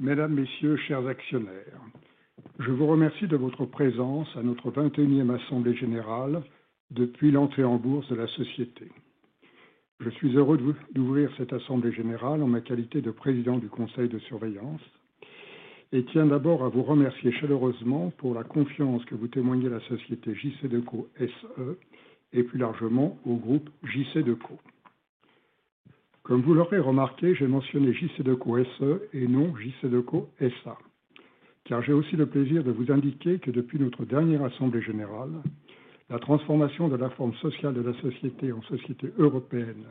Mesdames, Messieurs, chers actionnaires, je vous remercie de votre présence à notre 21st assemblée générale depuis l'entrée en bourse de la société. Je suis heureux d'ouvrir cette assemblée générale en ma qualité de Président du conseil de surveillance et tiens d'abord à vous remercier chaleureusement pour la confiance que vous témoignez à la société JCDecaux SE et plus largement au groupe JCDecaux. Comme vous l'aurez remarqué, j'ai mentionné JCDecaux SE et non JCDecaux SA, car j'ai aussi le plaisir de vous indiquer que depuis notre dernière assemblée générale, la transformation de la forme sociale de la société en société européenne,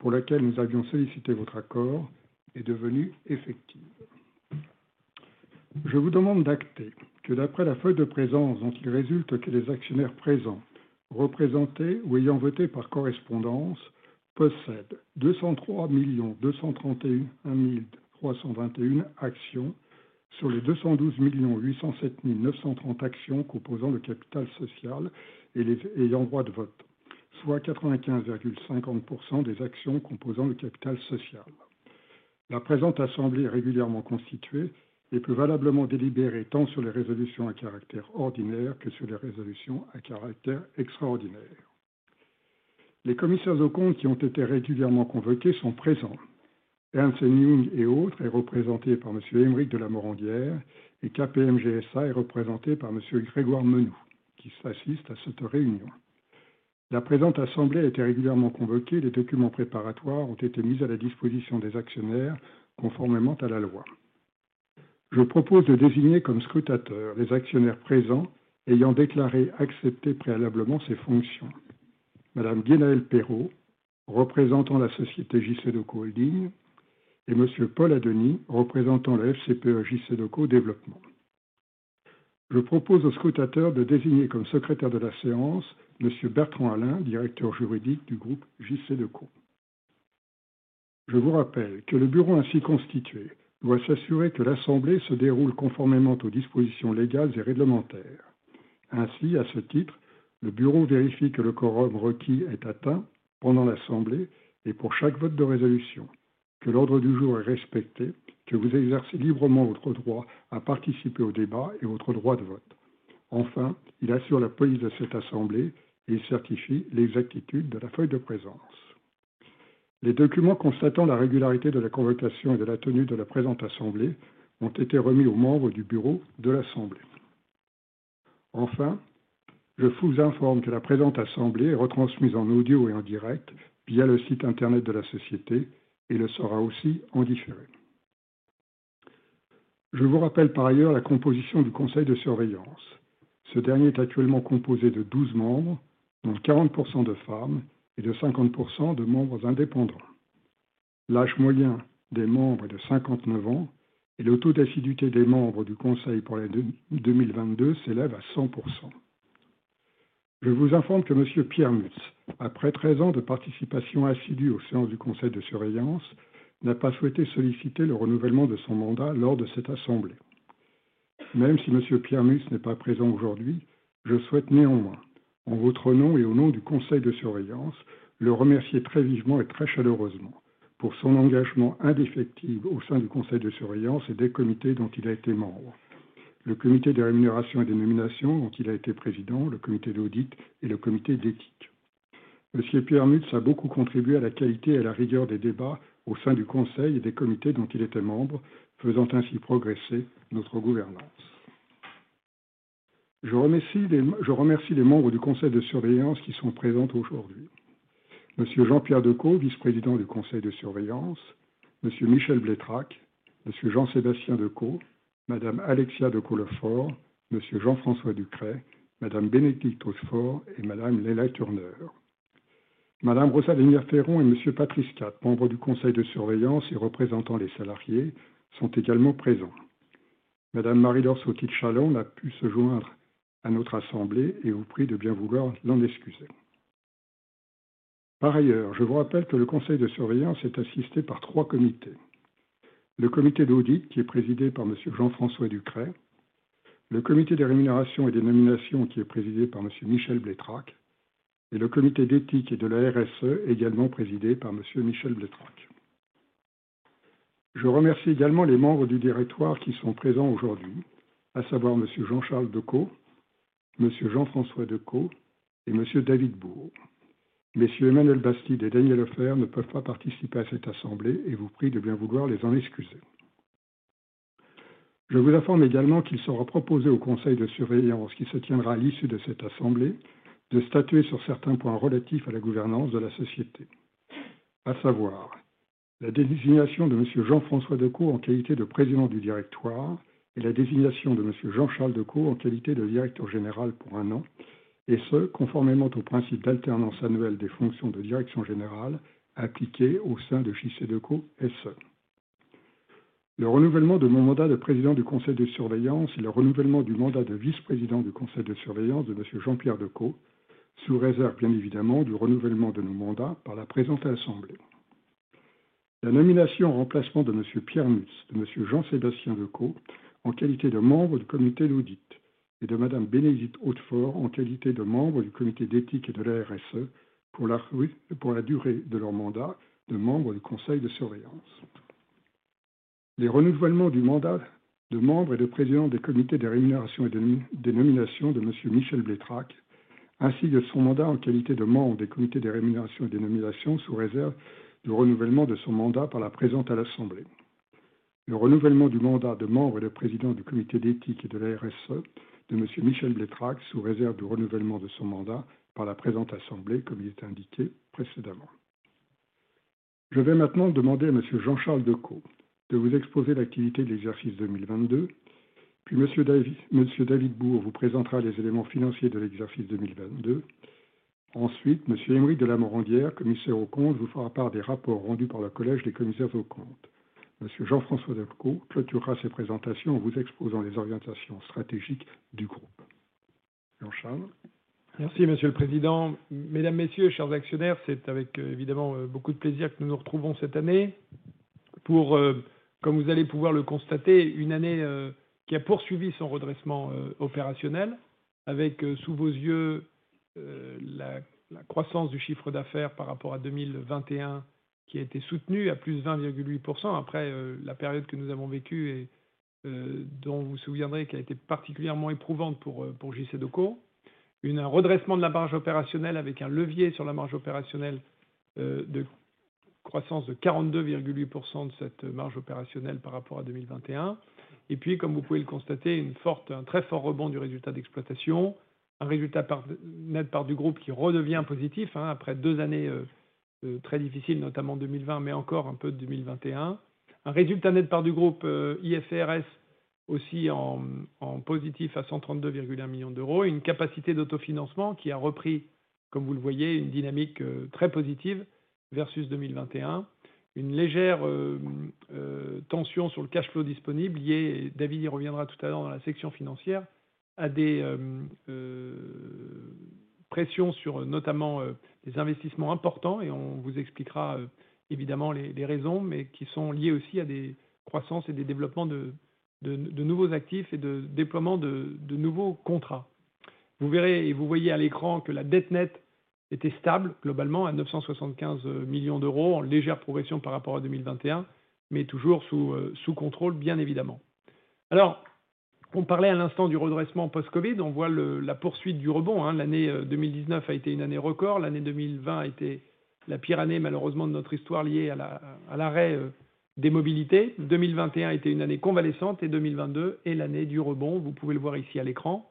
pour laquelle nous avions sollicité votre accord, est devenue effective. Je vous demande d'acter que d'après la feuille de présence dont il résulte que les actionnaires présents, représentés ou ayant voté par correspondance possèdent 203,231,321 actions sur les 212,807,930 actions composant le capital social et les ayant droit de vote, soit 95.50% des actions composant le capital social. La présente assemblée est régulièrement constituée et peut valablement délibérer tant sur les résolutions à caractère ordinaire que sur les résolutions à caractère extraordinaire. Les commissaires aux comptes qui ont été régulièrement convoqués sont présents. Ernst & Young et autres est représenté par monsieur Aymeric de La Morandière et KPMG SA est représenté par monsieur Grégoire Menoux, qui assiste à cette réunion. La présente assemblée a été régulièrement convoquée. Les documents préparatoires ont été mis à la disposition des actionnaires conformément à la loi. Je propose de désigner comme scrutateurs les actionnaires présents ayant déclaré accepter préalablement ces fonctions. Madame Gwenaëlle Perrault, représentant la société JCDecaux Holding, et monsieur Paul Adenis, représentant la FCPE JCDecaux Développement. Je propose aux scrutateurs de désigner comme secrétaire de la séance monsieur Bertrand Allain, Directeur juridique du groupe JCDecaux. Je vous rappelle que le bureau ainsi constitué doit s'assurer que l'assemblée se déroule conformément aux dispositions légales et réglementaires. À ce titre, le bureau vérifie que le quorum requis est atteint pendant l'assemblée et pour chaque vote de résolution, que l'ordre du jour est respecté, que vous exercez librement votre droit à participer au débat et votre droit de vote. Enfin, il assure la police de cette assemblée et certifie l'exactitude de la feuille de présence. Je vous informe que la présente assemblée est retransmise en audio et en direct via le site Internet de la société et le sera aussi en différé. Je vous rappelle par ailleurs la composition du conseil de surveillance. Ce dernier est actuellement composé de 12 membres, dont 40% de femmes et de 50% de membres indépendants. L'âge moyen des membres est de 59 ans et le taux d'assiduité des membres du conseil pour l'an 2022 s'élève à 100%. Je vous informe que monsieur Pierre Mutz, après 13 ans de participation assidue aux séances du conseil de surveillance, n'a pas souhaité solliciter le renouvellement de son mandat lors de cette assemblée. Même si monsieur Pierre Mutz n'est pas présent aujourd'hui, je souhaite néanmoins, en votre nom et au nom du Conseil de Surveillance, le remercier très vivement et très chaleureusement pour son engagement indéfectible au sein du Conseil de Surveillance et des comités dont il a été membre, le Comité des Rémunérations et des Nominations dont il a été président, le Comité d'Audit et le Comité d'Éthique. Monsieur Pierre Mutz a beaucoup contribué à la qualité et à la rigueur des débats au sein du Conseil et des Comités dont il était membre, faisant ainsi progresser notre gouvernance. Je remercie les membres du Conseil de Surveillance qui sont présents aujourd'hui, Monsieur Jean-Pierre Decaux, Vice-président du Conseil de Surveillance, monsieur Michel Bleitrach, monsieur Jean-Sébastien Decaux, madame Alexia Decaux-Lefort, monsieur Jean-François Ducrest, madame Bénédicte Hautefort et madame Leila Turner. Madame Rosa Vénère-Ferron et monsieur Patrice Cat, membres du Conseil de surveillance et représentant les salariés, sont également présents. Madame Marie-Laure Sauty de Chalon n'a pu se joindre à notre assemblée et vous prie de bien vouloir l'en excuser. Je vous rappelle que le Conseil de surveillance est assisté par trois comités. Le Comité d'audit, qui est présidé par monsieur Jean-François Ducrest, le Comité des rémunérations et des nominations, qui est présidé par monsieur Michel Bleitrach et le Comité d'éthique et de la RSE, également présidé par monsieur Michel Bleitrach. Je remercie également les membres du Directoire qui sont présents aujourd'hui, à savoir monsieur Jean-Charles Decaux, monsieur Jean-François Decaux et monsieur David Bourg. Messieurs Emmanuel Bastide et Daniel Hofer ne peuvent pas participer à cette assemblée et vous prient de bien vouloir les en excuser. Je vous informe également qu'il sera proposé au Conseil de surveillance qui se tiendra à l'issue de cette assemblée de statuer sur certains points relatifs à la gouvernance de la société. À savoir la désignation de monsieur Jean-François Decaux en qualité de Président du directoire et la désignation de monsieur Jean-Charles Decaux en qualité de Directeur général pour 1 an, et ce, conformément au principe d'alternance annuelle des fonctions de direction générale appliqué au sein de JCDecaux SE. Le renouvellement de mon mandat de Président du Conseil de surveillance et le renouvellement du mandat de Vice-président du Conseil de surveillance de monsieur Jean-Pierre Decaux, sous réserve bien évidemment du renouvellement de nos mandats par la présente assemblée. La nomination en remplacement de monsieur Pierre Mutz, de monsieur Jean-Sébastien Decaux en qualité de membre du Comité d'audit. De madame Bénédicte Hautefort en qualité de membre du Comité d'éthique et de la RSE pour la durée de leur mandat de membre du Conseil de surveillance. Les renouvellements du mandat de membre et de président des Comités des rémunérations et des nominations de monsieur Michel Bleitrach, ainsi que son mandat en qualité de membre des Comités des rémunérations et des nominations, sous réserve du renouvellement de son mandat par la présente à l'Assemblée. Le renouvellement du mandat de membre et le président du Comité d'éthique et de la RSE de monsieur Michel Bleitrach, sous réserve du renouvellement de son mandat par la présente assemblée, comme il était indiqué précédemment. Je vais maintenant demander à monsieur Jean-Charles Decaux de vous exposer l'activité de l'exercice 2022, puis monsieur David Bourg vous présentera les éléments financiers de l'exercice 2022. Ensuite, monsieur Aymeric de La Morandière, commissaire aux comptes, vous fera part des rapports rendus par le Collège des commissaires aux comptes. Monsieur Jean-François Decaux clôturera ces présentations en vous exposant les orientations stratégiques du groupe. Jean-Charles. Merci Monsieur le Président. Mesdames, Messieurs, chers actionnaires, c'est avec évidemment beaucoup de plaisir que nous nous retrouvons cette année pour, comme vous allez pouvoir le constater, une année qui a poursuivi son redressement opérationnel avec sous vos yeux, la croissance du chiffre d'affaires par rapport à 2021 qui a été soutenue à +20.8% après la période que nous avons vécue et dont vous vous souviendrez qui a été particulièrement éprouvante pour JCDecaux. Un redressement de la marge opérationnelle avec un levier sur la marge opérationnelle, croissance de 42.8% de cette marge opérationnelle par rapport à 2021. Comme vous pouvez le constater, un très fort rebond du résultat d'exploitation, un résultat net part du groupe qui redevient positif après deux années très difficiles, notamment 2020, mais encore un peu 2021. Un résultat net part du groupe IFRS aussi en positif à 132.1 million et une capacité d'autofinancement qui a repris, comme vous le voyez, une dynamique très positive versus 2021. Une légère tension sur le cash flow disponible liée, David y reviendra tout à l'heure dans la section financière, à des pressions sur notamment des investissements importants. On vous expliquera évidemment les raisons, mais qui sont liées aussi à des croissances et des développements de nouveaux actifs et de déploiement de nouveaux contrats. Vous verrez et vous voyez à l'écran que la dette nette était stable globalement à 975 million, en légère progression par rapport à 2021, mais toujours sous contrôle, bien évidemment. On parlait à l'instant du redressement post-COVID. On voit la poursuite du rebond. L'année 2019 a été une année record. L'année 2020 a été la pire année, malheureusement, de notre histoire liée à l'arrêt des mobilités. 2021 était une année convalescente et 2022 est l'année du rebond. Vous pouvez le voir ici à l'écran.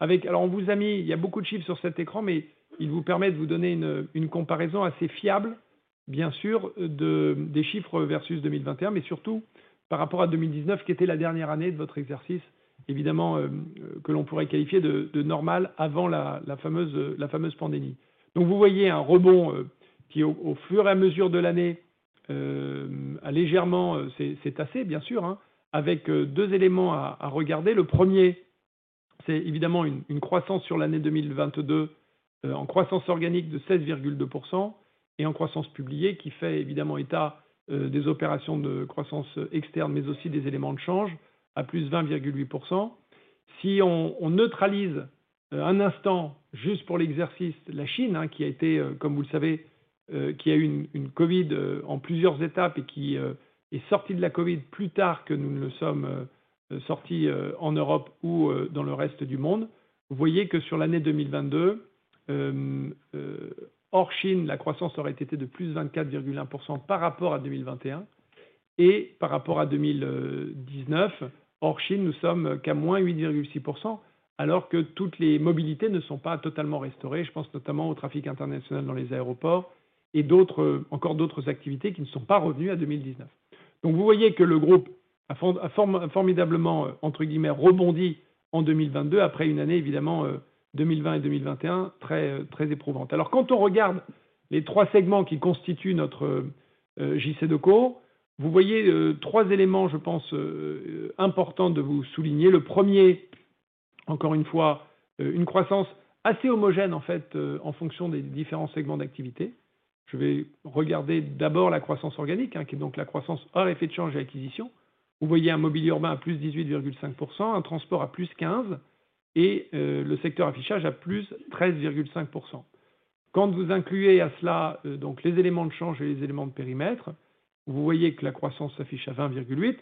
Alors, on vous a mis, il y a beaucoup de chiffres sur cet écran, mais il vous permet de vous donner une comparaison assez fiable, bien sûr, des chiffres versus 2021, mais surtout par rapport à 2019, qui était la dernière année de votre exercice, évidemment, que l'on pourrait qualifier de normale avant la fameuse pandémie. Vous voyez un rebond qui, au fur et à mesure de l'année, a légèrement s'est tassé, bien sûr, avec deux éléments à regarder. Le premier, c'est évidemment une croissance sur l'année 2022 en croissance organique de 16.2% et en croissance publiée, qui fait évidemment état des opérations de croissance externe, mais aussi des éléments de change à +20.8%. Si on neutralise un instant juste pour l'exercice la Chine, qui a été, comme vous le savez, qui a eu une COVID en plusieurs étapes et qui est sortie de la COVID plus tard que nous ne le sommes sortis en Europe ou dans le reste du monde, vous voyez que sur l'année 2022, hors Chine, la croissance aurait été de +24.1% par rapport à 2021. Par rapport à 2019, hors Chine, nous sommes qu'à -8.6% alors que toutes les mobilités ne sont pas totalement restaurées. Je pense notamment au trafic international dans les aéroports et d'autres, encore d'autres activités qui ne sont pas revenues à 2019. Vous voyez que le groupe a formidablement, entre guillemets, rebondi en 2022 après une année, évidemment, 2020 et 2021, très éprouvante. Quand on regarde les trois segments qui constituent notre JCDecaux, vous voyez trois éléments, je pense, importants de vous souligner. Le premier, encore une fois, une croissance assez homogène, en fait, en fonction des différents segments d'activité. Je vais regarder d'abord la croissance organique, qui est donc la croissance hors effet de change et acquisitions. Vous voyez un mobilier urbain à +18.5%, un transport à +15% et le secteur affichage à +13.5%. Quand vous incluez à cela donc les éléments de change et les éléments de périmètre, vous voyez que la croissance s'affiche à 20.8%.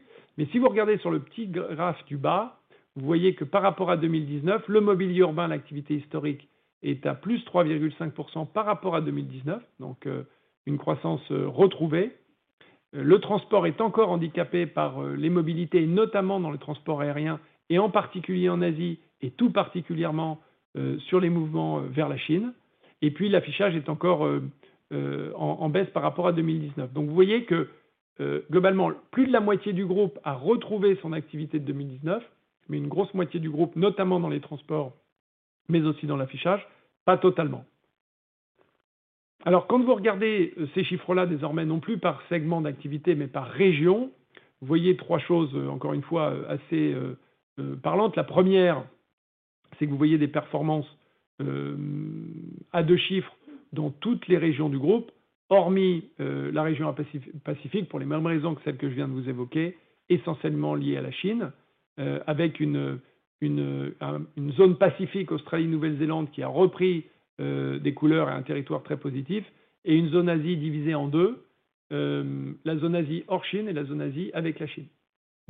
Si vous regardez sur le petit graphe du bas, vous voyez que par rapport à 2019, le mobilier urbain, l'activité historique, est à +3.5% par rapport à 2019, une croissance retrouvée. Le transport est encore handicapé par les mobilités, notamment dans le transport aérien et en particulier en Asia et tout particulièrement sur les mouvements vers la China. Puis l'affichage est encore en baisse par rapport à 2019. Vous voyez que globalement, plus de la moitié du groupe a retrouvé son activité de 2019, mais une grosse moitié du groupe, notamment dans les transports, mais aussi dans l'affichage, pas totalement. Quand vous regardez ces chiffres-là, désormais non plus par segment d'activité, mais par région, vous voyez trois choses encore une fois assez parlantes. La première, c'est que vous voyez des performances à 2 chiffres dans toutes les régions du groupe, hormis la région Pacifique, pour les mêmes raisons que celles que je viens de vous évoquer, essentiellement liées à la Chine, avec une zone Pacifique Australie-Nouvelle-Zélande qui a repris des couleurs et un territoire très positif et une zone Asie divisée en 2, la zone Asie hors Chine et la zone Asie avec la Chine.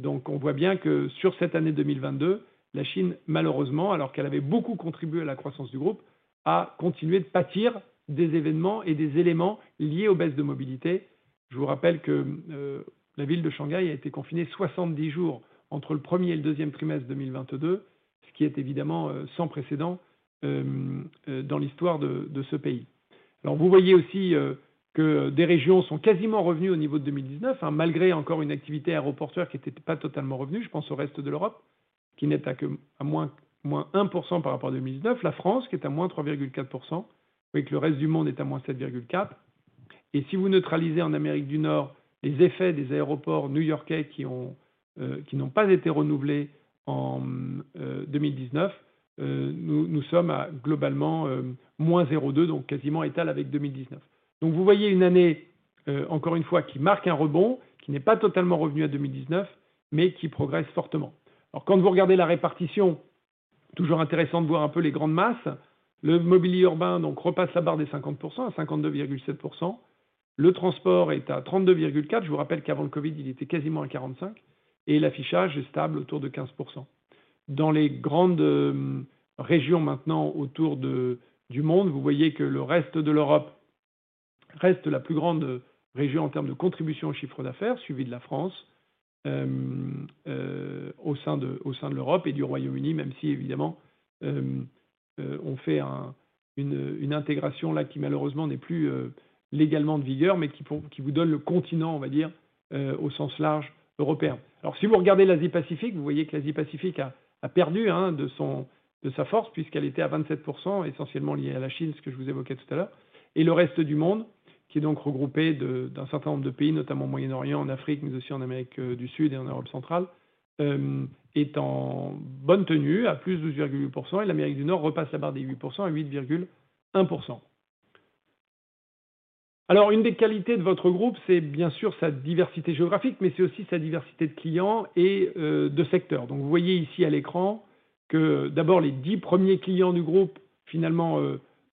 On voit bien que sur cette année 2022, la Chine, malheureusement, alors qu'elle avait beaucoup contribué à la croissance du groupe, a continué de pâtir des événements et des éléments liés aux baisses de mobilité. Je vous rappelle que la ville de Shanghai a été confinée 70 jours entre le 1st et le 2nd quarter 2022, ce qui est évidemment sans précédent dans l'histoire de ce pays. Vous voyez aussi que des régions sont quasiment revenues au niveau de 2019, hein, malgré encore une activité aéroportuaire qui n'était pas totalement revenue. Je pense au reste de l'Europe, qui n'est qu'à -1% par rapport à 2019, la France, qui est à -3.4%, vous voyez que le reste du monde est à -7.4%. Si vous neutralisez en Amérique du Nord les effets des aéroports new-yorkais qui ont qui n'ont pas été renouvelés en 2019, nous sommes à globalement -0.2%, donc quasiment étale avec 2019. Vous voyez une année, encore une fois, qui marque un rebond, qui n'est pas totalement revenue à 2019, mais qui progresse fortement. Quand vous regardez la répartition, toujours intéressant de voir un peu les grandes masses. Le mobilier urbain, donc, repasse la barre des 50% à 52.7%. Le transport est à 32.4%. Je vous rappelle qu'avant le COVID, il était quasiment à 45%. L'affichage est stable autour de 15%. Dans les grandes régions maintenant autour du monde, vous voyez que le reste de l'Europe reste la plus grande région en termes de contribution au chiffre d'affaires, suivie de la France au sein de l'Europe et du Royaume-Uni, même si évidemment on fait une intégration là qui malheureusement n'est plus légalement de vigueur, mais qui vous donne le continent, on va dire au sens large européen. Si vous regardez l'Asie Pacifique, vous voyez que l'Asie Pacifique a perdu de son de sa force puisqu'elle était à 27%, essentiellement liée à la Chine, ce que je vous évoquais tout à l'heure. Le reste du monde, qui est donc regroupé de, d'un certain nombre de pays, notamment au Moyen-Orient, en Afrique, mais aussi en Amérique du Sud et en Europe centrale, est en bonne tenue à plus 12.8% et l'Amérique du Nord repasse la barre des 8% à 8.1%. Une des qualités de votre groupe, c'est bien sûr sa diversité géographique, mais c'est aussi sa diversité de clients et de secteurs. Vous voyez ici à l'écran que d'abord les 10 premiers clients du groupe, finalement,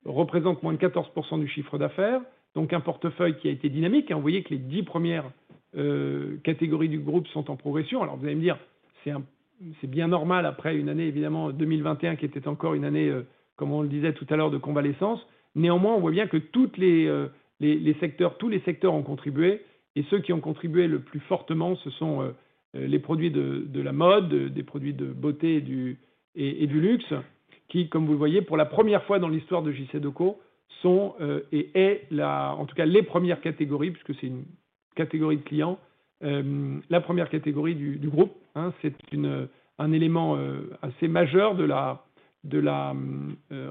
représentent moins de 14% du chiffre d'affaires, donc un portefeuille qui a été dynamique. Vous voyez que les 10 premières catégories du groupe sont en progression. Vous allez me dire, c'est bien normal après une année évidemment 2021 qui était encore une année, comme on le disait tout à l'heure, de convalescence. On voit bien que toutes les secteurs, tous les secteurs ont contribué et ceux qui ont contribué le plus fortement, ce sont les produits de la mode, des produits de beauté et du luxe qui, comme vous le voyez, pour la première fois dans l'histoire de JCDecaux, sont et est la, en tout cas les premières catégories, puisque c'est une catégorie de clients, la première catégorie du groupe. Hein, c'est une, un élément assez majeur de la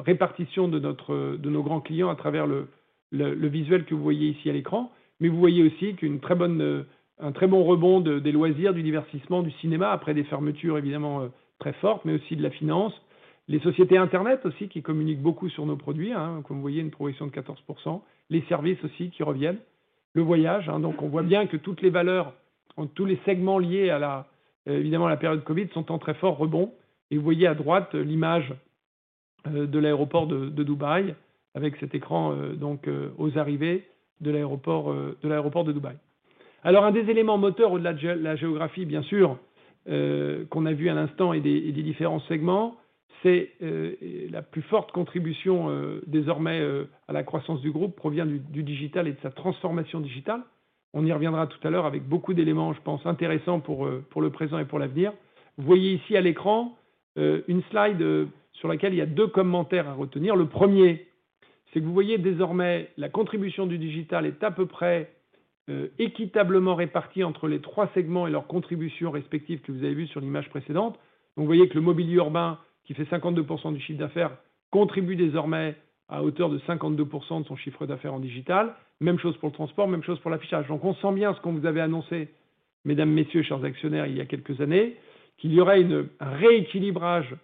répartition de notre, de nos grands clients à travers le visuel que vous voyez ici à l'écran. Vous voyez aussi qu'une très bonne, un très bon rebond des loisirs, du divertissement, du cinéma, après des fermetures évidemment très fortes, mais aussi de la finance. Les sociétés Internet aussi, qui communiquent beaucoup sur nos produits, hein. Comme vous voyez, une progression de 14%. Les services aussi qui reviennent. Le voyage, hein. Donc, on voit bien que toutes les valeurs, tous les segments liés à la, évidemment, la période COVID sont en très fort rebond. Et vous voyez à droite l'image de l'aéroport de Dubaï avec cet écran donc aux arrivées de l'aéroport de Dubaï. Un des éléments moteurs, au-delà de la géographie, bien sûr, qu'on a vu à l'instant et des différents segments, c'est la plus forte contribution désormais à la croissance du groupe provient du digital et de sa transformation digitale. On y reviendra tout à l'heure avec beaucoup d'éléments, je pense, intéressants pour le présent et pour l'avenir. Vous voyez ici à l'écran, une slide sur laquelle il y a deux commentaires à retenir. Le premier, c'est que vous voyez désormais la contribution du digital est à peu près équitablement répartie entre les trois segments et leurs contributions respectives que vous avez vues sur l'image précédente. Donc, vous voyez que le mobilier urbain, qui fait 52% du chiffre d'affaires, contribue désormais à hauteur de 52% de son chiffre d'affaires en digital. Même chose pour le transport, même chose pour l'affichage. On sent bien ce qu'on vous avait annoncé, Mesdames, Messieurs, chers actionnaires, il y a quelques années, qu'il y aurait un rééquilibrage,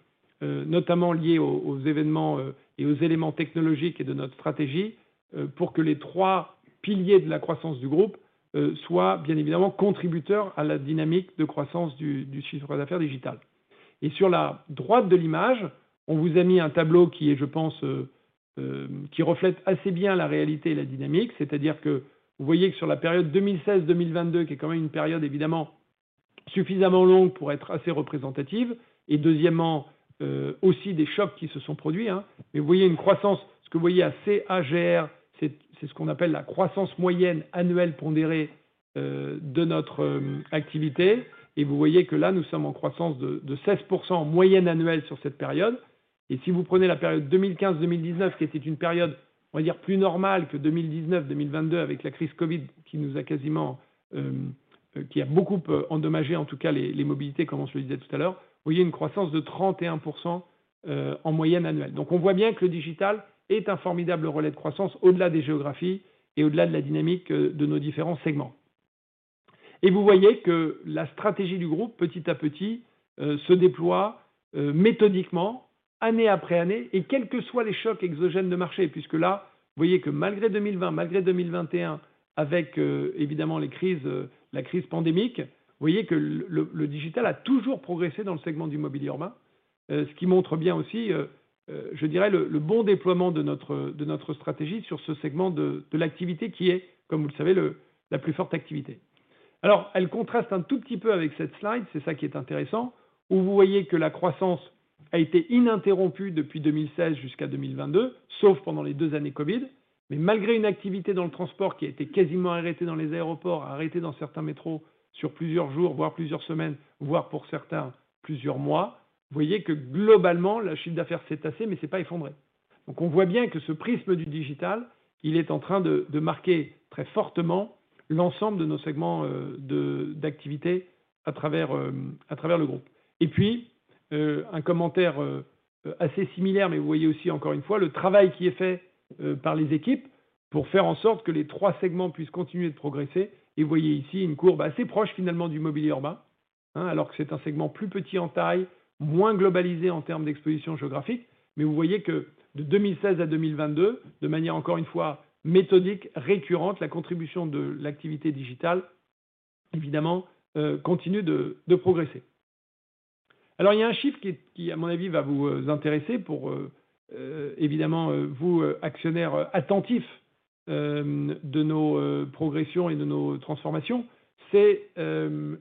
notamment lié aux événements et aux éléments technologiques et de notre stratégie, pour que les trois piliers de la croissance du groupe soient bien évidemment contributeurs à la dynamique de croissance du chiffre d'affaires digital. Sur la droite de l'image, on vous a mis un tableau qui est, je pense, qui reflète assez bien la réalité et la dynamique. C'est-à-dire que vous voyez que sur la période 2016, 2022, qui est quand même une période évidemment suffisamment longue pour être assez représentative et deuxièmement, aussi des chocs qui se sont produits, mais vous voyez une croissance. Ce que vous voyez à CAGR, c'est ce qu'on appelle la croissance moyenne annuelle pondérée de notre activité. Vous voyez que là, nous sommes en croissance de 16% en moyenne annuelle sur cette période. Si vous prenez la période 2015-2019, qui était une période, on va dire, plus normale que 2019-2022, avec la crise COVID qui nous a quasiment, qui a beaucoup peu endommagé, en tout cas, les mobilités, comme on se le disait tout à l'heure, vous voyez une croissance de 31% en moyenne annuelle. On voit bien que le digital est un formidable relais de croissance au-delà des géographies et au-delà de la dynamique de nos différents segments. Vous voyez que la stratégie du groupe, petit à petit, se déploie méthodiquement année après année et quels que soient les chocs exogènes de marché. Là, vous voyez que malgré 2020, malgré 2021, avec évidemment les crises, la crise pandémique, vous voyez que le digital a toujours progressé dans le segment du mobilier urbain. Ce qui montre bien aussi, je dirais, le bon déploiement de notre stratégie sur ce segment de l'activité qui est, comme vous le savez, la plus forte activité. Elle contraste un tout petit peu avec cette slide, c'est ça qui est intéressant, où vous voyez que la croissance a été ininterrompue depuis 2016 jusqu'à 2022, sauf pendant les two years Covid. Malgré une activité dans le transport qui a été quasiment arrêtée dans les aéroports, arrêtée dans certains métros sur plusieurs jours, voire plusieurs semaines, voire pour certains plusieurs mois, vous voyez que globalement, la chiffre d'affaires s'est tassé, mais ce n'est pas effondré. On voit bien que ce prisme du digital, il est en train de marquer très fortement l'ensemble de nos segments d'activité à travers le groupe. Un commentaire assez similaire, mais vous voyez aussi encore une fois le travail qui est fait par les équipes pour faire en sorte que les three segments puissent continuer de progresser. Vous voyez ici une courbe assez proche, finalement, du mobilier urbain, alors que c'est un segment plus petit en taille, moins globalisé en termes d'exposition géographique. Vous voyez que de 2016 à 2022, de manière encore une fois méthodique, récurrente, la contribution de l'activité digitale, évidemment, continue de progresser. Il y a un chiffre qui, à mon avis, va vous intéresser pour, évidemment, vous, actionnaires attentifs de nos progressions et de nos transformations, c'est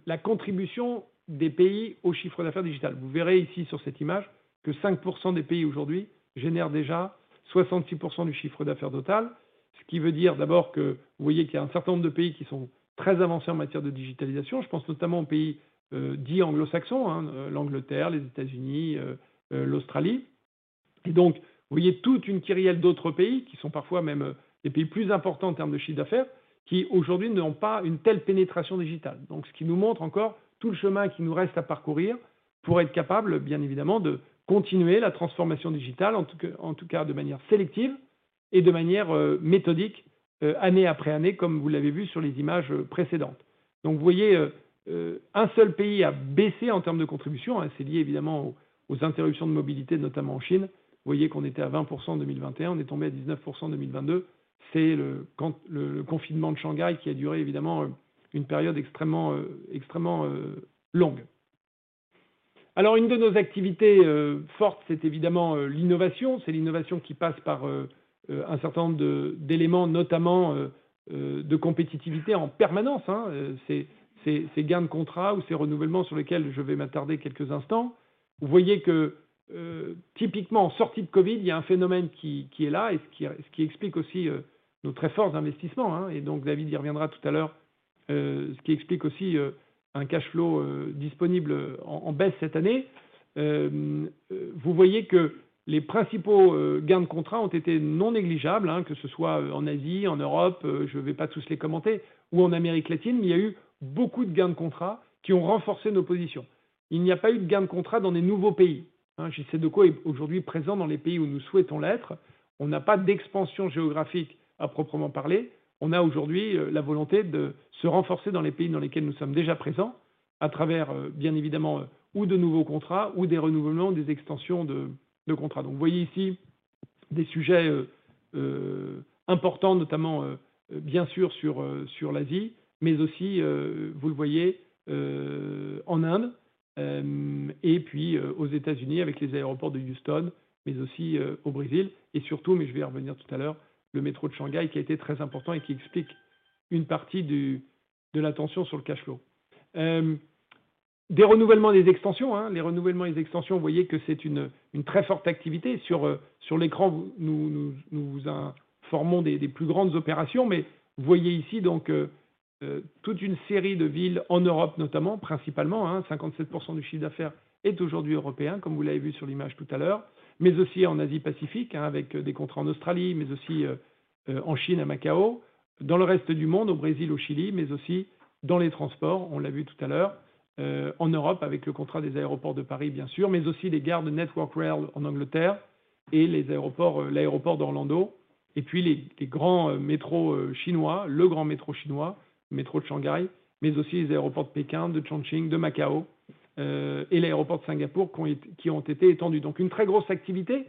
la contribution des pays au chiffre d'affaires digital. Vous verrez ici sur cette image que 5% des pays aujourd'hui génèrent déjà 66% du chiffre d'affaires total. Ce qui veut dire d'abord que vous voyez qu'il y a un certain nombre de pays qui sont très avancés en matière de digitalisation. Je pense notamment aux pays dits anglo-saxons, l'Angleterre, les États-Unis, l'Australie. Vous voyez toute une kyrielle d'autres pays qui sont parfois même les pays plus importants en termes de chiffre d'affaires, qui aujourd'hui n'ont pas une telle pénétration digital. Ce qui nous montre encore tout le chemin qui nous reste à parcourir pour être capable, bien évidemment, de continuer la transformation digital, en tout cas de manière sélective et de manière méthodiquement, année après année, comme vous l'avez vu sur les images précédentes. Vous voyez, un seul pays a baissé en termes de contribution. C'est lié évidemment aux interruptions de mobilité, notamment en Chine. Vous voyez qu'on était à 20% en 2021, on est tombé à 19% en 2022. C'est le confinement de Shanghai qui a duré évidemment une période extrêmement longue. Une de nos activités fortes, c'est évidemment l'innovation. C'est l'innovation qui passe par un certain nombre d'éléments, notamment de compétitivité en permanence. C'est ces gains de contrats ou ces renouvellements sur lesquels je vais m'attarder quelques instants. Vous voyez que typiquement, en sortie de COVID, il y a un phénomène qui est là et ce qui explique aussi nos très forts investissements. David y reviendra tout à l'heure, ce qui explique aussi un cash flow disponible en baisse cette année. Vous voyez que les principaux gains de contrats ont été non-negligible, que ce soit en Asie, en Europe, je ne vais pas tous les commenter, ou en Amérique latine. Il y a eu beaucoup de gains de contrats qui ont renforcé nos positions. Il n'y a pas eu de gains de contrats dans des nouveaux pays. J.-C. Decaux est aujourd'hui présent dans les pays où nous souhaitons l'être. On n'a pas d'expansion géographique à proprement parler. On a aujourd'hui la volonté de se renforcer dans les pays dans lesquels nous sommes déjà présents, à travers, bien évidemment, ou de nouveaux contrats ou des renouvellements, des extensions de contrats. Vous voyez ici des sujets importants, notamment bien sûr sur l'Asia, mais aussi, vous le voyez, en India et puis aux United States avec les aéroports de Houston, mais aussi au Brazil et surtout, mais je vais y revenir tout à l'heure, le métro de Shanghai, qui a été très important et qui explique une partie de la tension sur le cash flow. Des renouvellements et des extensions. Les renouvellements et les extensions, vous voyez que c'est une très forte activité. Sur l'écran, nous vous informons des plus grandes opérations, mais vous voyez ici toute une série de villes en Europe, notamment, principalement. 57% du chiffre d'affaires est aujourd'hui européen, comme vous l'avez vu sur l'image tout à l'heure, mais aussi en Asia-Pacific, avec des contrats en Australie, mais aussi en Chine, à Macau, dans le reste du monde, au Brésil, au Chili, mais aussi dans les transports. On l'a vu tout à l'heure en Europe avec le contrat des Aéroports de Paris, bien sûr, mais aussi les gares de Network Rail en Angleterre et l'aéroport d'Orlando. Puis les grands métros chinois, le grand métro chinois, le métro de Shanghai, mais aussi les aéroports de Beijing, de Chongqing, de Macau et l'aéroport de Singapore qui ont été étendus. Une très grosse activité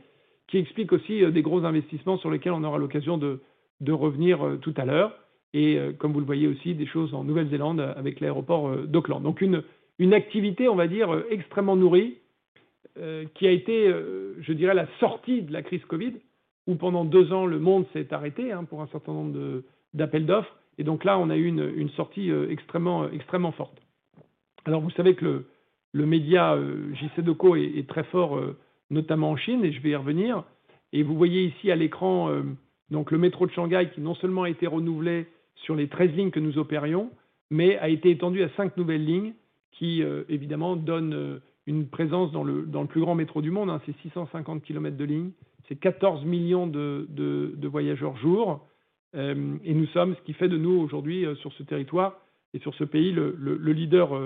qui explique aussi des gros investissements sur lesquels on aura l'occasion de revenir tout à l'heure. Comme vous le voyez aussi, des choses en New Zealand avec l'aéroport d'Auckland. Une activité, on va dire, extrêmement nourrie qui a été, je dirais, la sortie de la crise COVID, où pendant 2 ans, le monde s'est arrêté pour un certain nombre d'appels d'offres. Là, on a eu une sortie extrêmement forte. Vous savez que le média JCDecaux est très fort, notamment en Chine, et je vais y revenir. Vous voyez ici à l'écran le métro de Shanghai, qui non seulement a été renouvelé sur les 13 lignes que nous opérions, mais a été étendu à 5 nouvelles lignes qui, évidemment, donnent une présence dans le plus grand métro du monde. C'est 650 kilomètres de ligne, c'est 14 millions de voyageurs jour. Ce qui fait de nous aujourd'hui, sur ce territoire et sur ce pays, le leader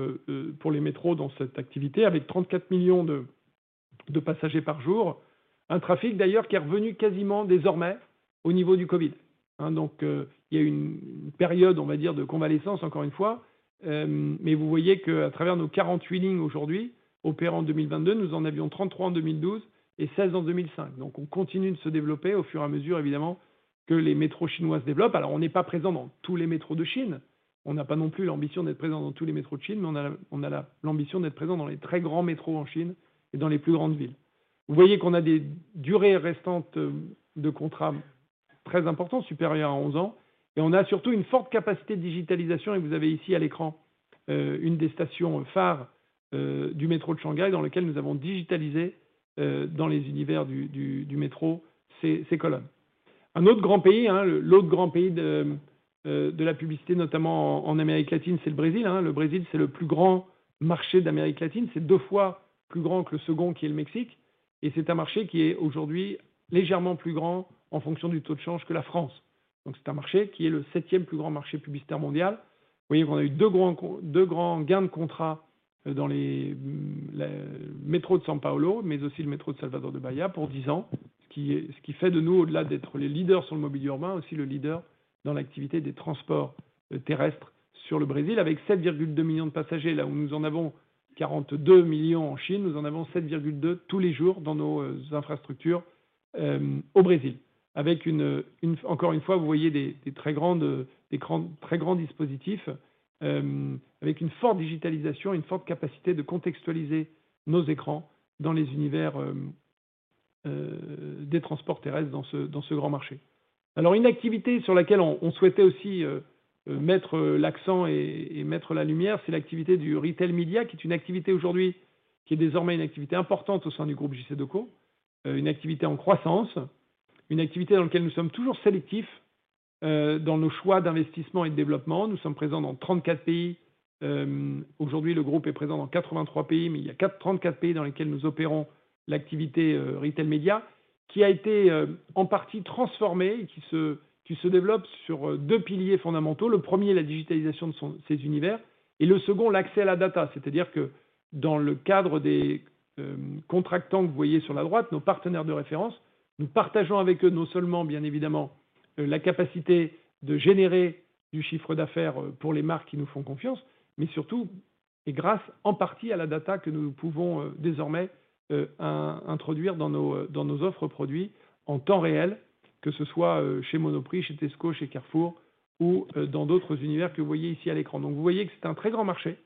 pour les métros dans cette activité, avec 34 millions de passagers par jour. Un trafic d'ailleurs qui est revenu quasiment désormais au niveau du COVID. Donc, il y a eu une période, on va dire, de convalescence encore une fois, mais vous voyez qu'à travers nos 48 lignes aujourd'hui, opérant en 2022, nous en avions 33 en 2012 et 16 en 2005. On continue de se développer au fur et à mesure, évidemment, que les métros chinois se développent. On n'est pas présent dans tous les métros de Chine. On n'a pas non plus l'ambition d'être présent dans tous les métros de Chine, mais on a l'ambition d'être présent dans les très grands métros en Chine et dans les plus grandes villes. Vous voyez qu'on a des durées restantes de contrats très importants, supérieurs à 11 ans. On a surtout une forte capacité de digitization. Vous avez ici à l'écran une des stations phares du métro de Shanghai, dans laquelle nous avons digitalisé dans les univers du métro ces colonnes. Un autre grand pays, l'autre grand pays de la publicité, notamment en Amérique latine, c'est le Brésil. Le Brésil, c'est le plus grand marché d'Amérique latine. C'est 2 fois plus grand que le second, qui est le Mexique. C'est un marché qui est aujourd'hui légèrement plus grand en fonction du taux de change que la France. C'est un marché qui est le 7th plus grand marché publicitaire mondial. Vous voyez, on a eu 2 grands gains de contrats dans le métro de São Paulo, mais aussi le métro de Salvador de Bahia pour 10 ans. Ce qui fait de nous, au-delà d'être les leaders sur le mobilier urbain, aussi le leader dans l'activité des transports terrestres sur le Brésil. Avec 7.2 million de passagers, là où nous en avons 42 million en Chine, nous en avons 7.2 tous les jours dans nos infrastructures au Brésil. Avec encore une fois, vous voyez des très grandes, des très grands dispositifs, avec une forte digitalisation et une forte capacité de contextualiser nos écrans dans les univers des transports terrestres dans ce grand marché. Une activité sur laquelle on souhaitait aussi mettre l'accent et mettre la lumière, c'est l'activité du retail media, qui est une activité aujourd'hui, qui est désormais une activité importante au sein du groupe JCDecaux, une activité en croissance, une activité dans laquelle nous sommes toujours sélectifs dans nos choix d'investissement et de développement. Nous sommes présents dans 34 pays. Aujourd'hui, le groupe est présent dans 83 pays, mais il y a 34 pays dans lesquels nous opérons l'activité retail media, qui a été en partie transformée et qui se développe sur deux piliers fondamentaux. Le premier, la digitalisation de ces univers et le second, l'accès à la data. C'est-à-dire que dans le cadre des contractants que vous voyez sur la droite, nos partenaires de référence, nous partageons avec eux non seulement, bien évidemment, la capacité de générer du chiffre d'affaires pour les marques qui nous font confiance, mais surtout, et grâce en partie à la data que nous pouvons désormais introduire dans nos, dans nos offres produits en temps réel, que ce soit chez Monoprix, chez Tesco, chez Carrefour ou dans d'autres univers que vous voyez ici à l'écran. Vous voyez que c'est un très grand marché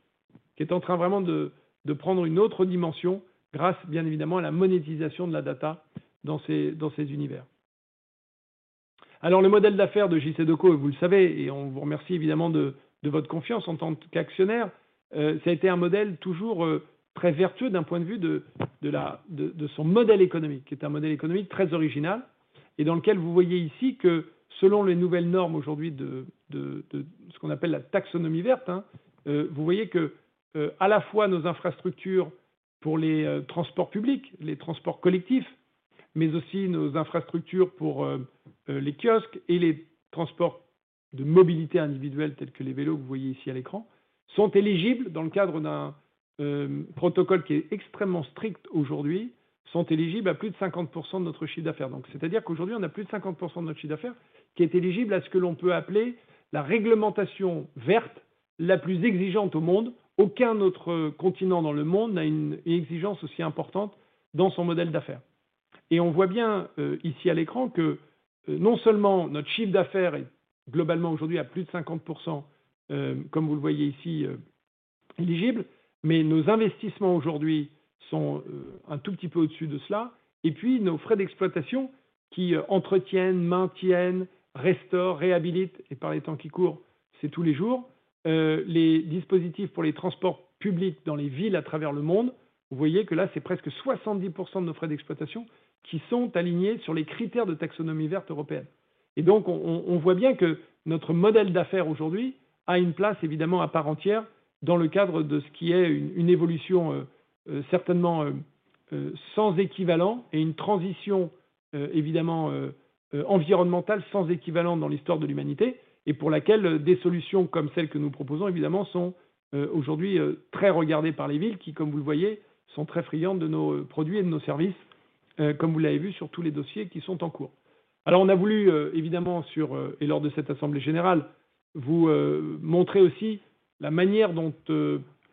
qui est en train vraiment de prendre une autre dimension grâce, bien évidemment, à la monétisation de la data dans ces univers. Le modèle d'affaires de JCDecaux, vous le savez, et on vous remercie évidemment de votre confiance en tant qu'actionnaire, ça a été un modèle toujours très vertueux d'un point de vue de son modèle économique, qui est un modèle économique très original et dans lequel vous voyez ici que selon les nouvelles normes aujourd'hui de ce qu'on appelle la Taxonomie Verte, vous voyez que à la fois nos infrastructures pour les transports publics, les transports collectifs, mais aussi nos infrastructures pour les kiosques et les transports de mobilité individuelle tels que les vélos que vous voyez ici à l'écran, sont éligibles dans le cadre d'un protocole qui est extrêmement strict aujourd'hui, sont éligibles à plus de 50% de notre chiffre d'affaires. C'est-à-dire qu'aujourd'hui, on a plus de 50% de notre chiffre d'affaires qui est éligible à ce que l'on peut appeler la réglementation verte la plus exigeante au monde. Aucun autre continent dans le monde n'a une exigence aussi importante dans son modèle d'affaires. On voit bien ici à l'écran que non seulement notre chiffre d'affaires est globalement aujourd'hui à plus de 50%, comme vous le voyez ici, éligible, mais nos investissements aujourd'hui sont un tout petit peu au-dessus de cela. Puis nos frais d'exploitation qui entretiennent, maintiennent, restaurent, réhabilitent, et par les temps qui courent, c'est tous les jours les dispositifs pour les transports publics dans les villes à travers le monde. Vous voyez que là, c'est presque 70% de nos frais d'exploitation qui sont alignés sur les critères de Taxonomie Verte européenne. Donc, on voit bien que notre modèle d'affaires aujourd'hui a une place évidemment à part entière dans le cadre de ce qui est une évolution certainement sans équivalent et une transition évidemment environnementale sans équivalent dans l'histoire de l'humanité et pour laquelle des solutions comme celles que nous proposons, évidemment sont aujourd'hui très regardées par les villes qui, comme vous le voyez, sont très friandes de nos produits et de nos services, comme vous l'avez vu sur tous les dossiers qui sont en cours. On a voulu évidemment sur et lors de cette assemblée générale, vous montrer aussi la manière dont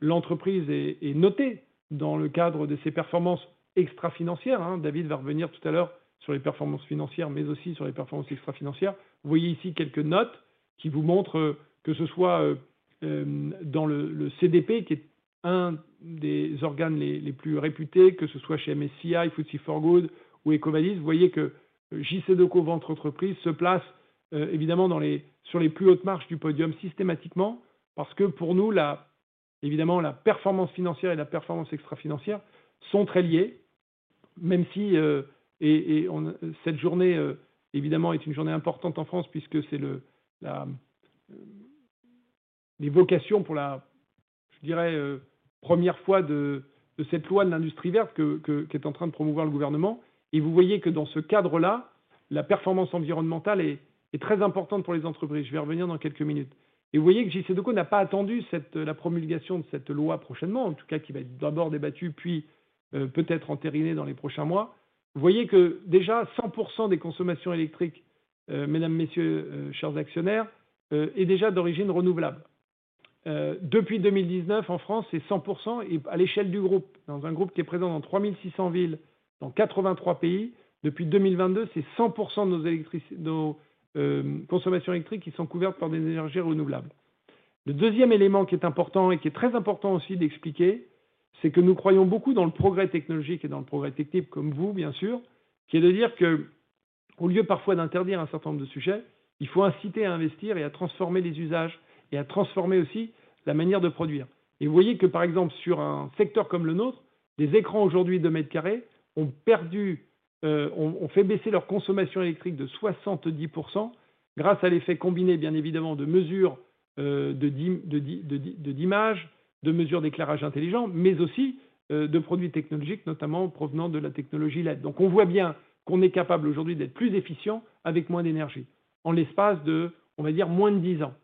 l'entreprise est notée dans le cadre de ses performances extrafinancières. David va revenir tout à l'heure sur les performances financières, mais aussi sur les performances extrafinancières. Vous voyez ici quelques notes qui vous montrent, que ce soit dans le CDP, qui est un des organes les plus réputés, que ce soit chez MSCI, FTSE4Good ou EcoVadis. Vous voyez que JCDecaux, votre entreprise, se place évidemment, sur les plus hautes marches du podium systématiquement. Parce que pour nous, la évidemment, la performance financière et la performance extrafinancière sont très liées, même si cette journée, évidemment, est une journée importante en France puisque c'est l'évocation pour la, je dirais, première fois de cette loi Industrie Verte qui est en train de promouvoir le gouvernement. Vous voyez que dans ce cadre-là. La performance environnementale est très importante pour les entreprises. Je vais revenir dans quelques minutes. Vous voyez que JCDecaux n'a pas attendu la promulgation de cette loi prochainement, en tout cas, qui va être d'abord débattue, puis peut-être entérinée dans les prochains mois. Vous voyez que déjà 100% des consommations électriques, mesdames, messieurs, chers actionnaires, est déjà d'origine renouvelable. Depuis 2019, en France, c'est 100% et à l'échelle du groupe, dans un groupe qui est présent dans 3,600 villes, dans 83 pays. Depuis 2022, c'est 100% de nos électricités, nos consommations électriques qui sont couvertes par des énergies renouvelables. Le deuxième élément qui est important et qui est très important aussi d'expliquer, c'est que nous croyons beaucoup dans le progrès technologique et dans le progrès technique, comme vous, bien sûr, qui est de dire que au lieu parfois d'interdire un certain nombre de sujets, il faut inciter à investir et à transformer les usages et à transformer aussi la manière de produire. Vous voyez que, par exemple, sur un secteur comme le nôtre, les écrans, aujourd'hui, 2 mètres carrés, ont perdu, ont fait baisser leur consommation électrique de 70% grâce à l'effet combiné, bien évidemment, de mesures de dimage, de mesures d'éclairage intelligent, mais aussi de produits technologiques, notamment provenant de la technologie LED. On voit bien qu'on est capable aujourd'hui d'être plus efficient avec moins d'énergie en l'espace de, on va dire, moins de 10 ans.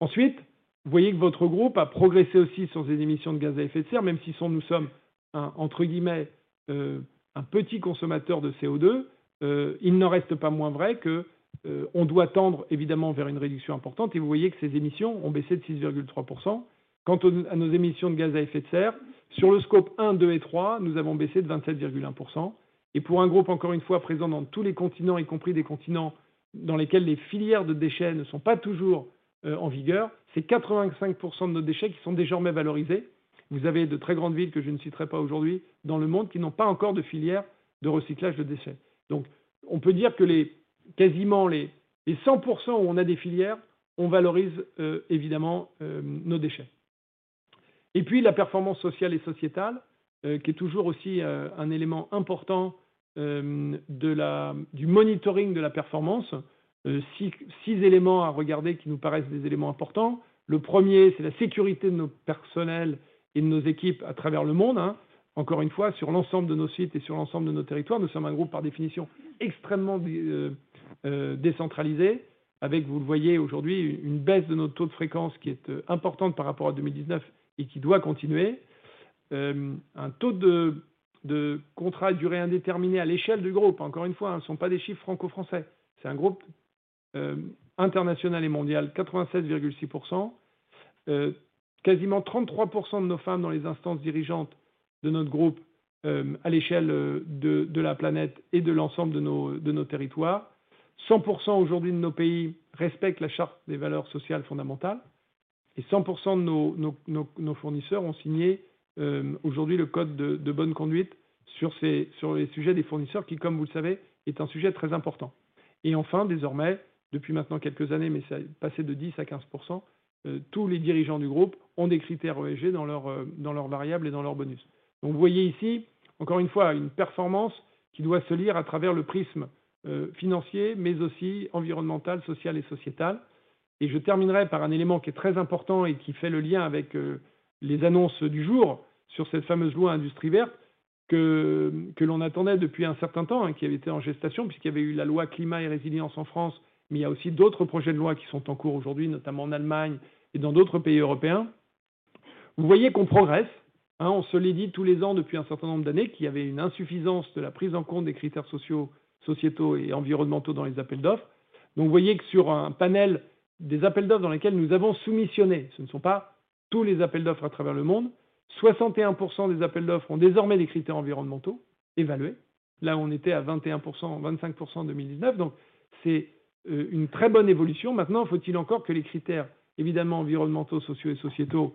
Ensuite, vous voyez que votre groupe a progressé aussi sur ses émissions de gaz à effet de serre, même si nous sommes un, entre guillemets, un petit consommateur de CO2, il n'en reste pas moins vrai que on doit tendre évidemment vers une réduction importante. Vous voyez que ces émissions ont baissé de 6.3%. Quant à nos émissions de gaz à effet de serre, sur le Scope 1, 2, and 3, nous avons baissé de 27.1%. Pour un groupe, encore une fois, présent dans tous les continents, y compris des continents dans lesquels les filières de déchets ne sont pas toujours en vigueur, c'est 85% de nos déchets qui sont désormais valorisés. Vous avez de très grandes villes, que je ne citerai pas aujourd'hui, dans le monde qui n'ont pas encore de filières de recyclage de déchets. On peut dire que quasiment les 100% où on a des filières, on valorise évidemment nos déchets. La performance sociale et sociétale, qui est toujours aussi un élément important du monitoring de la performance. Six éléments à regarder qui nous paraissent des éléments importants. Le premier, c'est la sécurité de nos personnels et de nos équipes à travers le monde. Encore une fois, sur l'ensemble de nos sites et sur l'ensemble de nos territoires, nous sommes un groupe, par définition, extrêmement décentralisé, avec, vous le voyez aujourd'hui, une baisse de notre taux de fréquence qui est importante par rapport à 2019 et qui doit continuer. Un taux de contrats à durée indéterminée à l'échelle du groupe. Encore une fois, ce ne sont pas des chiffres franco-français, c'est un groupe international et mondial: 87.6%. Quasiment 33% de nos femmes dans les instances dirigeantes de notre groupe, à l'échelle de la planète et de l'ensemble de nos, de nos territoires. 100% aujourd'hui de nos pays respectent la Charte des valeurs sociales fondamentales et 100% de nos fournisseurs ont signé aujourd'hui le code de bonne conduite sur ces, sur les sujets des fournisseurs qui, comme vous le savez, est un sujet très important. Enfin, désormais, depuis maintenant quelques années, mais ça a passé de 10 à 15%, tous les dirigeants du groupe ont des critères ESG dans leur, dans leur variable et dans leur bonus. Vous voyez ici encore une fois une performance qui doit se lire à travers le prisme, financier, mais aussi environnemental, social et sociétal. Je terminerai par un élément qui est très important et qui fait le lien avec les annonces du jour sur cette fameuse loi Industrie Verte que l'on attendait depuis un certain temps, hein, qui avait été en gestation puisqu'il y avait eu la loi Climat et Résilience en France, mais il y a aussi d'autres projets de loi qui sont en cours aujourd'hui, notamment en Germany et dans d'autres pays European. Vous voyez qu'on progresse, on se l'est dit tous les ans depuis un certain nombre d'années, qu'il y avait une insuffisance de la prise en compte des critères sociaux, sociétaux et environnementaux dans les appels d'offres. Vous voyez que sur un panel des appels d'offres dans lesquels nous avons soumissionné, ce ne sont pas tous les appels d'offres à travers le monde, 61% des appels d'offres ont désormais des critères environnementaux évalués. Là, on était à 21%, 25% en 2019. C'est une très bonne évolution. Maintenant, faut-il encore que les critères, évidemment environnementaux, sociaux et sociétaux,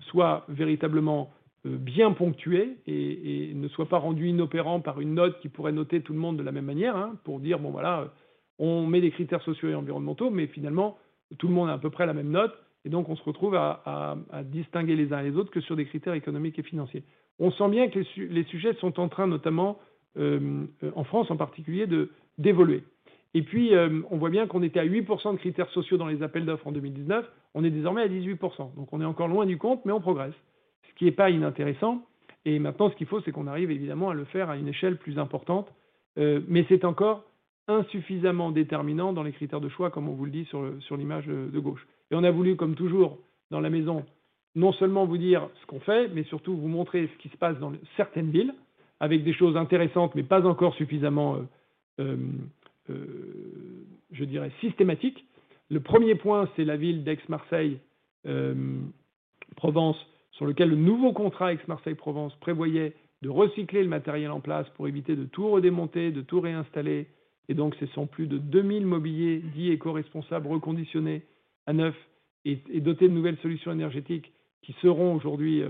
soient véritablement bien ponctués et ne soient pas rendus inopérants par une note qui pourrait noter tout le monde de la même manière, hein, pour dire: Bon voilà, on met des critères sociaux et environnementaux, mais finalement, tout le monde a à peu près la même note et donc on se retrouve à distinguer les uns et les autres que sur des critères économiques et financiers. On sent bien que les sujets sont en train, notamment, en France en particulier, d'évoluer. On voit bien qu'on était à 8% de critères sociaux dans les appels d'offres en 2019, on est désormais à 18%, donc on est encore loin du compte, mais on progresse, ce qui n'est pas inintéressant. Maintenant, ce qu'il faut, c'est qu'on arrive évidemment à le faire à une échelle plus importante, mais c'est encore insuffisamment déterminant dans les critères de choix, comme on vous le dit sur l'image de gauche. On a voulu, comme toujours dans la maison, non seulement vous dire ce qu'on fait, mais surtout vous montrer ce qui se passe dans certaines villes avec des choses intéressantes, mais pas encore suffisamment, je dirais, systématiques. Le premier point, c'est la ville d'Aix-Marseille Provence, sur lequel le nouveau contrat Aix-Marseille Provence prévoyait de recycler le matériel en place pour éviter de tout redémonter, de tout réinstaller. Ce sont plus de 2,000 mobiliers dits écoresponsables, reconditionnés à neuf et dotés de nouvelles solutions énergétiques qui seront aujourd'hui,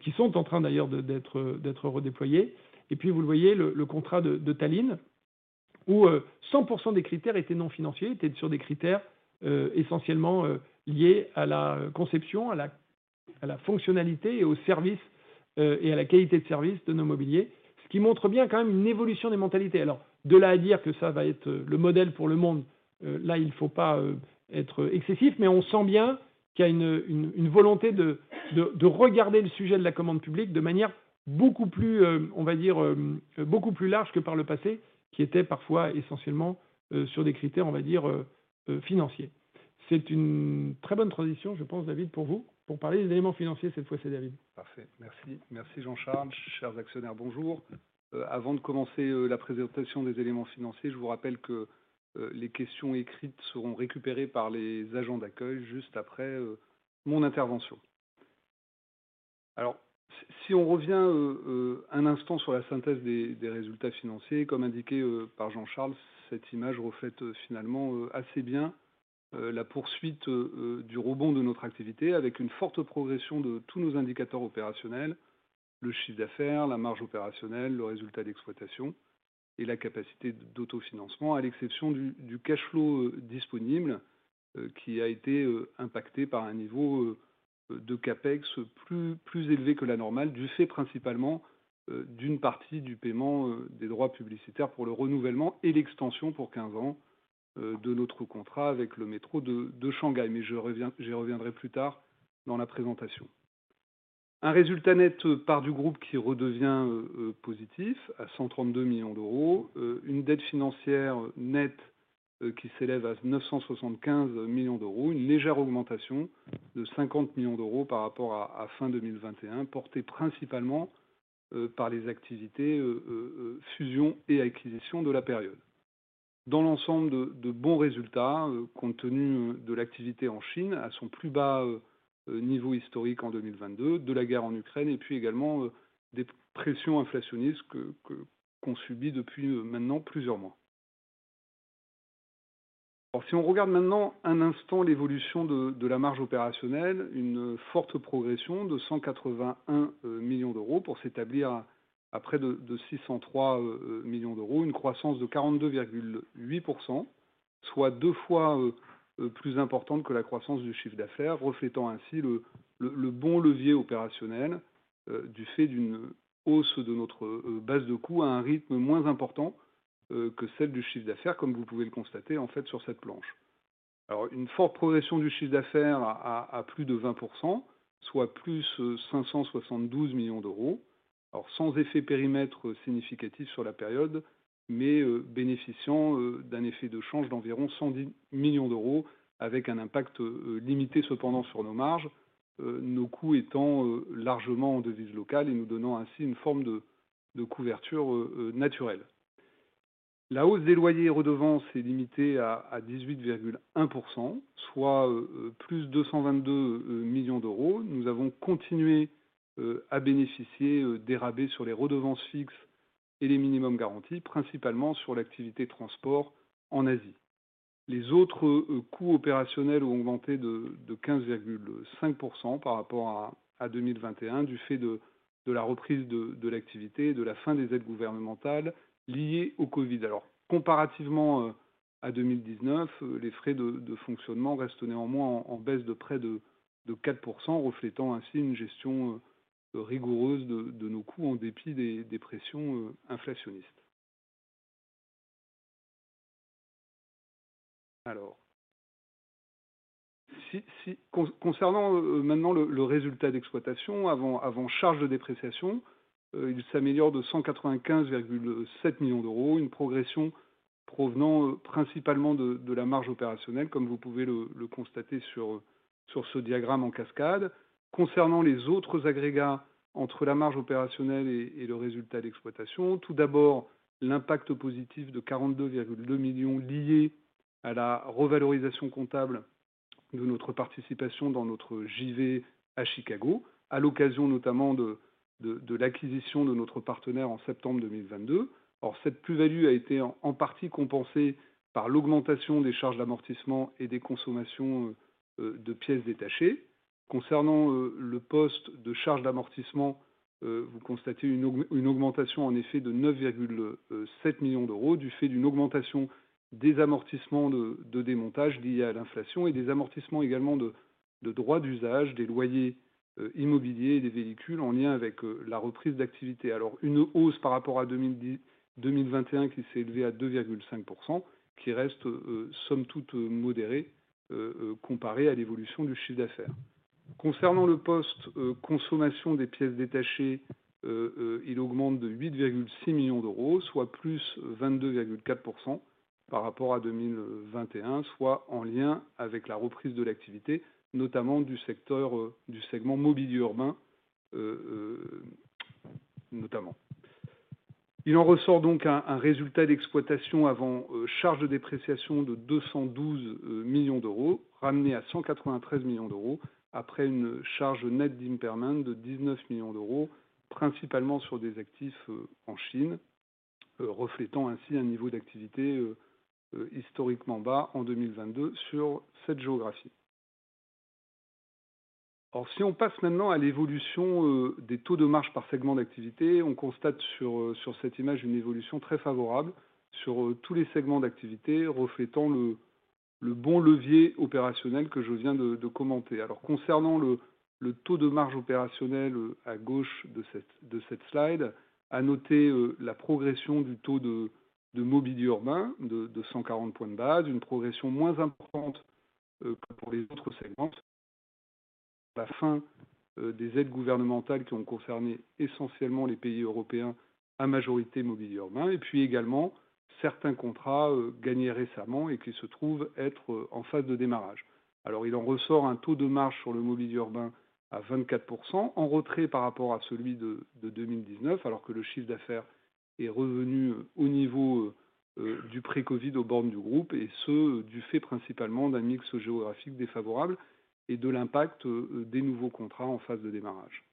qui sont en train d'ailleurs, d'être redéployés. Vous le voyez, le contrat de Tallinn, où 100% des critères étaient non financiers, étaient sur des critères, essentiellement, liés à la conception, à la fonctionnalité et au service, et à la qualité de service de nos mobiliers. Ce qui montre bien quand même une évolution des mentalités. Alors, de là à dire que ça va être le modèle pour le monde, là, il ne faut pas être excessif, mais on sent bien que Qui a une volonté de regarder le sujet de la commande publique de manière beaucoup plus, on va dire, beaucoup plus large que par le passé, qui était parfois essentiellement sur des critères, on va dire, financiers. C'est une très bonne transition, je pense, David, pour vous, pour parler des éléments financiers, cette fois, Cédric. Parfait. Merci. Merci Jean-Charles. Chers actionnaires, bonjour. Avant de commencer la présentation des éléments financiers, je vous rappelle que les questions écrites seront récupérées par les agents d'accueil juste après mon intervention. Si on revient un instant sur la synthèse des résultats financiers, comme indiqué par Jean-Charles, cette image reflète finalement assez bien la poursuite du rebond de notre activité avec une forte progression de tous nos indicateurs opérationnels, le chiffre d'affaires, la marge opérationnelle, le résultat d'exploitation et la capacité d'autofinancement, à l'exception du cash flow disponible, qui a été impacté par un niveau de CapEx plus élevé que la normale, du fait principalement d'une partie du paiement des droits publicitaires pour le renouvellement et l'extension pour 15 ans de notre contrat avec le métro de Shanghai. J'y reviendrai plus tard dans la présentation. Un résultat net part du groupe qui redevient positif à 132 million. Une dette financière nette qui s'élève à 975 million. Une légère augmentation de 50 million par rapport à fin 2021, portée principalement par les activités fusions et acquisitions de la période. Dans l'ensemble, de bons résultats compte tenu de l'activité en Chine à son plus bas niveau historique en 2022, de la guerre en Ukraine et également des pressions inflationnistes qu'on subit depuis maintenant plusieurs mois. Si on regarde maintenant un instant l'évolution de la marge opérationnelle, une forte progression de 181 million pour s'établir à près de 603 million, une croissance de 42.8%, soit deux fois plus importante que la croissance du chiffre d'affaires, reflétant ainsi le bon levier opérationnel du fait d'une hausse de notre base de coûts à un rythme moins important que celle du chiffre d'affaires, comme vous pouvez le constater sur cette planche. Une forte progression du chiffre d'affaires à plus de 20%, soit plus 572 million, sans effet périmètre significatif sur la période, mais bénéficiant d'un effet de change d'environ 110 million, avec un impact limité cependant sur nos marges, nos coûts étant largement en devise locale et nous donnant ainsi une forme de couverture naturelle. La hausse des loyers redevances est limitée à 18.1%, soit +222 million. Nous avons continué à bénéficier des rabais sur les redevances fixes et les minimums garantis, principalement sur l'activité transport en Asie. Les autres coûts opérationnels ont augmenté de 15.5% par rapport à 2021, du fait de la reprise de l'activité et de la fin des aides gouvernementales liées au COVID. Comparativement à 2019, les frais de fonctionnement restent néanmoins en baisse de près de 4%, reflétant ainsi une gestion rigoureuse de nos coûts en dépit des pressions inflationnistes. Concernant maintenant le résultat d'exploitation, avant charge de dépréciation, il s'améliore de 195.7 million, une progression provenant principalement de la marge opérationnelle, comme vous pouvez le constater sur ce diagramme en cascade. Concernant les autres agrégats entre la marge opérationnelle et le résultat d'exploitation, tout d'abord, l'impact positif de 42.2 million lié à la revalorisation comptable de notre participation dans notre JV à Chicago, à l'occasion notamment de l'acquisition de notre partenaire en September 2022. Cette plus-value a été en partie compensée par l'augmentation des charges d'amortissement et des consommations de pièces détachées. Concernant le poste de charges d'amortissement, vous constatez une augmentation en effet de 9.7 million du fait d'une augmentation des amortissements de démontage liés à l'inflation et des amortissements également de droits d'usage, des loyers immobiliers et des véhicules en lien avec la reprise d'activité. Une hausse par rapport à 2010-2021 qui s'est élevée à 2.5%, qui reste somme toute modérée comparée à l'évolution du chiffre d'affaires. Concernant le poste consommation des pièces détachées, il augmente de 8.6 million, soit +22.4% par rapport à 2021, soit en lien avec la reprise de l'activité, notamment du secteur du segment mobilier urbain, notamment. Il en ressort donc un résultat d'exploitation avant charges de dépréciation de 212 million, ramené à 193 million après une charge nette d'impairment de 19 million, principalement sur des actifs en Chine, reflétant ainsi un niveau d'activité historiquement bas en 2022 sur cette géographie. Si on passe maintenant à l'évolution des taux de marge par segment d'activité, on constate sur cette image une évolution très favorable sur tous les segments d'activité, reflétant le bon levier opérationnel que je viens de commenter. Concernant le taux de marge opérationnelle à gauche de cette slide, à noter la progression du taux de mobilier urbain de 140 points de base, une progression moins importante pour les autres segments. la fin des aides gouvernementales qui ont concerné essentiellement les pays européens à majorité mobilier urbain et puis également certains contrats gagnés récemment et qui se trouvent être en phase de démarrage. Il en ressort un taux de marge sur le mobilier urbain à 24%, en retrait par rapport à celui de 2019, alors que le chiffre d'affaires est revenu au niveau du pré-Covid aux bornes du groupe, et ce, du fait principalement d'un mix géographique défavorable et de l'impact des nouveaux contrats en phase de démarrage.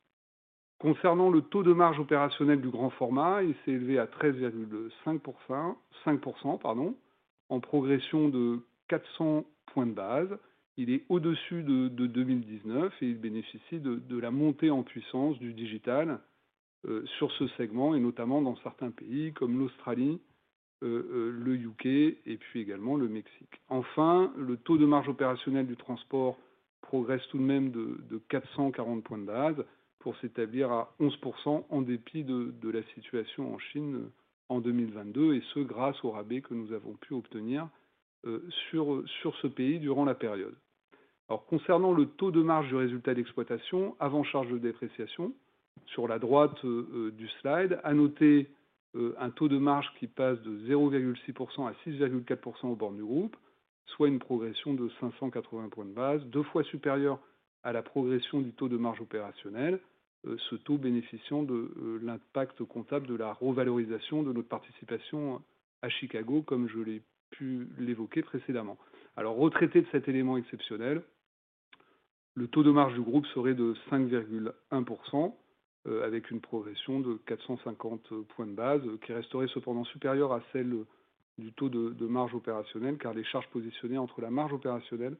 Concernant le taux de marge opérationnel du grand format, il s'est élevé à 13.5%, 5%, pardon, en progression de 400 points de base. Il est au-dessus de 2019 et il bénéficie de la montée en puissance du digital sur ce segment et notamment dans certains pays comme l'Australie, le UK et puis également le Mexique. Enfin, le taux de marge opérationnel du transport progresse tout de même de 440 points de base pour s'établir à 11% en dépit de la situation en Chine en 2022, et ce, grâce au rabais que nous avons pu obtenir sur ce pays durant la période. Alors, concernant le taux de marge du résultat d'exploitation avant charge de dépréciation, sur la droite du slide, à noter un taux de marge qui passe de 0.6% à 6.4% au bord du groupe, soit une progression de 580 points de base, deux fois supérieure à la progression du taux de marge opérationnel, ce taux bénéficiant de l'impact comptable de la revalorisation de notre participation à Chicago, comme je l'ai pu l'évoquer précédemment. Retraité de cet élément exceptionnel, le taux de marge du groupe serait de 5.1%, avec une progression de 450 basis points qui resterait cependant supérieure à celle du taux de marge opérationnelle, car les charges positionnées entre la marge opérationnelle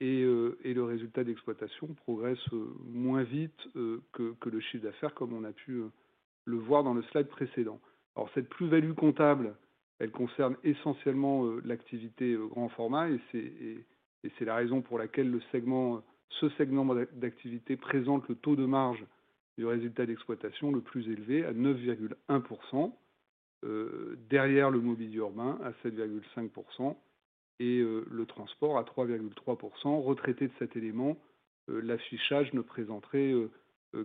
et le résultat d'exploitation progressent moins vite que le chiffre d'affaires, comme on a pu le voir dans le slide précédent. Cette plus-value comptable, elle concerne essentiellement l'activité grand format et c'est la raison pour laquelle le segment, ce segment d'activité présente le taux de marge du résultat d'exploitation le plus élevé à 9.1%, derrière le mobilier urbain à 7.5% et le transport à 3.3%. Retraité de cet élément, l'affichage ne présenterait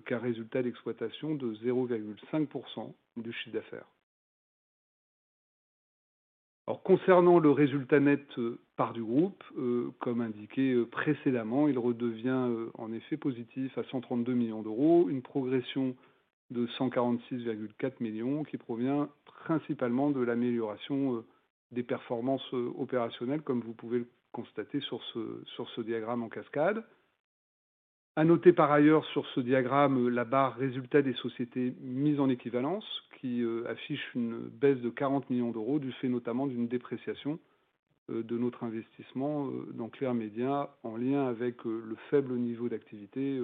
qu'un résultat d'exploitation de 0.5% du chiffre d'affaires. Concernant le résultat net part du groupe, comme indiqué précédemment, il redevient en effet positif à 132 million, une progression de 146.4 million qui provient principalement de l'amélioration des performances opérationnelles, comme vous pouvez le constater sur ce diagramme en cascade. À noter par ailleurs sur ce diagramme la barre Résultats des sociétés mises en équivalence qui affiche une baisse de 40 million, du fait notamment d'une dépréciation de notre investissement dans Clear Media, en lien avec le faible niveau d'activité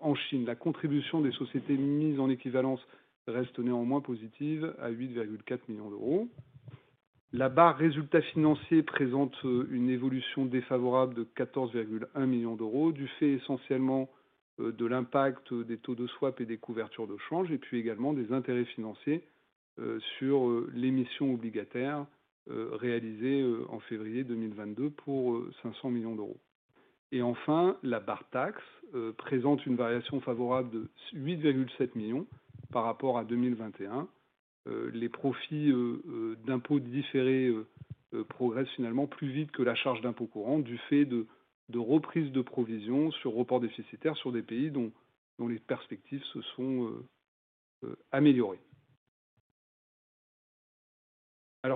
en Chine. La contribution des sociétés mises en équivalence reste néanmoins positive à 8.4 million. La barre Résultats financiers présente une évolution défavorable de 14.1 million, du fait essentiellement de l'impact des taux de swap et des couvertures de change, et puis également des intérêts financiers sur l'émission obligataire réalisée en février 2022 pour 500 million. Enfin, la barre Taxes présente une variation favorable de 8.7 million par rapport à 2021. Les profits d'impôts différés progressent finalement plus vite que la charge d'impôts courants, du fait de reprises de provisions sur reports déficitaires sur des pays dont les perspectives se sont améliorées.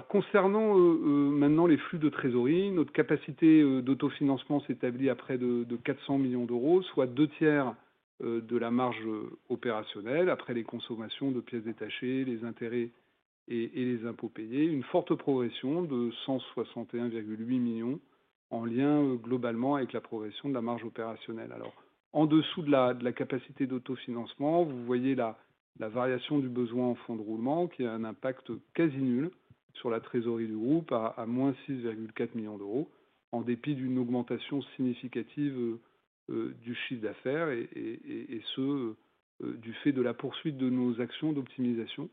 Concernant maintenant les flux de trésorerie, notre capacité d'autofinancement s'établit à près de 400 million, soit deux tiers de la marge opérationnelle après les consommations de pièces détachées, les intérêts et les impôts payés. Une forte progression de 161.8 million en lien globalement avec la progression de la marge opérationnelle. En dessous de la capacité d'autofinancement, vous voyez la variation du besoin en fonds de roulement qui a un impact quasi nul sur la trésorerie du groupe à -6.4 million, en dépit d'une augmentation significative du chiffre d'affaires et ce, du fait de la poursuite de nos actions d'optimisation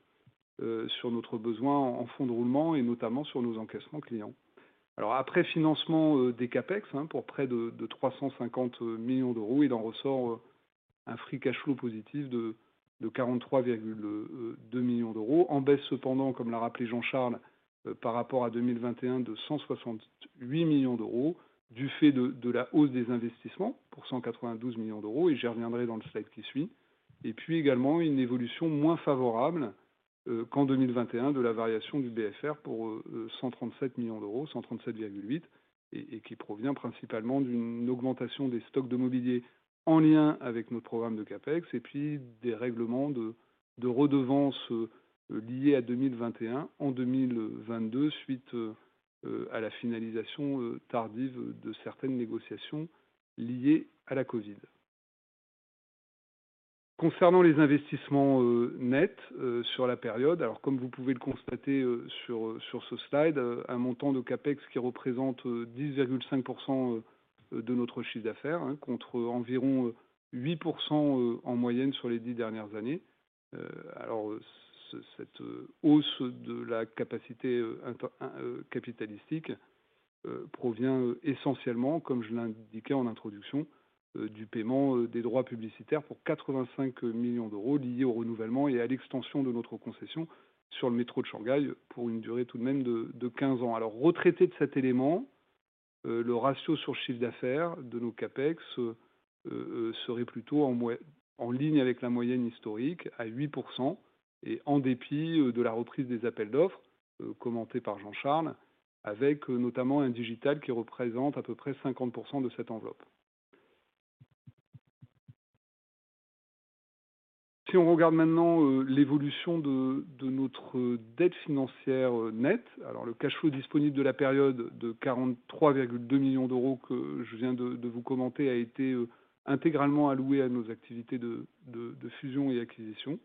sur notre besoin en fonds de roulement et notamment sur nos encaissements clients. Après financement des CapEx, pour près de 350 million, il en ressort un free cash-flow positif de 43.2 million, en baisse cependant, comme l'a rappelé Jean-Charles Decaux, par rapport à 2021, de 168 million, du fait de la hausse des investissements pour 192 million. J'y reviendrai dans le slide qui suit. Également une évolution moins favorable qu'en 2021 de la variation du BFR pour 137 million, 137.8, et qui provient principalement d'une augmentation des stocks de mobilier en lien avec notre programme de CapEx et des règlements de redevances liées à 2021 en 2022, suite à la finalisation tardive de certaines négociations liées à la Covid. Concernant les investissements, nets, sur la période, comme vous pouvez le constater sur ce slide, un montant de CapEx qui représente 10.5% de notre chiffre d'affaires, contre environ 8% en moyenne sur les 10 dernières années. Cette hausse de la capacité capitalistique provient essentiellement, comme je l'indiquais en introduction, du paiement des droits publicitaires pour 85 million liés au renouvellement et à l'extension de notre concession sur le métro de Shanghai, pour une durée tout de même de 15 ans. Retraité de cet élément, le ratio sur chiffre d'affaires de nos CapEx serait plutôt en ligne avec la moyenne historique à 8% et en dépit de la reprise des appels d'offres commentés par Jean-Charles, avec notamment un digital qui représente à peu près 50% de cette enveloppe. Si on regarde maintenant l'évolution de notre dette financière nette, alors le cash flow disponible de la période de 43.2 million que je viens de vous commenter a été intégralement alloué à nos activités de fusion et acquisition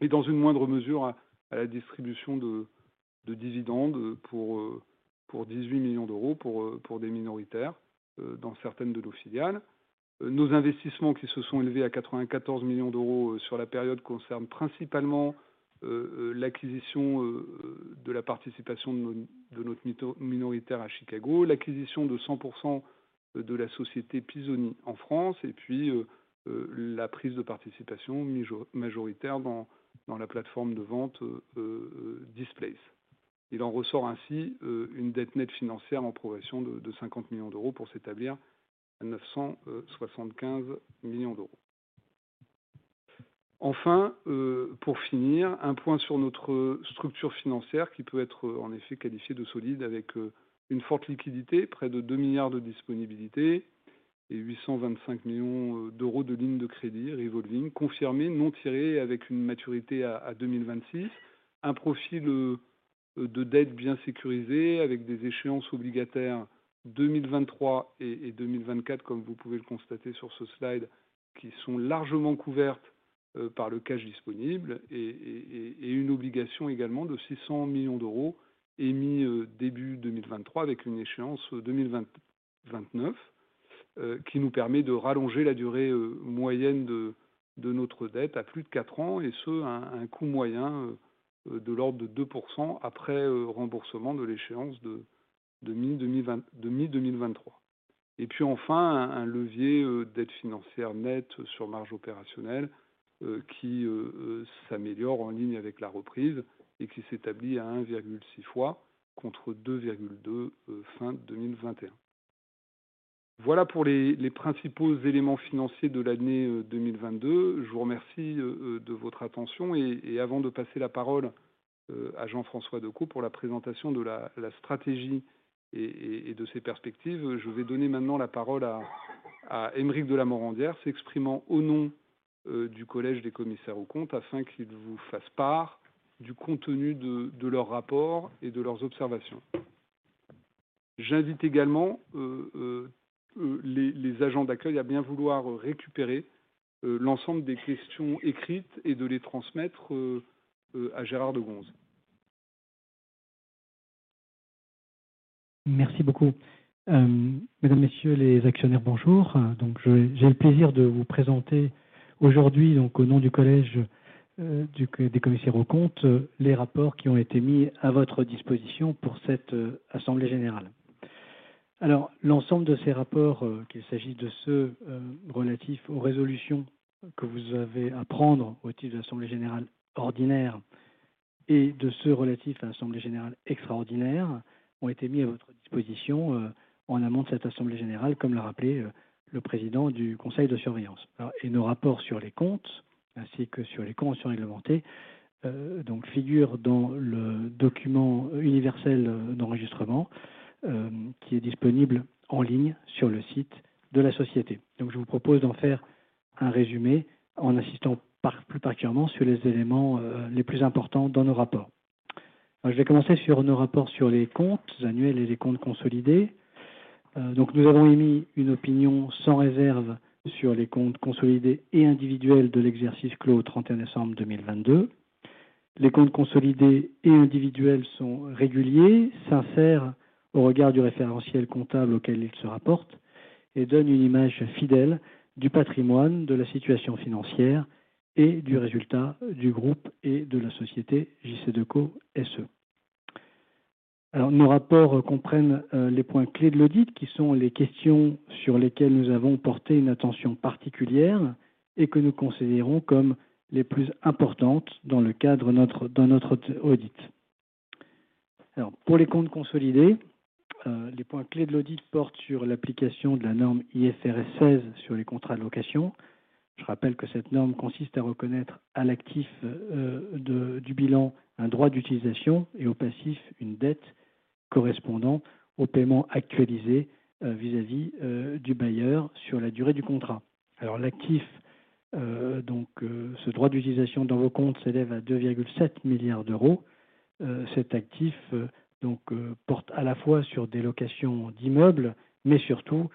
et dans une moindre mesure, à la distribution de dividendes pour 18 million pour des minoritaires dans certaines de nos filiales. Nos investissements, qui se sont élevés à 94 million sur la période, concernent principalement l'acquisition de la participation de notre minoritaire à Chicago, l'acquisition de 100% de la société Pisoni en France et puis la prise de participation majoritaire dans la plateforme de vente Displayce. Il en ressort ainsi, une dette nette financière en progression de 50 million pour s'établir à 975 million. Pour finir, un point sur notre structure financière qui peut être en effet qualifiée de solide avec, une forte liquidité, près de 2 billion de disponibilités et 825 million de lignes de crédit revolving, confirmées non tirées avec une maturité à 2026. Un profil de dette bien sécurisée avec des échéances obligataires 2023 et 2024, comme vous pouvez le constater sur ce slide, qui sont largement couvertes par le cash disponible et une obligation également de 600 million émis début 2023 avec une échéance 2029, qui nous permet de rallonger la durée moyenne de notre dette à plus de 4 ans, et ce, à un coût moyen de l'ordre de 2% après remboursement de l'échéance de mi-2023. Puis enfin, un levier dette financière nette sur marge opérationnelle qui s'améliore en ligne avec la reprise et qui s'établit à 1.6x contre 2.2 fin 2021. Voilà pour les principaux éléments financiers de l'année 2022. Je vous remercie de votre attention. Avant de passer la parole à Jean-François Decaux pour la présentation de la stratégie et de ses perspectives, je vais donner maintenant la parole à Aymeric de La Morandière, s'exprimant au nom du collège des commissaires aux comptes afin qu'il vous fasse part du contenu de leur rapport et de leurs observations. J'invite également les agents d'accueil à bien vouloir récupérer l'ensemble des questions écrites et de les transmettre à Gérard Degonse. Merci beaucoup. Mesdames, Messieurs les actionnaires, bonjour. J'ai le plaisir de vous présenter aujourd'hui, au nom du collège des commissaires aux comptes, les rapports qui ont été mis à votre disposition pour cette assemblée générale. L'ensemble de ces rapports, qu'il s'agisse de ceux relatifs aux résolutions que vous avez à prendre au titre de l'assemblée générale ordinaire et de ceux relatifs à l'assemblée générale extraordinaire, ont été mis à votre disposition en amont de cette assemblée générale, comme l'a rappelé le président du conseil de surveillance. Nos rapports sur les comptes ainsi que sur les comptes sur réglementés, figurent dans le document universel d'enregistrement qui est disponible en ligne sur le site de la société. Je vous propose d'en faire un résumé en insistant plus particulièrement sur les éléments, les plus importants dans nos rapports. Je vais commencer sur nos rapports sur les comptes annuels et les comptes consolidés. Nous avons émis une opinion sans réserve sur les comptes consolidés et individuels de l'exercice clos au 31 décembre 2022. Les comptes consolidés et individuels sont réguliers, sincères au regard du référentiel comptable auquel ils se rapportent et donnent une image fidèle du patrimoine, de la situation financière et du résultat du groupe et de la société JCDecaux SE. Nos rapports comprennent les points clés de l'audit, qui sont les questions sur lesquelles nous avons porté une attention particulière et que nous considérons comme les plus importantes dans le cadre de notre audit. Pour les comptes consolidés, les points clés de l'audit portent sur l'application de la norme IFRS 16 sur les contrats de location. Je rappelle que cette norme consiste à reconnaître à l'actif du bilan un droit d'utilisation et au passif une dette correspondant au paiement actualisé vis-à-vis du bailleur sur la durée du contrat. L'actif, donc, ce droit d'utilisation dans vos comptes s'élève à 2.7 billion. Cet actif, donc, porte à la fois sur des locations d'immeubles, mais surtout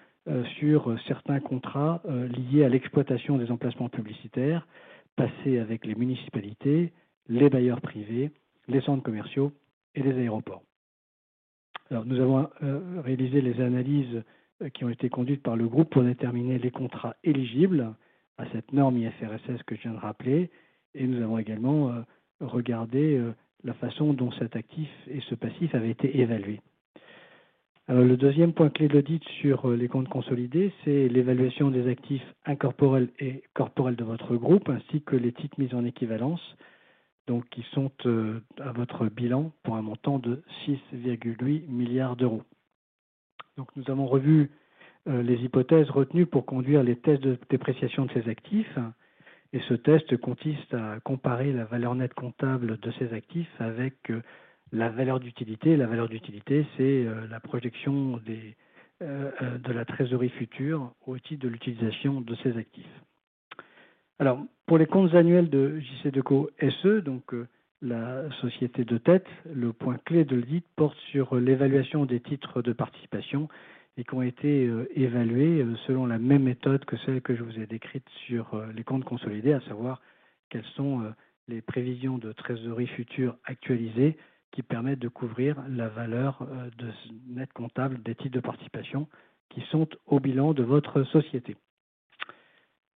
sur certains contrats liés à l'exploitation des emplacements publicitaires passés avec les municipalités, les bailleurs privés, les centres commerciaux et les aéroports. Nous avons réalisé les analyses qui ont été conduites par le groupe pour déterminer les contrats éligibles à cette norme IFRS 16 que je viens de rappeler. Nous avons également regardé la façon dont cet actif et ce passif avaient été évalués. Le deuxième point clé de l'audit sur les comptes consolidés, c'est l'évaluation des actifs incorporels et corporels de votre groupe, ainsi que les titres mis en équivalence, donc, qui sont à votre bilan pour un montant de 6.8 billion. Nous avons revu les hypothèses retenues pour conduire les tests de dépréciation de ces actifs. Ce test consiste à comparer la valeur nette comptable de ces actifs avec la valeur d'utilité. La valeur d'utilité, c'est la projection des de la trésorerie future au titre de l'utilisation de ces actifs. Pour les comptes annuels de JCDecaux SE, donc la société de tête, le point clé de l'audit porte sur l'évaluation des titres de participation et qui ont été évalués selon la même méthode que celle que je vous ai décrite sur les comptes consolidés, à savoir quelles sont les prévisions de trésorerie futures actualisées qui permettent de couvrir la valeur nette comptable des titres de participation qui sont au bilan de votre société.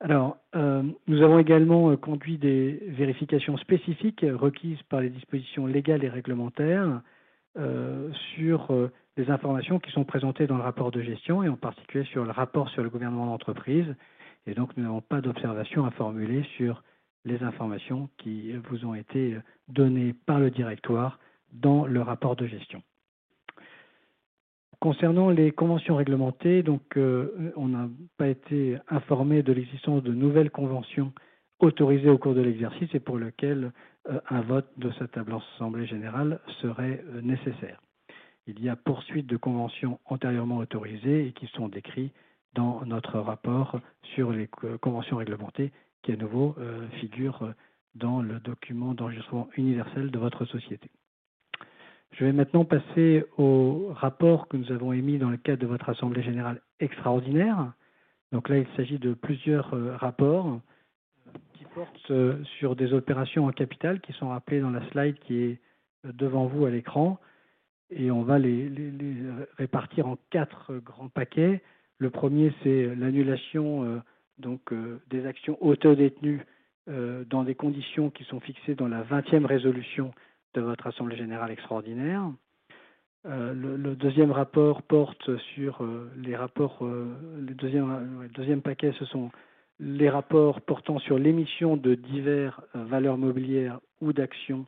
Nous avons également conduit des vérifications spécifiques requises par les dispositions légales et réglementaires, sur les informations qui sont présentées dans le rapport de gestion et en particulier sur le rapport sur le gouvernement d'entreprise. Nous n'avons pas d'observation à formuler sur les informations qui vous ont été données par le directoire dans le rapport de gestion. Concernant les conventions réglementées, donc, on n'a pas été informé de l'existence de nouvelles conventions autorisées au cours de l'exercice et pour lequel un vote de cette assemblée générale serait nécessaire. Il y a poursuite de conventions antérieurement autorisées et qui sont décrites dans notre rapport sur les conventions réglementées qui, à nouveau, figurent dans le document d'enregistrement universel de votre société. Je vais maintenant passer au rapport que nous avons émis dans le cadre de votre assemblée générale extraordinaire. Là, il s'agit de plusieurs rapports qui portent sur des opérations en capital qui sont rappelées dans la slide qui est devant vous à l'écran. On va les répartir en quatre grands paquets. Le premier, c'est l'annulation, donc, des actions autodétenues, dans des conditions qui sont fixées dans la 20th résolution de votre assemblée générale extraordinaire. Le deuxième rapport porte sur les rapports. Le deuxième paquet, ce sont les rapports portant sur l'émission de diverses valeurs mobilières ou d'actions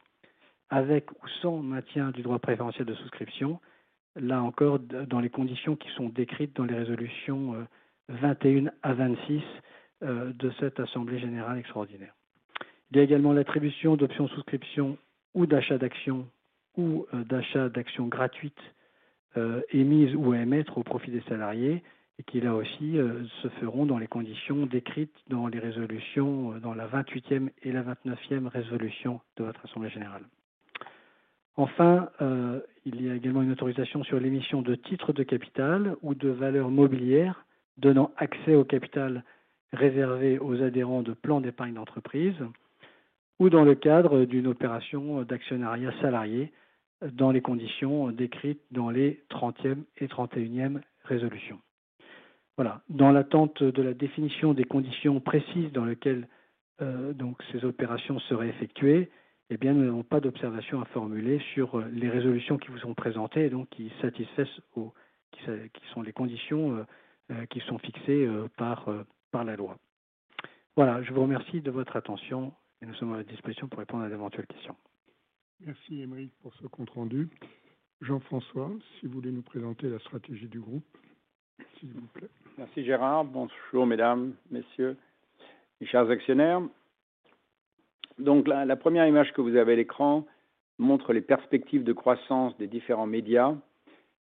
avec ou sans maintien du droit préférentiel de souscription. Là encore, dans les conditions qui sont décrites dans les résolutions 21 à 26 de cette assemblée générale extraordinaire. Il y a également l'attribution d'options de souscription ou d'achat d'actions ou d'achat d'actions gratuites, émises ou à émettre au profit des salariés et qui, là aussi, se feront dans les conditions décrites dans les résolutions, dans la 28e et la 29e résolution de votre assemblée générale. Il y a également une autorisation sur l'émission de titres de capital ou de valeurs mobilières donnant accès au capital réservé aux adhérents de plans d'épargne d'entreprise ou dans le cadre d'une opération d'actionnariat salarié dans les conditions décrites dans les trentième et trentetunième résolutions. Dans l'attente de la définition des conditions précises dans lesquelles ces opérations seraient effectuées, nous n'avons pas d'observation à formuler sur les résolutions qui vous sont présentées et qui satisfaisent aux conditions qui sont fixées par la loi. Je vous remercie de votre attention et nous sommes à votre disposition pour répondre à d'éventuelles questions. Merci Aymeric pour ce compte rendu. Jean-François, si vous voulez nous présenter la stratégie du groupe, s'il vous plaît. Merci Gérard. Bonsoir Mesdames, Messieurs, mes chers actionnaires. La première image que vous avez à l'écran montre les perspectives de croissance des différents médias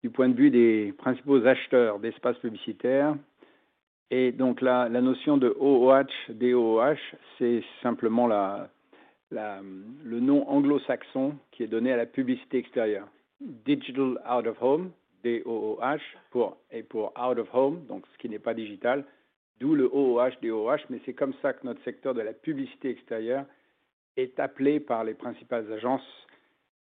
du point de vue des principaux acheteurs d'espaces publicitaires. La notion de OOH, DOOH, c'est simplement le nom anglo-saxon qui est donné à la publicité extérieure. Digital Out of Home, D-O-O-H, pour Out of Home, ce qui n'est pas digital. D'où le OOH, DOOH, c'est comme ça que notre secteur de la publicité extérieure est appelé par les principales agences.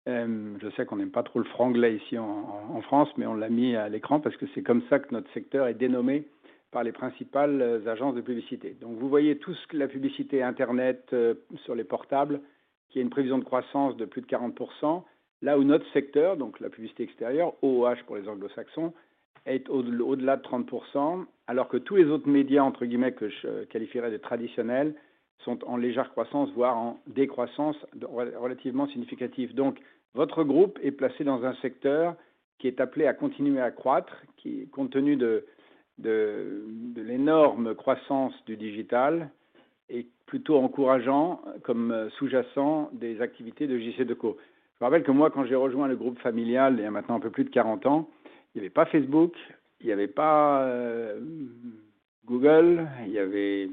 Je sais qu'on n'aime pas trop le franglais ici en France, on l'a mis à l'écran parce que c'est comme ça que notre secteur est dénommé par les principales agences de publicité. Vous voyez tous que la publicité Internet sur les portables, qui a une prévision de croissance de plus de 40%, là où notre secteur, la publicité extérieure, OOH pour les Anglo-Saxons, est au-delà de 30%, alors que tous les autres médias, entre guillemets, que je qualifierais de traditionnels, sont en légère croissance, voire en décroissance relativement significative. Votre groupe est placé dans un secteur qui est appelé à continuer à croître, qui, compte tenu de l'énorme croissance du digital, est plutôt encourageant comme sous-jacent des activités de JCDecaux. Je vous rappelle que moi, quand j'ai rejoint le groupe familial, il y a maintenant un peu plus de 40 ans, il n'y avait pas Facebook, il n'y avait pas Google, il y avait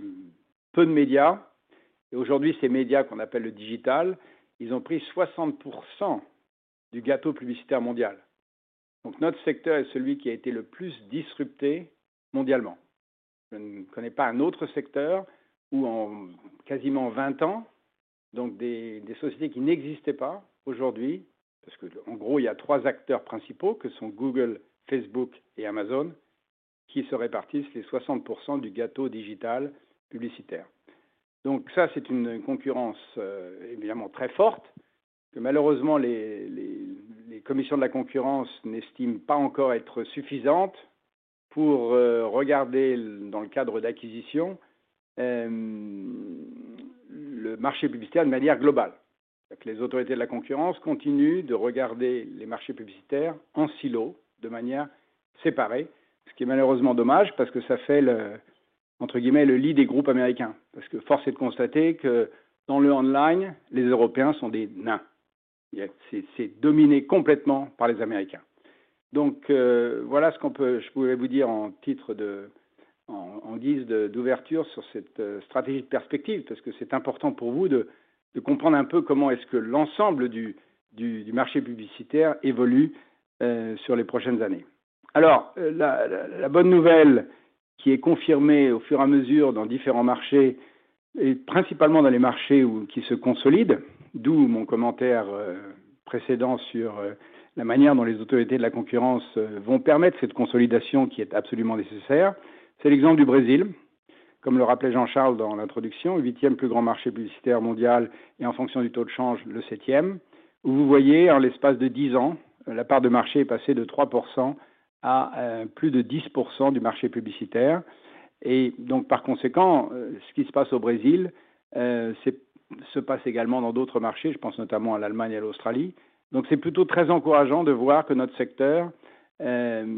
peu de médias. Aujourd'hui, ces médias qu'on appelle le digital, ils ont pris 60% du gâteau publicitaire mondial. Notre secteur est celui qui a été le plus disrupté mondialement. Je ne connais pas un autre secteur où en quasiment 20 ans, des sociétés qui n'existaient pas aujourd'hui, parce qu'en gros, il y a 3 acteurs principaux que sont Google, Facebook et Amazon qui se répartissent les 60% du gâteau digital publicitaire. Ça, c'est une concurrence évidemment très forte, que malheureusement, les commissions de la concurrence n'estiment pas encore être suffisante pour regarder dans le cadre d'acquisitions le marché publicitaire de manière globale. Les autorités de la concurrence continuent de regarder les marchés publicitaires en silos, de manière séparée, ce qui est malheureusement dommage parce que ça fait le, entre guillemets, le lit des groupes américains. Force est de constater que dans le online, les Européens sont des nains. C'est dominé complètement par les Américains. Voilà ce que je pouvais vous dire en guise de, d'ouverture sur cette stratégie de perspective, parce que c'est important pour vous de comprendre un peu comment est-ce que l'ensemble du marché publicitaire évolue sur les prochaines années. La bonne nouvelle qui est confirmée au fur et à mesure dans différents marchés, et principalement dans les marchés qui se consolident, d'où mon commentaire précédent sur la manière dont les autorités de la concurrence vont permettre cette consolidation qui est absolument nécessaire, c'est l'exemple du Brésil. Comme le rappelait Jean-Charles dans l'introduction, huitième plus grand marché publicitaire mondial et en fonction du taux de change, le septième. Vous voyez, en l'espace de 10 ans, la part de marché est passée de 3% à plus de 10% du marché publicitaire. Par conséquent, ce qui se passe au Brésil, se passe également dans d'autres marchés. Je pense notamment à l'Allemagne et à l'Australie. C'est plutôt très encourageant de voir que notre secteur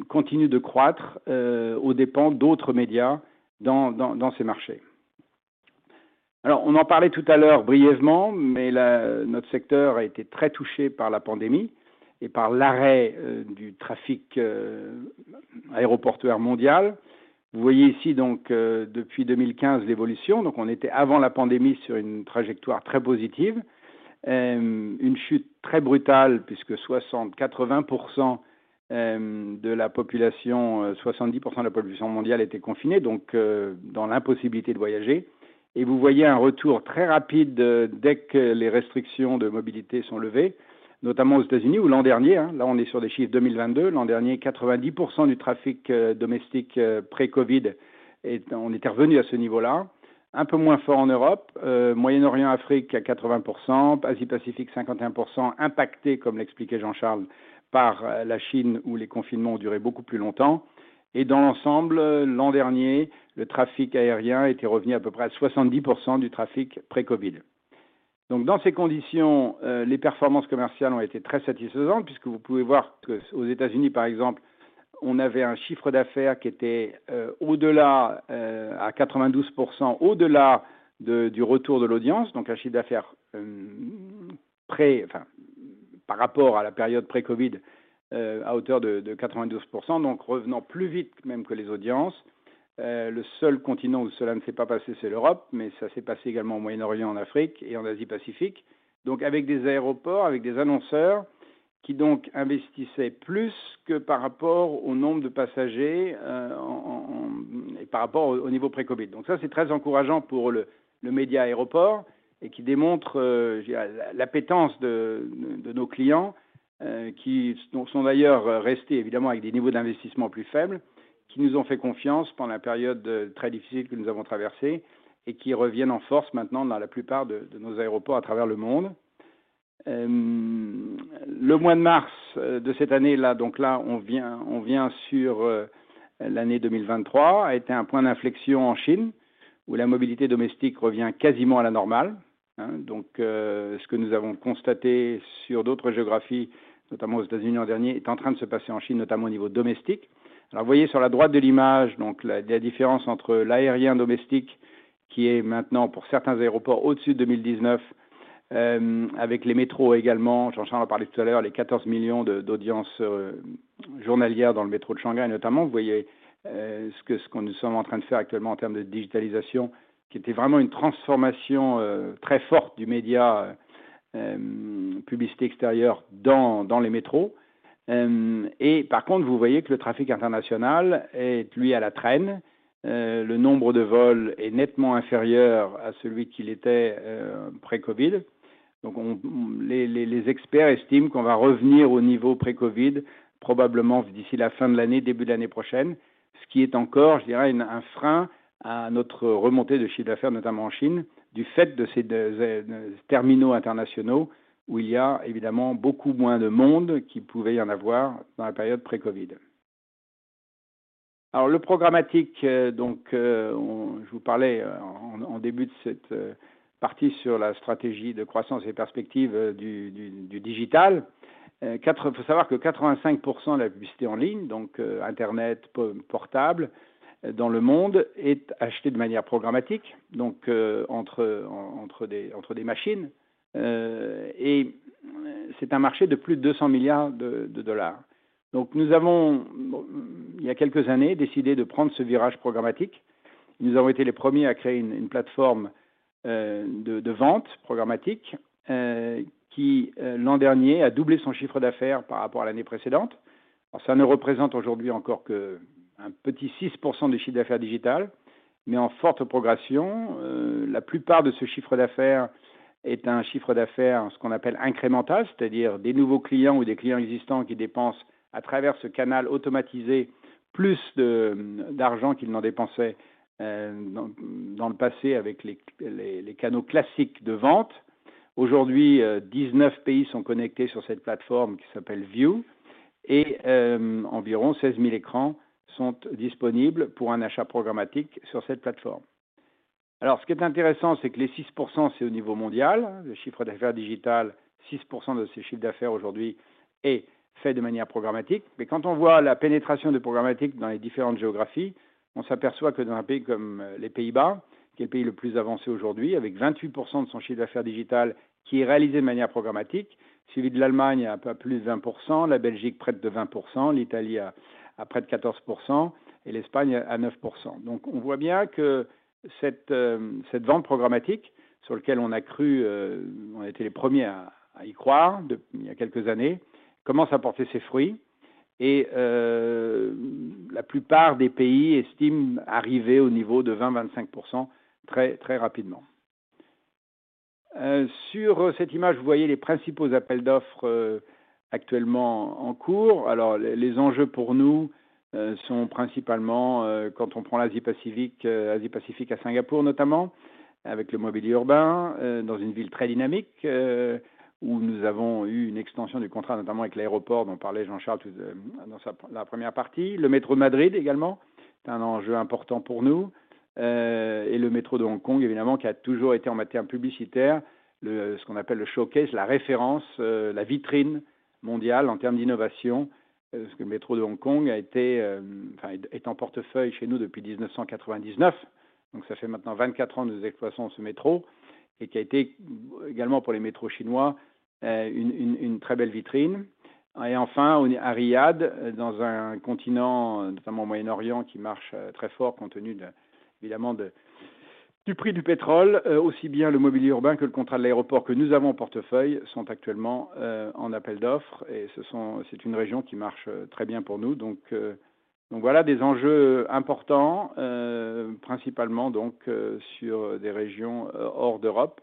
continue de croître aux dépens d'autres médias dans ces marchés. On en parlait tout à l'heure brièvement, mais notre secteur a été très touché par la pandémie et par l'arrêt du trafic aéroportuaire mondial. Vous voyez ici donc, depuis 2015, l'évolution. On était avant la pandémie sur une trajectoire très positive. Une chute très brutale puisque 60%, 80% de la population, 70% de la population mondiale était confinée, donc dans l'impossibilité de voyager. Vous voyez un retour très rapide dès que les restrictions de mobilité sont levées, notamment aux États-Unis où l'an dernier, là, on est sur des chiffres 2022, l'an dernier, 90% du trafic domestique pré-COVID, et on était revenu à ce niveau-là. Un peu moins fort en Europe, Moyen-Orient, Afrique à 80%, Asie-Pacifique, 51%, impacté, comme l'expliquait Jean-Charles, par la Chine, où les confinements duraient beaucoup plus longtemps. Dans l'ensemble, l'an dernier, le trafic aérien était revenu à peu près à 70% du trafic pré-COVID. Dans ces conditions, les performances commerciales ont été très satisfaisantes puisque vous pouvez voir qu'aux U.S., par exemple, on avait un chiffre d'affaires qui était au-delà à 92%, au-delà du retour de l'audience, donc un chiffre d'affaires par rapport à la période pre-COVID, à hauteur de 92%, donc revenant plus vite même que les audiences. Le seul continent où cela ne s'est pas passé, c'est l'Europe, mais ça s'est passé également au Middle East, en Afrique et en Asia-Pacific. Avec des aéroports, avec des annonceurs qui donc investissaient plus que par rapport au nombre de passagers, et par rapport au niveau pre-COVID. Ça, c'est très encourageant pour le média aéroport et qui démontre, je dirais, l'appétence de nos clients, qui sont d'ailleurs restés évidemment avec des niveaux d'investissement plus faibles, qui nous ont fait confiance pendant la période très difficile que nous avons traversée et qui reviennent en force maintenant dans la plupart de nos aéroports à travers le monde. Le mois de mars de cette année, là, donc là, on vient sur l'année 2023, a été un point d'inflexion en Chine, où la mobilité domestique revient quasiment à la normale. Ce que nous avons constaté sur d'autres géographies, notamment aux États-Unis l'an dernier, est en train de se passer en Chine, notamment au niveau domestique. Vous voyez sur la droite de l'image, la différence entre l'aérien domestique, qui est maintenant, pour certains aéroports, au-dessus de 2019, avec les métros également. Jean-Charles en parlait tout à l'heure, les 14 million de, d'audiences journalières dans le métro de Shanghai, notamment. Vous voyez ce que, ce que nous sommes en train de faire actuellement en termes de digitalisation, qui était vraiment une transformation très forte du média publicité extérieure dans les métros. Vous voyez que le trafic international est, lui, à la traîne. Le nombre de vols est nettement inférieur à celui qu'il était pre-COVID. Les experts estiment qu'on va revenir au niveau pre-COVID, probablement d'ici la fin de l'année, début de l'année prochaine. Ce qui est encore, je dirais, un frein à notre remontée de chiffre d'affaires, notamment en Chine, du fait de ces des terminaux internationaux où il y a évidemment beaucoup moins de monde qu'il pouvait y en avoir dans la période pre-COVID. Le programmatique, donc je vous parlais en début de cette partie sur la stratégie de croissance et perspectives du digital. Il faut savoir que 85% de la publicité en ligne, donc Internet, portable, dans le monde, est achetée de manière programmatique, donc entre des machines. Et c'est un marché de plus de $200 billion. Nous avons, il y a quelques années, décidé de prendre ce virage programmatique. Nous avons été les premiers à créer une plateforme de vente programmatique qui, l'an dernier, a doublé son chiffre d'affaires par rapport à l'année précédente. Ça ne représente aujourd'hui encore que un petit 6% du chiffre d'affaires digital. Mais en forte progression. La plupart de ce chiffre d'affaires est un chiffre d'affaires, ce qu'on appelle incrémental, c'est-à-dire des nouveaux clients ou des clients existants qui dépensent à travers ce canal automatisé plus de d'argent qu'ils n'en dépensaient dans le passé avec les canaux classiques de vente. Aujourd'hui, 19 pays sont connectés sur cette plateforme qui s'appelle VIOOH et environ 16,000 écrans sont disponibles pour un achat programmatique sur cette plateforme. Ce qui est intéressant, c'est que les 6%, c'est au niveau mondial. Le chiffre d'affaires digital, 6% de ce chiffre d'affaires aujourd'hui est fait de manière programmatique. Quand on voit la pénétration des programmatiques dans les différentes géographies, on s'aperçoit que dans un pays comme les Pays-Bas, qui est le pays le plus avancé aujourd'hui, avec 28% de son chiffre d'affaires digital qui est réalisé de manière programmatique, suivi de l'Allemagne à un peu plus de 20%, la Belgique près de 20%, l'Italie à près de 14% et l'Espagne à 9%. On voit bien que cette vente programmatique sur lequel on a cru, on a été les premiers à y croire il y a quelques années, commence à porter ses fruits et la plupart des pays estiment arriver au niveau de 20-25% très très rapidement. Sur cette image, vous voyez les principaux appels d'offres actuellement en cours. Les enjeux pour nous sont principalement quand on prend l'Asie-Pacifique, Asie-Pacifique à Singapour notamment, avec le mobilier urbain, dans une ville très dynamique où nous avons eu une extension du contrat, notamment avec l'aéroport dont parlait Jean-Charles la première partie. Le métro de Madrid également, c'est un enjeu important pour nous. Et le métro de Hong Kong, évidemment, qui a toujours été en matière publicitaire, ce qu'on appelle le showcase, la référence, la vitrine mondiale en termes d'innovation. Le métro de Hong Kong est en portefeuille chez nous depuis 1999. Ça fait maintenant 24 ans que nous exploitons ce métro et qui a été également pour les métros chinois, une très belle vitrine. Enfin, à Riyad, dans un continent, notamment au Moyen-Orient, qui marche très fort compte tenu de, évidemment, de, du prix du pétrole. Aussi bien le mobilier urbain que le contrat de l'aéroport que nous avons en portefeuille sont actuellement en appel d'offres et c'est une région qui marche très bien pour nous. Voilà des enjeux importants, principalement donc sur des régions hors d'Europe,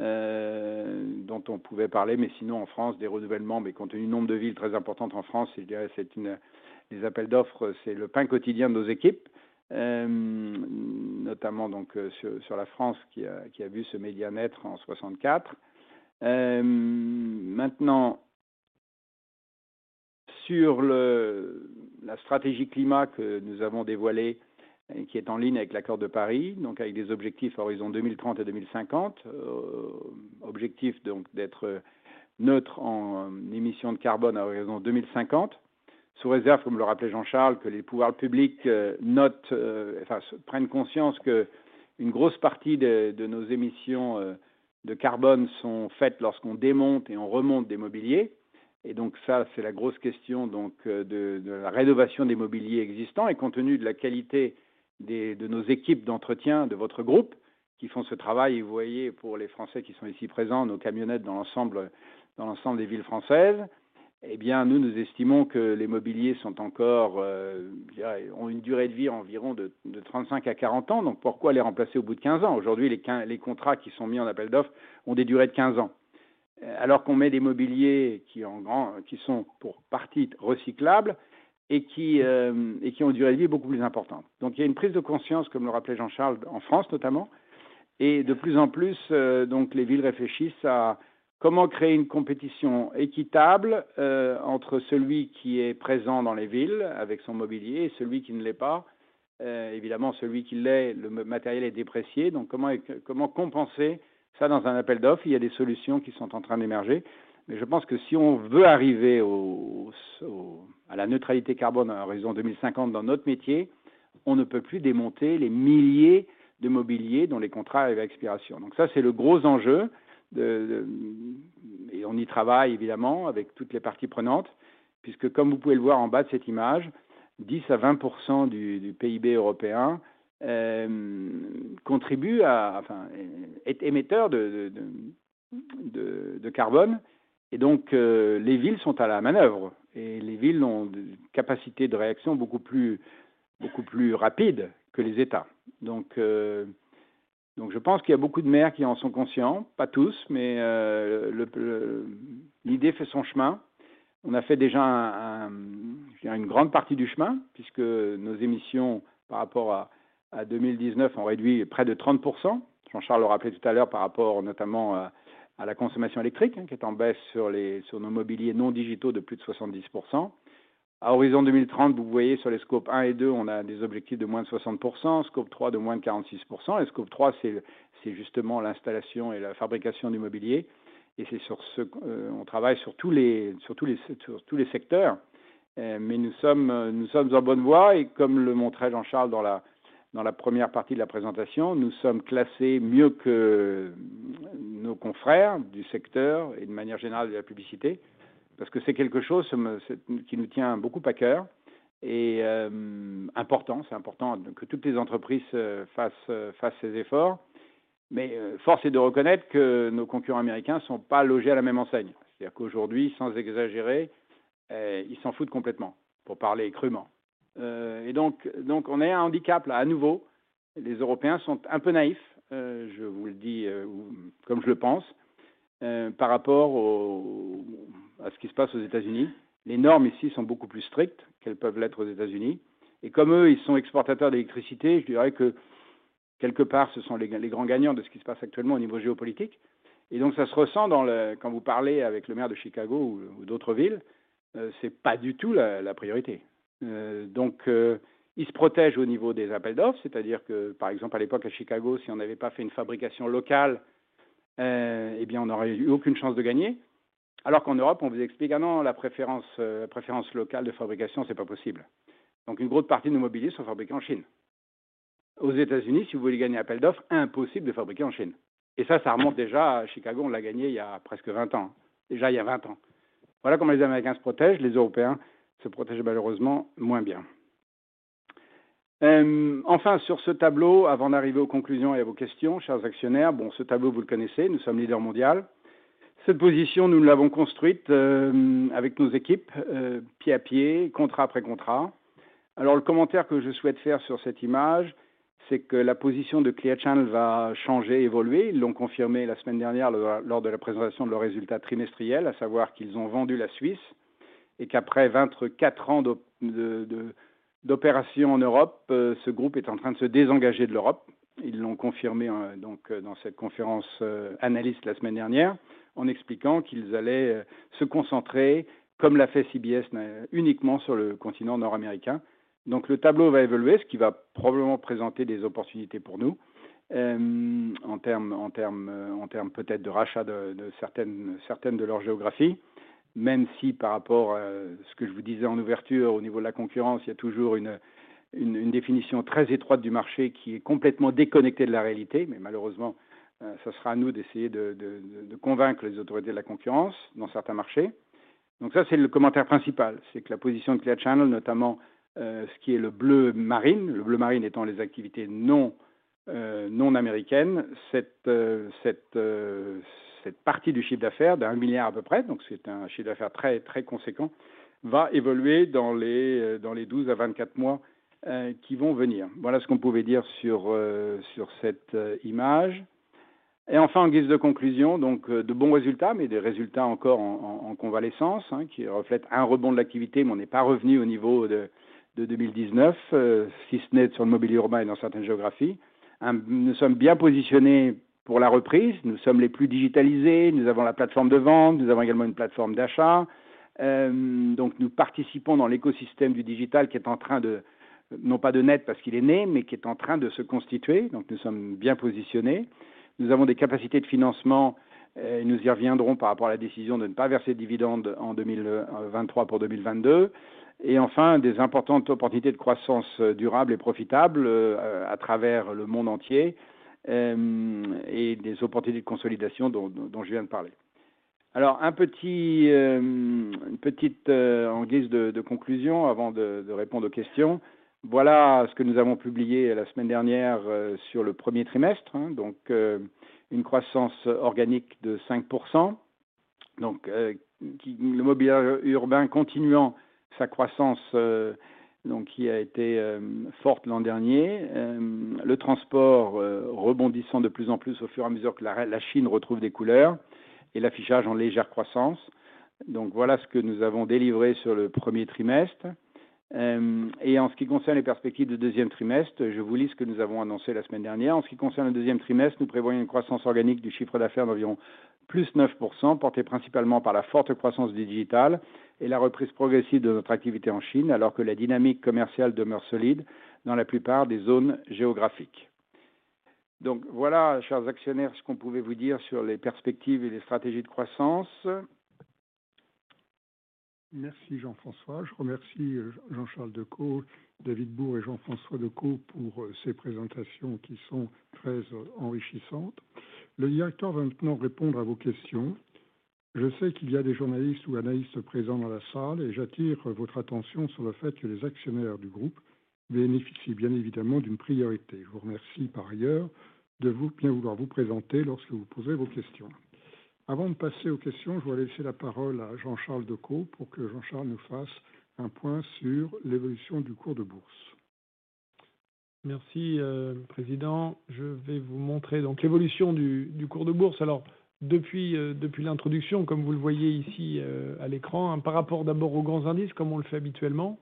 dont on pouvait parler. Sinon, en France, des renouvellements, mais compte tenu du nombre de villes très importantes en France, je dirais, les appels d'offres, c'est le pain quotidien de nos équipes, notamment sur la France qui a vu ce média naître en 64. Maintenant, sur le, la stratégie climat que nous avons dévoilée et qui est en ligne avec l'Accord de Paris, donc avec des objectifs à horizon 2030 et 2050. Objectif d'être neutre en émissions de carbone à horizon 2050. Sous réserve, comme le rappelait Jean-Charles, que les pouvoirs publics notent, enfin, prennent conscience qu'une grosse partie de nos émissions de carbone sont faites lorsqu'on démonte et on remonte des mobiliers. Ça, c'est la grosse question de la rénovation des mobiliers existants. Compte tenu de la qualité des, de nos équipes d'entretien de votre groupe qui font ce travail, vous voyez, pour les Français qui sont ici présents, nos camionnettes dans l'ensemble, dans l'ensemble des villes françaises, eh bien nous estimons que les mobiliers sont encore, je dirais, ont une durée de vie environ de 35 à 40 ans. Pourquoi les remplacer au bout de 15 ans? Aujourd'hui, les contrats qui sont mis en appel d'offres ont des durées de 15 ans. Alors qu'on met des mobiliers qui sont pour partie recyclables et qui ont une durée de vie beaucoup plus importante. Il y a une prise de conscience, comme le rappelait Jean-Charles, en France notamment. De plus en plus, les villes réfléchissent à comment créer une compétition équitable entre celui qui est présent dans les villes avec son mobilier et celui qui ne l'est pas. Évidemment, celui qui l'est, le matériel est déprécié. Comment compenser ça dans un appel d'offres? Il y a des solutions qui sont en train d'émerger. Je pense que si on veut arriver au à la neutralité carbone à horizon 2050 dans notre métier, on ne peut plus démonter les milliers de mobiliers dont les contrats arrivent à expiration. Ça, c'est le gros enjeu de et on y travaille évidemment avec toutes les parties prenantes, puisque comme vous pouvez le voir en bas de cette image, 10%-20% du PIB européen contribue à, enfin, est émetteur de carbone. Les villes sont à la manœuvre et les villes ont une capacité de réaction beaucoup plus rapide que les États. Je pense qu'il y a beaucoup de maires qui en sont conscients, pas tous, mais le l'idée fait son chemin. On a fait déjà un, je dirais, une grande partie du chemin puisque nos émissions par rapport à 2019 ont réduit près de 30%. Jean-Charles le rappelait tout à l'heure, par rapport notamment à la consommation électrique qui est en baisse sur nos mobiliers non digitaux de plus de 70%. À horizon 2030, vous voyez, sur les Scope 1 et 2, on a des objectifs de -60%, Scope 3 de -46%. Les Scope 3, c'est justement l'installation et la fabrication du mobilier. C'est sur ce qu'on travaille sur tous les secteurs. Nous sommes en bonne voie et comme le montrait Jean-Charles dans la première partie de la présentation, nous sommes classés mieux que nos confrères du secteur et de manière générale de la publicité, parce que c'est quelque chose qui nous tient beaucoup à cœur et important. C'est important que toutes les entreprises fassent ces efforts. Force est de reconnaître que nos concurrents américains ne sont pas logés à la même enseigne. C'est-à-dire qu'aujourd'hui, sans exagérer, ils s'en foutent complètement, pour parler crûment. Donc on a un handicap là à nouveau. Les Européens sont un peu naïfs, je vous le dis comme je le pense, par rapport à ce qui se passe aux États-Unis. Les normes ici sont beaucoup plus strictes qu'elles peuvent l'être aux États-Unis. Et comme eux, ils sont exportateurs d'électricité, je dirais que quelque part, ce sont les grands gagnants de ce qui se passe actuellement au niveau géopolitique. Ça se ressent dans le quand vous parlez avec le maire de Chicago ou d'autres villes, ce n'est pas du tout la priorité. Donc, ils se protègent au niveau des appels d'offres. C'est-à-dire que, par exemple, à l'époque, à Chicago, si on n'avait pas fait une fabrication locale, eh bien, on n'aurait eu aucune chance de gagner. Alors qu'en Europe, on vous explique: la préférence locale de fabrication, ce n'est pas possible. Une grosse partie de nos mobiliers sont fabriqués en Chine. Aux États-Unis, si vous voulez gagner un appel d'offres, impossible de fabriquer en Chine. Ça, ça remonte déjà à Chicago. On l'a gagné il y a presque 20 ans. Déjà il y a 20 ans. Voilà comment les Américains se protègent. Les Européens se protègent malheureusement moins bien. Enfin, sur ce tableau, avant d'arriver aux conclusions et à vos questions, chers actionnaires, ce tableau, vous le connaissez, nous sommes leaders mondial. Cette position, nous l'avons construite, avec nos équipes, pied à pied, contrat après contrat. Le commentaire que je souhaite faire sur cette image, c'est que la position de Clear Channel va changer, évoluer. Ils l'ont confirmé la semaine dernière lors de la présentation de leurs résultats trimestriels, à savoir qu'ils ont vendu la Suisse et qu'après 24 ans d'opérations en Europe, ce groupe est en train de se désengager de l'Europe. Ils l'ont confirmé donc dans cette conférence analyste la semaine dernière en expliquant qu'ils allaient se concentrer, comme l'a fait CBS, uniquement sur le continent nord-américain. Le tableau va évoluer, ce qui va probablement présenter des opportunités pour nous en termes peut-être de rachat de certaines de leurs géographies, même si par rapport à ce que je vous disais en ouverture, au niveau de la concurrence, il y a toujours une définition très étroite du marché qui est complètement déconnectée de la réalité. Malheureusement, ça sera à nous d'essayer de convaincre les autorités de la concurrence dans certains marchés. Ça, c'est le commentaire principal, c'est que la position de Clear Channel, notamment, ce qui est le bleu marine, le bleu marine étant les activités non américaines, cette partie du chiffre d'affaires, d'EUR 1 billion à peu près, donc c'est un chiffre d'affaires très conséquent, va évoluer dans les 12 à 24 mois qui vont venir. Voilà ce qu'on pouvait dire sur cette image. Enfin, en guise de conclusion, donc, de bons résultats, mais des résultats encore en convalescence, hein, qui reflètent un rebond de l'activité, mais on n'est pas revenu au niveau de 2019, si ce n'est sur le mobilier urbain et dans certaines géographies. Nous sommes bien positionnés pour la reprise. Nous sommes les plus digitalisés, nous avons la plateforme de vente, nous avons également une plateforme d'achat. Nous participons dans l'écosystème du digital qui est en train de, non pas de naître parce qu'il est né, mais qui est en train de se constituer. Nous sommes bien positionnés. Nous avons des capacités de financement et nous y reviendrons par rapport à la décision de ne pas verser de dividende en 2023 pour 2022. Enfin, des importantes opportunités de croissance durable et profitable à travers le monde entier, et des opportunités de consolidation dont je viens de parler. Une petite, en guise de conclusion, avant de répondre aux questions. Voilà ce que nous avons publié la semaine dernière sur le premier trimestre. Une croissance organique de 5%. Le mobilier urbain continuant sa croissance, qui a été forte l'an dernier, le transport rebondissant de plus en plus au fur et à mesure que la Chine retrouve des couleurs et l'affichage en légère croissance. Voilà ce que nous avons délivré sur le premier trimestre. Et en ce qui concerne les perspectives du deuxième trimestre, je vous lis ce que nous avons annoncé la semaine dernière. En ce qui concerne le deuxième trimestre, nous prévoyons une croissance organique du chiffre d'affaires d'environ +9%, portée principalement par la forte croissance du digital et la reprise progressive de notre activité en Chine, alors que la dynamique commerciale demeure solide dans la plupart des zones géographiques. Voilà, chers actionnaires, ce qu'on pouvait vous dire sur les perspectives et les stratégies de croissance. Merci Jean-François. Je remercie Jean-Charles Decaux, David Bourg et Jean-François Decaux pour ces présentations qui sont très enrichissantes. Le directeur va maintenant répondre à vos questions. Je sais qu'il y a des journalistes ou analystes présents dans la salle et j'attire votre attention sur le fait que les actionnaires du groupe bénéficient bien évidemment d'une priorité. Je vous remercie par ailleurs de bien vouloir vous présenter lorsque vous posez vos questions. Avant de passer aux questions, je vais laisser la parole à Jean-Charles Decaux pour que Jean-Charles nous fasse un point sur l'évolution du cours de bourse. Merci, président. Je vais vous montrer l'évolution du cours de bourse. Depuis l'introduction, comme vous le voyez ici, à l'écran, par rapport d'abord aux grands indices, comme on le fait habituellement,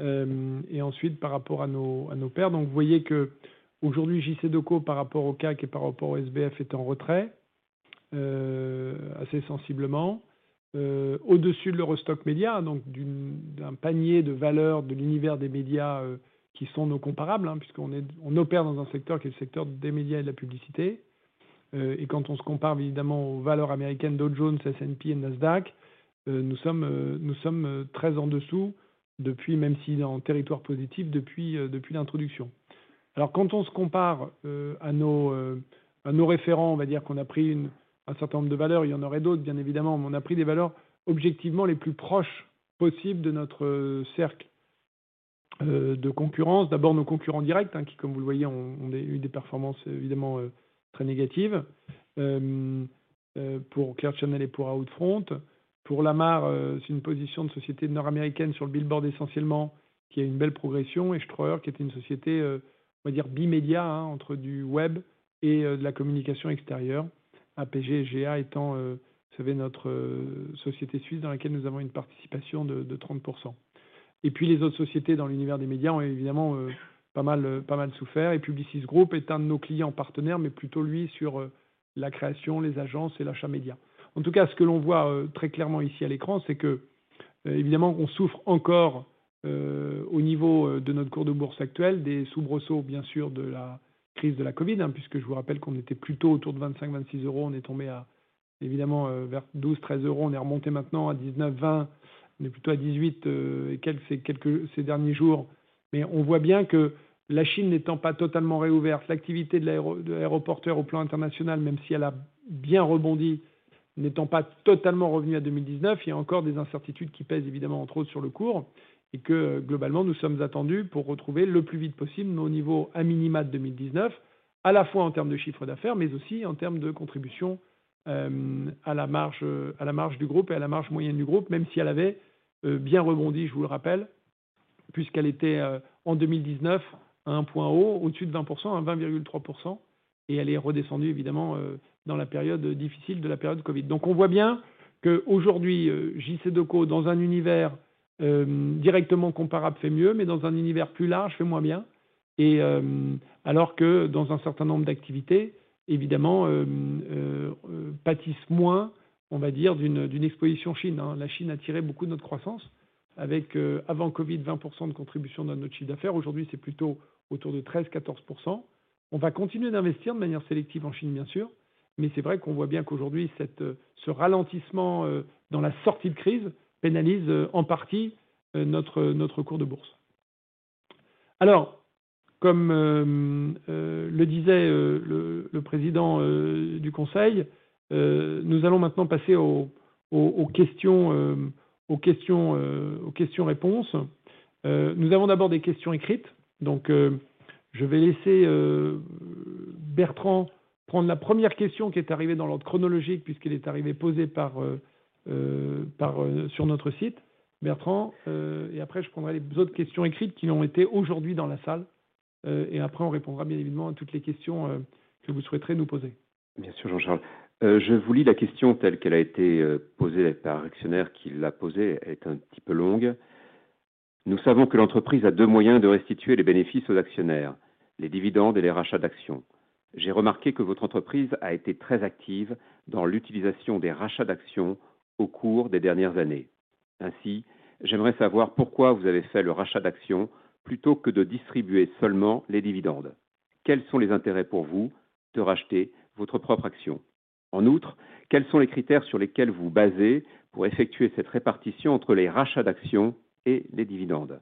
et ensuite par rapport à nos pairs. Vous voyez qu'aujourd'hui, JCDecaux, par rapport au CAC et par rapport au SBF, est en retrait, assez sensiblement, au-dessus de l'EURO STOXX Media, d'un panier de valeurs de l'univers des médias qui sont nos comparables, hein, puisqu'on opère dans un secteur qui est le secteur des médias et de la publicité. Quand on se compare évidemment aux valeurs américaines Dow Jones, S&P et Nasdaq, nous sommes très en dessous depuis, même si en territoire positif, depuis l'introduction. Quand on se compare, à nos, à nos référents, on va dire qu'on a pris un certain nombre de valeurs. Il y en aurait d'autres, bien évidemment, mais on a pris des valeurs objectivement les plus proches possibles de notre cercle. De concurrence. D'abord, nos concurrents directs, qui, comme vous le voyez, ont eu des performances évidemment très négatives, pour Clear Channel et pour Outfront. Pour Lamar, c'est une position de société nord-américaine sur le Billboard essentiellement, qui a une belle progression. Schreuder, qui était une société, on va dire, bimédia, entre du Web et de la communication extérieure. APG|SGA étant, vous savez, notre société suisse dans laquelle nous avons une participation de 30%. Puis les autres sociétés dans l'univers des médias ont évidemment pas mal souffert. Publicis Groupe est un de nos clients partenaires, mais plutôt, lui, sur la création, les agences et l'achat média. Ce que l'on voit très clairement ici à l'écran, c'est que évidemment, on souffre encore au niveau de notre cours de bourse actuel, des soubresauts bien sûr de la crise de la COVID, puisque je vous rappelle qu'on était plutôt autour de 25-26 euros. On est tombé à évidemment vers 12-13 euros. On est remonté maintenant à 19-20, mais plutôt à 18 et quelques ces derniers jours. On voit bien que la Chine n'étant pas totalement reopened, l'activité de l'aéroporteur au plan international, même si elle a bien rebondi, n'étant pas totalement revenue à 2019, il y a encore des incertitudes qui pèsent évidemment, entre autres, sur le cours et que globalement, nous sommes attendus pour retrouver le plus vite possible nos niveaux a minima de 2019, à la fois en termes de chiffre d'affaires, mais aussi en termes de contribution, à la marge, à la marge du groupe et à la marge moyenne du groupe, même si elle avait bien rebondi, je vous le rappelle, puisqu'elle était en 2019 à un point haut, au-dessus de 20%, à 20.3%. elle est redescendue évidemment, dans la période difficile de la période COVID. On voit bien qu'aujourd'hui, JCDecaux, dans un univers directement comparable, fait mieux, mais dans un univers plus large, fait moins bien. Alors que dans un certain nombre d'activités, évidemment, pâtissent moins, on va dire, d'une exposition Chine, hein. La Chine attirait beaucoup notre croissance avec, avant COVID, 20% de contribution dans notre chiffre d'affaires. Aujourd'hui, c'est plutôt autour de 13%, 14%. On va continuer d'investir de manière sélective en Chine, bien sûr, mais c'est vrai qu'on voit bien qu'aujourd'hui, ce ralentissement dans la sortie de crise pénalise en partie notre cours de bourse. Comme le disait le président du conseil, nous allons maintenant passer aux questions, aux questions-réponses. Nous avons d'abord des questions écrites. Je vais laisser Bertrand prendre la première question qui est arrivée dans l'ordre chronologique puisqu'elle est arrivée posée sur notre site. Bertrand. Après, je prendrai les autres questions écrites qui ont été aujourd'hui dans la salle. Après, on répondra bien évidemment à toutes les questions que vous souhaiterez nous poser. Bien sûr, Jean-Charles. Je vous lis la question telle qu'elle a été posée par l'actionnaire qui l'a posée, elle est un petit peu longue. Nous savons que l'entreprise a deux moyens de restituer les bénéfices aux actionnaires: les dividendes et les rachats d'actions. J'ai remarqué que votre entreprise a été très active dans l'utilisation des rachats d'actions au cours des dernières années. J'aimerais savoir pourquoi vous avez fait le rachat d'actions plutôt que de distribuer seulement les dividendes. Quels sont les intérêts pour vous de racheter votre propre action? Quels sont les critères sur lesquels vous vous basez pour effectuer cette répartition entre les rachats d'actions et les dividendes?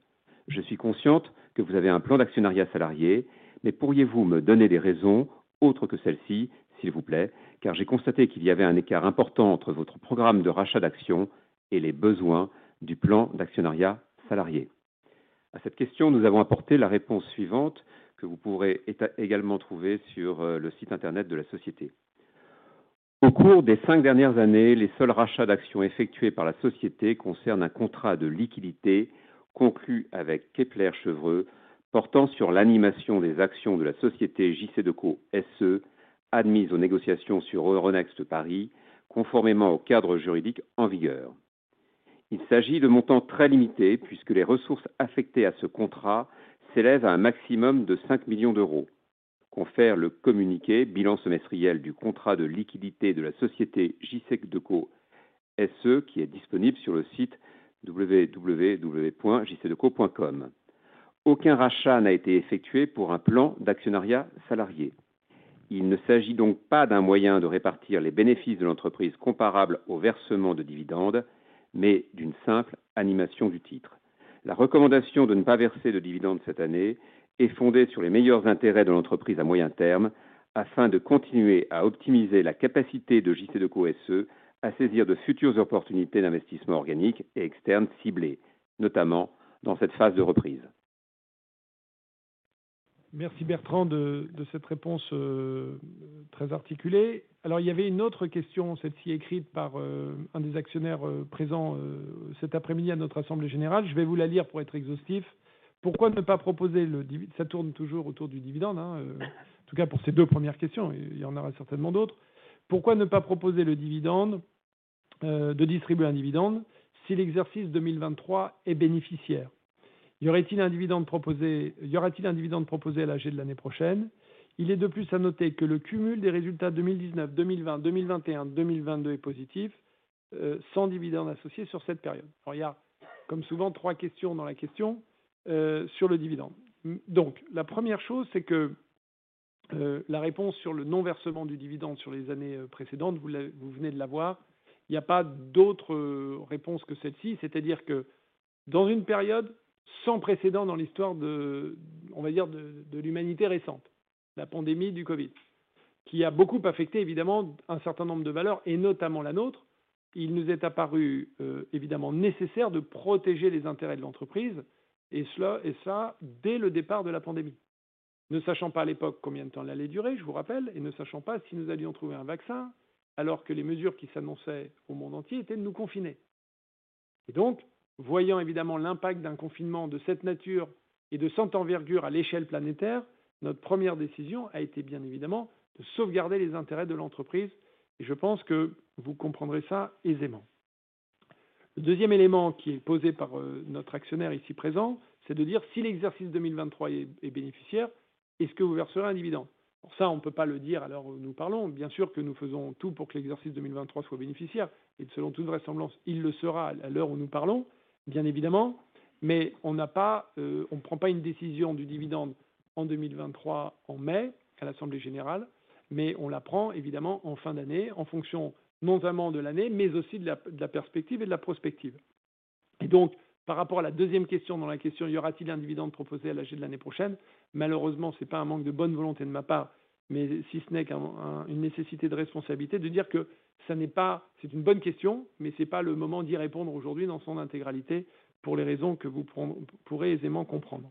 Je suis consciente que vous avez un plan d'actionnariat salarié, mais pourriez-vous me donner des raisons autres que celles-ci, s'il vous plaît? J'ai constaté qu'il y avait un écart important entre votre programme de rachat d'actions et les besoins du plan d'actionnariat salarié. À cette question, nous avons apporté la réponse suivante, que vous pourrez également trouver sur le site Internet de la société. Au cours des 5 dernières années, les seuls rachats d'actions effectués par la société concernent un contrat de liquidités conclu avec Kepler Cheuvreux portant sur l'animation des actions de la société JCDecaux SE, admise aux négociations sur Euronext Paris, conformément au cadre juridique en vigueur. Il s'agit de montants très limités puisque les ressources affectées à ce contrat s'élèvent à un maximum de 5 million. Cf. le communiqué bilan semestriel du contrat de liquidités de la société JCDecaux SE, qui est disponible sur le site www.jcdecaux.com. Aucun rachat n'a été effectué pour un plan d'actionnariat salarié. Il ne s'agit donc pas d'un moyen de répartir les bénéfices de l'entreprise comparables au versement de dividendes, mais d'une simple animation du titre. La recommandation de ne pas verser de dividendes cette année est fondée sur les meilleurs intérêts de l'entreprise à moyen terme afin de continuer à optimiser la capacité de JCDecaux SE à saisir de futures opportunités d'investissement organique et externe ciblées, notamment dans cette phase de reprise. Merci Bertrand de cette réponse très articulée. Il y avait une autre question, celle-ci écrite par un des actionnaires présents cet après-midi à notre assemblée générale. Je vais vous la lire pour être exhaustif. Pourquoi ne pas proposer le ça tourne toujours autour du dividende. En tout cas, pour ces deux premières questions, il y en aura certainement d'autres. Pourquoi ne pas proposer le dividende de distribuer un dividende si l'exercice 2023 est bénéficiaire? Y aura-t-il un dividende proposé à l'AG de l'année prochaine? Il est de plus à noter que le cumul des résultats 2019, 2020, 2021, 2022 est positif sans dividende associé sur cette période. Il y a, comme souvent, three questions dans la question sur le dividende. La première chose, c'est que la réponse sur le non versement du dividende sur les années précédentes, vous la, vous venez de l'avoir. Il n'y a pas d'autre réponse que celle-ci, c'est-à-dire que dans une période sans précédent dans l'histoire deOn va dire de l'humanité récente, la pandémie du COVID, qui a beaucoup affecté évidemment un certain nombre de valeurs et notamment la nôtre. Il nous est apparu évidemment nécessaire de protéger les intérêts de l'entreprise, et cela, et ça dès le départ de la pandémie. Ne sachant pas à l'époque combien de temps elle allait durer, je vous rappelle, et ne sachant pas si nous allions trouver un vaccin alors que les mesures qui s'annonçaient au monde entier étaient de nous confiner. Voyant évidemment l'impact d'un confinement de cette nature et de cette envergure à l'échelle planétaire, notre première décision a été bien évidemment de sauvegarder les intérêts de l'entreprise. Je pense que vous comprendrez ça aisément. Le deuxième élément qui est posé par notre actionnaire ici présent, c'est de dire si l'exercice 2023 est bénéficiaire, est-ce que vous verserez un dividende? Ça, on ne peut pas le dire à l'heure où nous parlons. Bien sûr que nous faisons tout pour que l'exercice 2023 soit bénéficiaire. Selon toute vraisemblance, il le sera à l'heure où nous parlons, bien évidemment. On n'a pas. On prend pas une décision du dividende en 2023, en mai, à l'assemblée générale, mais on la prend évidemment en fin d'année, en fonction non seulement de l'année, mais aussi de la, de la perspective et de la prospective. Par rapport à la deuxième question dans la question, y aura-t-il un dividende proposé à l'AG de l'année prochaine, malheureusement, ce n'est pas un manque de bonne volonté de ma part, mais si ce n'est qu'un, une nécessité de responsabilité de dire que ça n'est pas. C'est une bonne question, mais ce n'est pas le moment d'y répondre aujourd'hui dans son intégralité pour les raisons que vous pourrez aisément comprendre.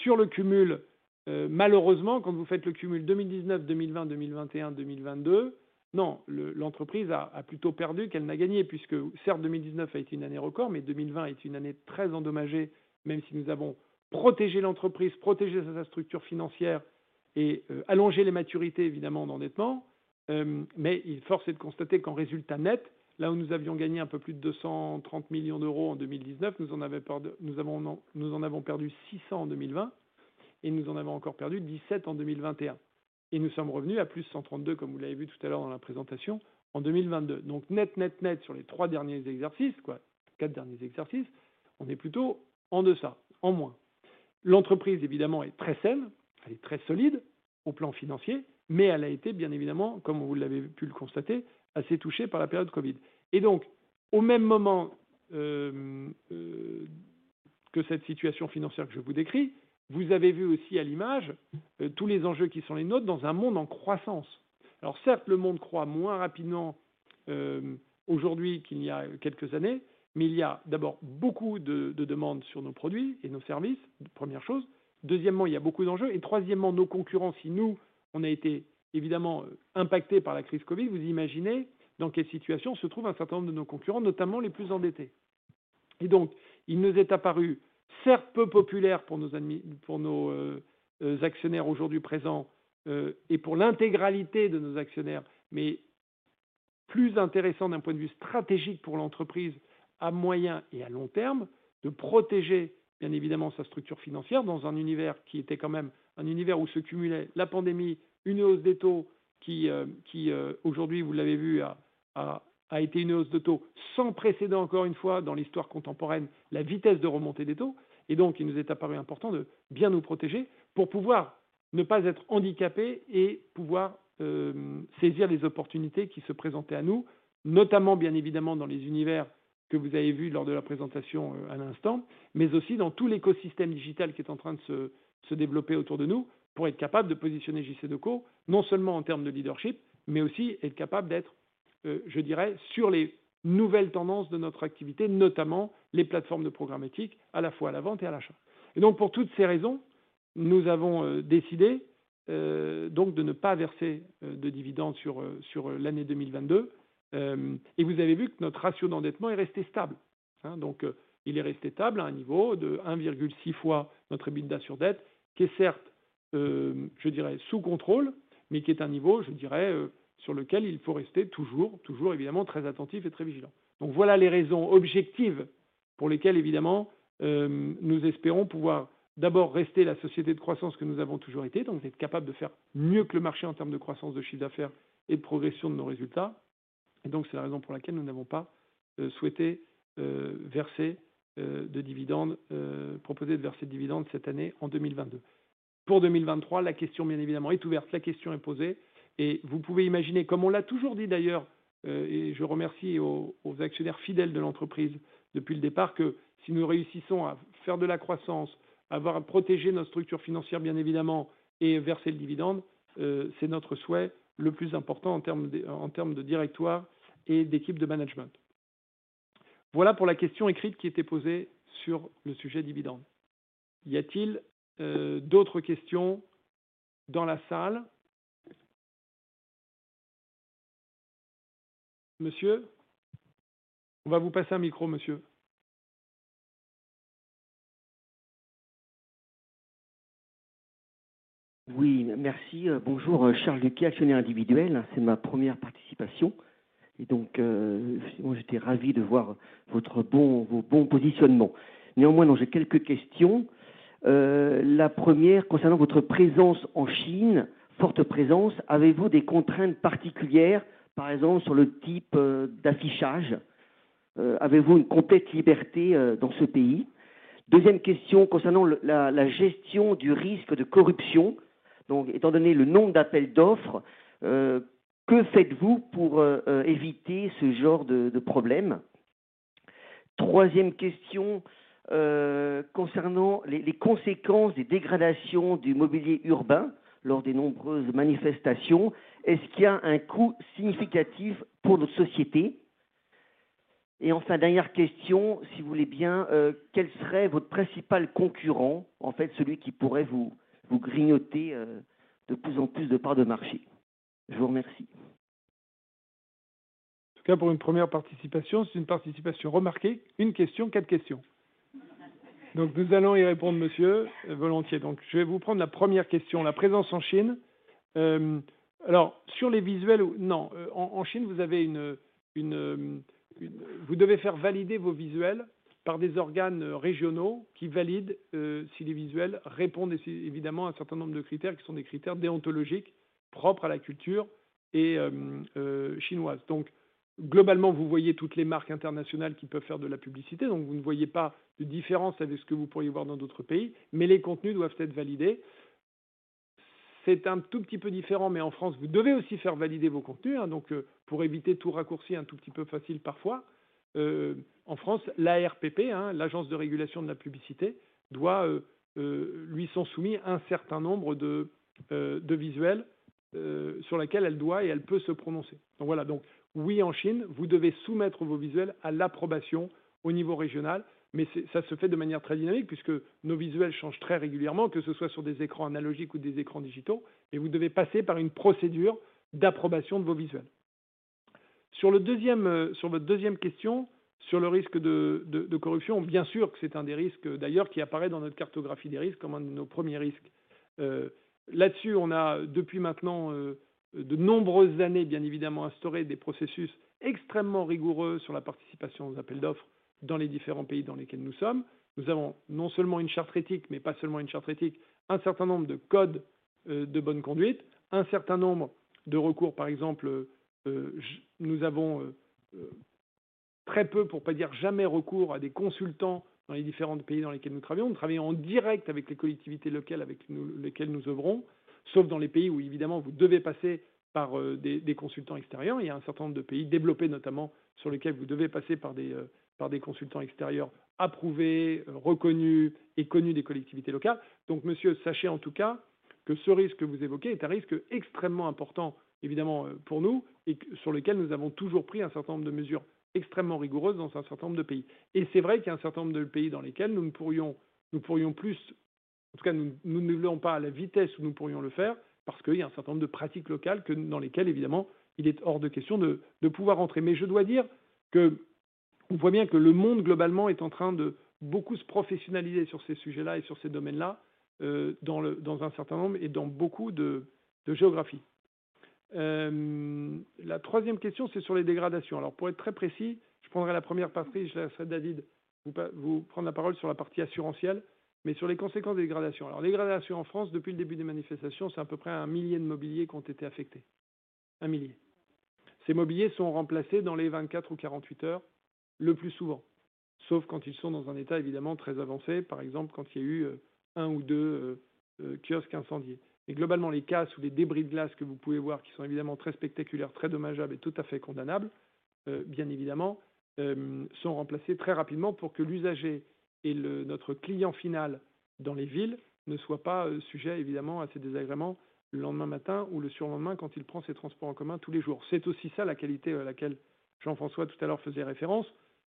Sur le cumul, malheureusement, quand vous faites le cumul 2019, 2020, 2021, 2022, non, l'entreprise a plutôt perdu qu'elle n'a gagné puisque certes 2019 a été une année record, mais 2020 est une année très endommagée, même si nous avons protégé l'entreprise, protégé sa structure financière et allongé les maturités, évidemment, d'endettement. Mais il force est de constater qu'en résultat net, là où nous avions gagné un peu plus de 230 million en 2019, nous en avons perdu 600 en 2020 et nous en avons encore perdu 17 en 2021. Nous sommes revenus à +132, comme vous l'avez vu tout à l'heure dans la présentation, en 2022. Net, net sur les 3 derniers exercices, 4 derniers exercices, on est plutôt en deçà, en moins. L'entreprise, évidemment, est très saine, elle est très solide au plan financier, mais elle a été, bien évidemment, comme vous l'avez pu le constater, assez touchée par la période COVID. Au même moment, que cette situation financière que je vous décris, vous avez vu aussi à l'image tous les enjeux qui sont les nôtres dans un monde en croissance. Certes, le monde croît moins rapidement, aujourd'hui qu'il y a quelques années, mais il y a d'abord beaucoup de demande sur nos produits et nos services, première chose. Deuxièmement, il y a beaucoup d'enjeux. Troisièmement, nos concurrents, si nous, on a été évidemment impactés par la crise COVID, vous imaginez dans quelle situation se trouve un certain nombre de nos concurrents, notamment les plus endettés. Il nous est apparu, certes peu populaire pour nos actionnaires aujourd'hui présents, et pour l'intégralité de nos actionnaires, mais plus intéressant d'un point de vue stratégique pour l'entreprise à moyen et à long terme de protéger bien évidemment sa structure financière dans un univers qui était quand même un univers où se cumulait la pandémie, une hausse des taux qui aujourd'hui, vous l'avez vu, a été une hausse de taux sans précédent encore une fois dans l'histoire contemporaine, la vitesse de remontée des taux. Il nous est apparu important de bien nous protéger pour pouvoir ne pas être handicapés et pouvoir saisir les opportunités qui se présentaient à nous, notamment bien évidemment dans les univers que vous avez vus lors de la presentation à l'instant, mais aussi dans tout l'écosystème digital qui est en train de se développer autour de nous pour être capable de positionner JCDecaux non seulement en termes de leadership, mais aussi être capable d'être, je dirais, sur les nouvelles tendances de notre activité, notamment les plateformes de programmatique à la fois à la vente et à l'achat. Pour toutes ces raisons, nous avons décidé donc de ne pas verser de dividendes sur l'année 2022. Vous avez vu que notre ratio d'endettement est resté stable. Il est resté stable à un niveau de 1.6 fois notre EBITDA sur dette, qui est certes sous contrôle, mais qui est un niveau sur lequel il faut rester toujours évidemment très attentif et très vigilant. Voilà les raisons objectives pour lesquelles évidemment nous espérons pouvoir d'abord rester la société de croissance que nous avons toujours été, donc être capable de faire mieux que le marché en termes de croissance de chiffre d'affaires et de progression de nos résultats. C'est la raison pour laquelle nous n'avons pas souhaité verser de dividendes, proposer de verser de dividendes cette année en 2022. Pour 2023, la question bien évidemment est ouverte. La question est posée. Vous pouvez imaginer, comme on l'a toujours dit d'ailleurs. Je remercie aux actionnaires fidèles de l'entreprise depuis le départ, que si nous réussissons à faire de la croissance, avoir protégé notre structure financière, bien évidemment, et verser le dividende, c'est notre souhait le plus important en termes de directoire et d'équipe de management. Voilà pour la question écrite qui était posée sur le sujet dividende. Y a-t-il d'autres questions dans la salle? Monsieur? On va vous passer un micro, monsieur. Oui, merci. Bonjour, Charles Duquet, actionnaire individuel. C'est ma première participation. J'étais ravi de voir vos bons positionnements. Néanmoins, j'ai quelques questions. La première concernant votre présence en Chine, forte présence. Avez-vous des contraintes particulières, par exemple, sur le type d'affichage? Avez-vous une complète liberté dans ce pays? Deuxième question concernant la gestion du risque de corruption. Étant donné le nombre d'appels d'offres, que faites-vous pour éviter ce genre de problème? Troisième question, concernant les conséquences des dégradations du mobilier urbain lors des nombreuses manifestations. Est-ce qu'il y a un coût significatif pour notre société? Enfin, dernière question, si vous voulez bien, quel serait votre principal concurrent, en fait, celui qui pourrait vous grignoter, de plus en plus de parts de marché? Je vous remercie. En tout cas, pour une première participation, c'est une participation remarquée. Une question, quatre questions. Nous allons y répondre, monsieur, volontiers. Je vais vous prendre la première question, la présence en Chine. Alors, sur les visuels. Non, en Chine, vous avez une, vous devez faire valider vos visuels par des organes régionaux qui valident si les visuels répondent évidemment à un certain nombre de critères qui sont des critères déontologiques propres à la culture et chinoise. Globalement, vous voyez toutes les marques internationales qui peuvent faire de la publicité. Vous ne voyez pas de différence avec ce que vous pourriez voir dans d'autres pays, mais les contenus doivent être validés. C'est un tout petit peu différent, mais en France, vous devez aussi faire valider vos contenus, pour éviter tout raccourci un tout petit peu facile parfois. En France, l'ARPP, l'Agence de Régulation de la Publicité, doit lui sont soumis un certain nombre de visuels sur lesquels elle doit et elle peut se prononcer. Voilà, donc oui, en Chine, vous devez soumettre vos visuels à l'approbation au niveau régional, mais ça se fait de manière très dynamique puisque nos visuels changent très régulièrement, que ce soit sur des écrans analogiques ou des écrans digital, et vous devez passer par une procédure d'approbation de vos visuels. Sur le deuxième, sur votre deuxième question, sur le risque de corruption, bien sûr que c'est un des risques d'ailleurs qui apparaît dans notre cartographie des risques comme un de nos premiers risques. Là-dessus, on a, depuis maintenant, de nombreuses années, bien évidemment, instauré des processus extrêmement rigoureux sur la participation aux appels d'offres dans les différents pays dans lesquels nous sommes. Nous avons non seulement une charte éthique, mais pas seulement une charte éthique, un certain nombre de codes de bonne conduite, un certain nombre de recours. Par exemple, nous avons très peu, pour ne pas dire jamais, recours à des consultants dans les différents pays dans lesquels nous travaillons. On travaille en direct avec les collectivités locales avec lesquelles nous œuvrons, sauf dans les pays où évidemment, vous devez passer par des consultants extérieurs. Il y a un certain nombre de pays développés, notamment, sur lesquels vous devez passer par des consultants extérieurs approuvés, reconnus et connus des collectivités locales. Monsieur, sachez en tout cas que ce risque que vous évoquez est un risque extrêmement important, évidemment, pour nous et sur lequel nous avons toujours pris un certain nombre de mesures extrêmement rigoureuses dans un certain nombre de pays. C'est vrai qu'il y a un certain nombre de pays dans lesquels nous pourrions plus, en tout cas, nous n'évoluons pas à la vitesse où nous pourrions le faire parce qu'il y a un certain nombre de pratiques locales que, dans lesquelles, évidemment, il est hors de question de pouvoir entrer. Je dois dire que on voit bien que le monde, globalement, est en train de beaucoup se professionnaliser sur ces sujets-là et sur ces domaines-là, dans un certain nombre et dans beaucoup de géographies. La troisième question, c'est sur les dégradations. Pour être très précis, je prendrai la première partie, je laisserai David vous prendre la parole sur la partie assurantielle, mais sur les conséquences des dégradations. Les dégradations en France, depuis le début des manifestations, c'est à peu près 1,000 mobiliers qui ont été affectés. 1,000. Ces mobiliers sont remplacés dans les 24 ou 48 hours le plus souvent, sauf quand ils sont dans un état évidemment très avancé, par exemple quand il y a eu one or two kiosques incendiés. Globalement, les casses ou les débris de glace que vous pouvez voir, qui sont évidemment très spectaculaires, très dommageables et tout à fait condamnables, bien évidemment, sont remplacés très rapidement pour que l'usager et notre client final dans les villes ne soit pas sujet évidemment à ces désagréments le lendemain matin ou le surlendemain quand il prend ses transports en commun tous les jours. C'est aussi ça la qualité à laquelle Jean-François tout à l'heure faisait référence,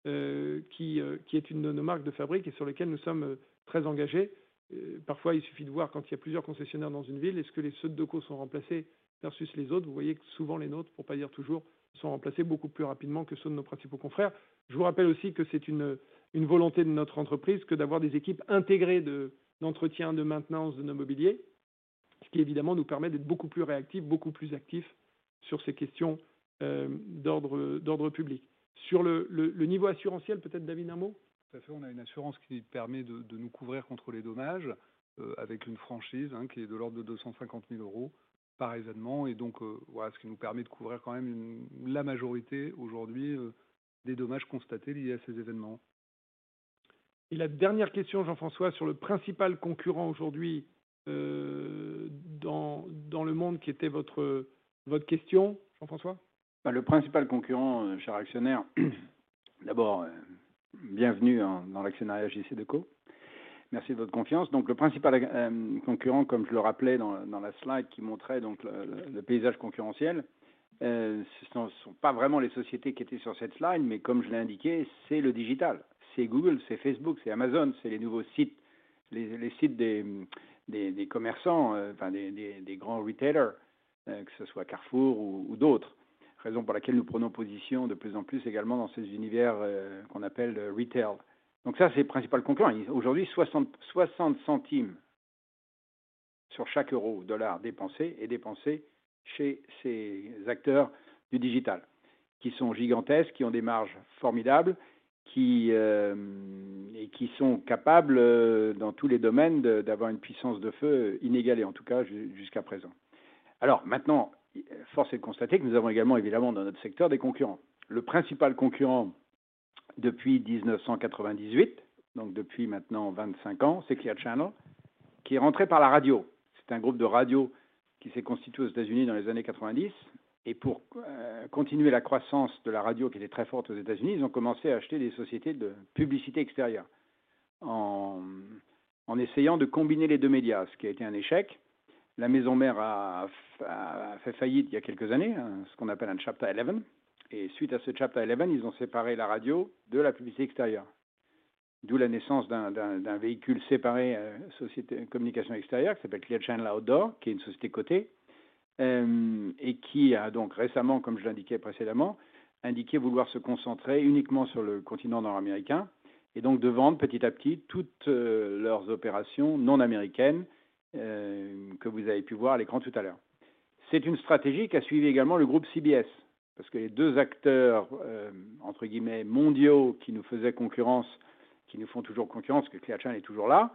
qui est une de nos marques de fabrique et sur lesquelles nous sommes très engagés. Parfois, il suffit de voir quand il y a plusieurs concessionnaires dans une ville, est-ce que les SEDECO sont remplacés versus les autres. Vous voyez que souvent les nôtres, pour ne pas dire toujours, sont remplacés beaucoup plus rapidement que ceux de nos principaux confrères. Je vous rappelle aussi que c'est une volonté de notre entreprise que d'avoir des équipes intégrées d'entretien, de maintenance de nos mobiliers, ce qui évidemment nous permet d'être beaucoup plus réactifs, beaucoup plus actifs sur ces questions d'ordre public. Sur le niveau assurantiel, peut-être, David, un mot? Tout à fait. On a une assurance qui permet de nous couvrir contre les dommages, avec une franchise qui est de l'ordre de 250,000 euros par événement. Donc, voilà, ce qui nous permet de couvrir quand même la majorité aujourd'hui des dommages constatés liés à ces événements. La dernière question, Jean-François, sur le principal concurrent aujourd'hui, dans le monde, qui était votre question, Jean-François? Le principal concurrent, cher actionnaire. Bienvenue dans l'actionnariat JCDecaux. Merci de votre confiance. Le principal concurrent, comme je le rappelais dans la slide qui montrait le paysage concurrentiel, ce ne sont pas vraiment les sociétés qui étaient sur cette slide, mais comme je l'ai indiqué, c'est le digital, c'est Google, c'est Facebook, c'est Amazon, c'est les nouveaux sites, les sites des commerçants, des grands retailers, que ce soit Carrefour ou d'autres. Raison pour laquelle nous prenons position de plus en plus également dans ces univers qu'on appelle retail. Ça, c'est le principal concurrent. Aujourd'hui, 60 centimes sur chaque euro or dollar dépensé est dépensé chez ces acteurs du digital qui sont gigantesques, qui ont des marges formidables, qui et qui sont capables dans tous les domaines, d'avoir une puissance de feu inégalée, en tout cas jusqu'à présent. Maintenant, force est de constater que nous avons également, évidemment, dans notre secteur, des concurrents. Le principal concurrent depuis 1998, donc depuis maintenant 25 years, c'est Clear Channel qui est rentré par la radio. C'est un groupe de radio qui s'est constitué aux U.S. dans les années 90s. Pour continuer la croissance de la radio, qui était très forte aux U.S., ils ont commencé à acheter des sociétés de publicité extérieure en essayant de combiner les deux médias, ce qui a été un échec. La maison mère a fait faillite il y a quelques années, ce qu'on appelle un Chapter 11. Suite à ce Chapter 11, ils ont séparé la radio de la publicité extérieure. D'où la naissance d'un véhicule séparé, société de communication extérieure qui s'appelle Clear Channel Outdoor, qui est une société cotée, et qui a donc récemment, comme je l'indiquais précédemment, indiqué vouloir se concentrer uniquement sur le continent North American et donc de vendre petit à petit toutes leurs opérations non-American, que vous avez pu voir à l'écran tout à l'heure. C'est une stratégie qu'a suivie également le groupe CBS. Les deux acteurs, entre guillemets, mondiaux qui nous faisaient concurrence, qui nous font toujours concurrence, parce que Clear Channel est toujours là,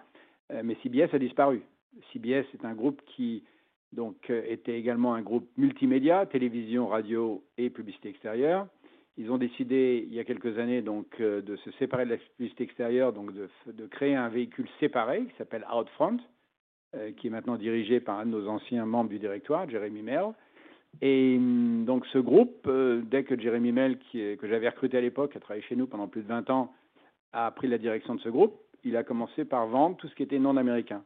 mais CBS a disparu. CBS est un groupe qui était également un groupe multimédia, télévision, radio et publicité extérieure. Ils ont décidé il y a quelques années de se séparer de la publicité extérieure, de créer un véhicule séparé qui s'appelle Outfront, qui est maintenant dirigé par un de nos anciens membres du directoire, Jeremy Merrill. Ce groupe, dès que Jeremy Merrill, que j'avais recruté à l'époque, a travaillé chez nous pendant plus de 20 ans, a pris la direction de ce groupe, il a commencé par vendre tout ce qui était non américain.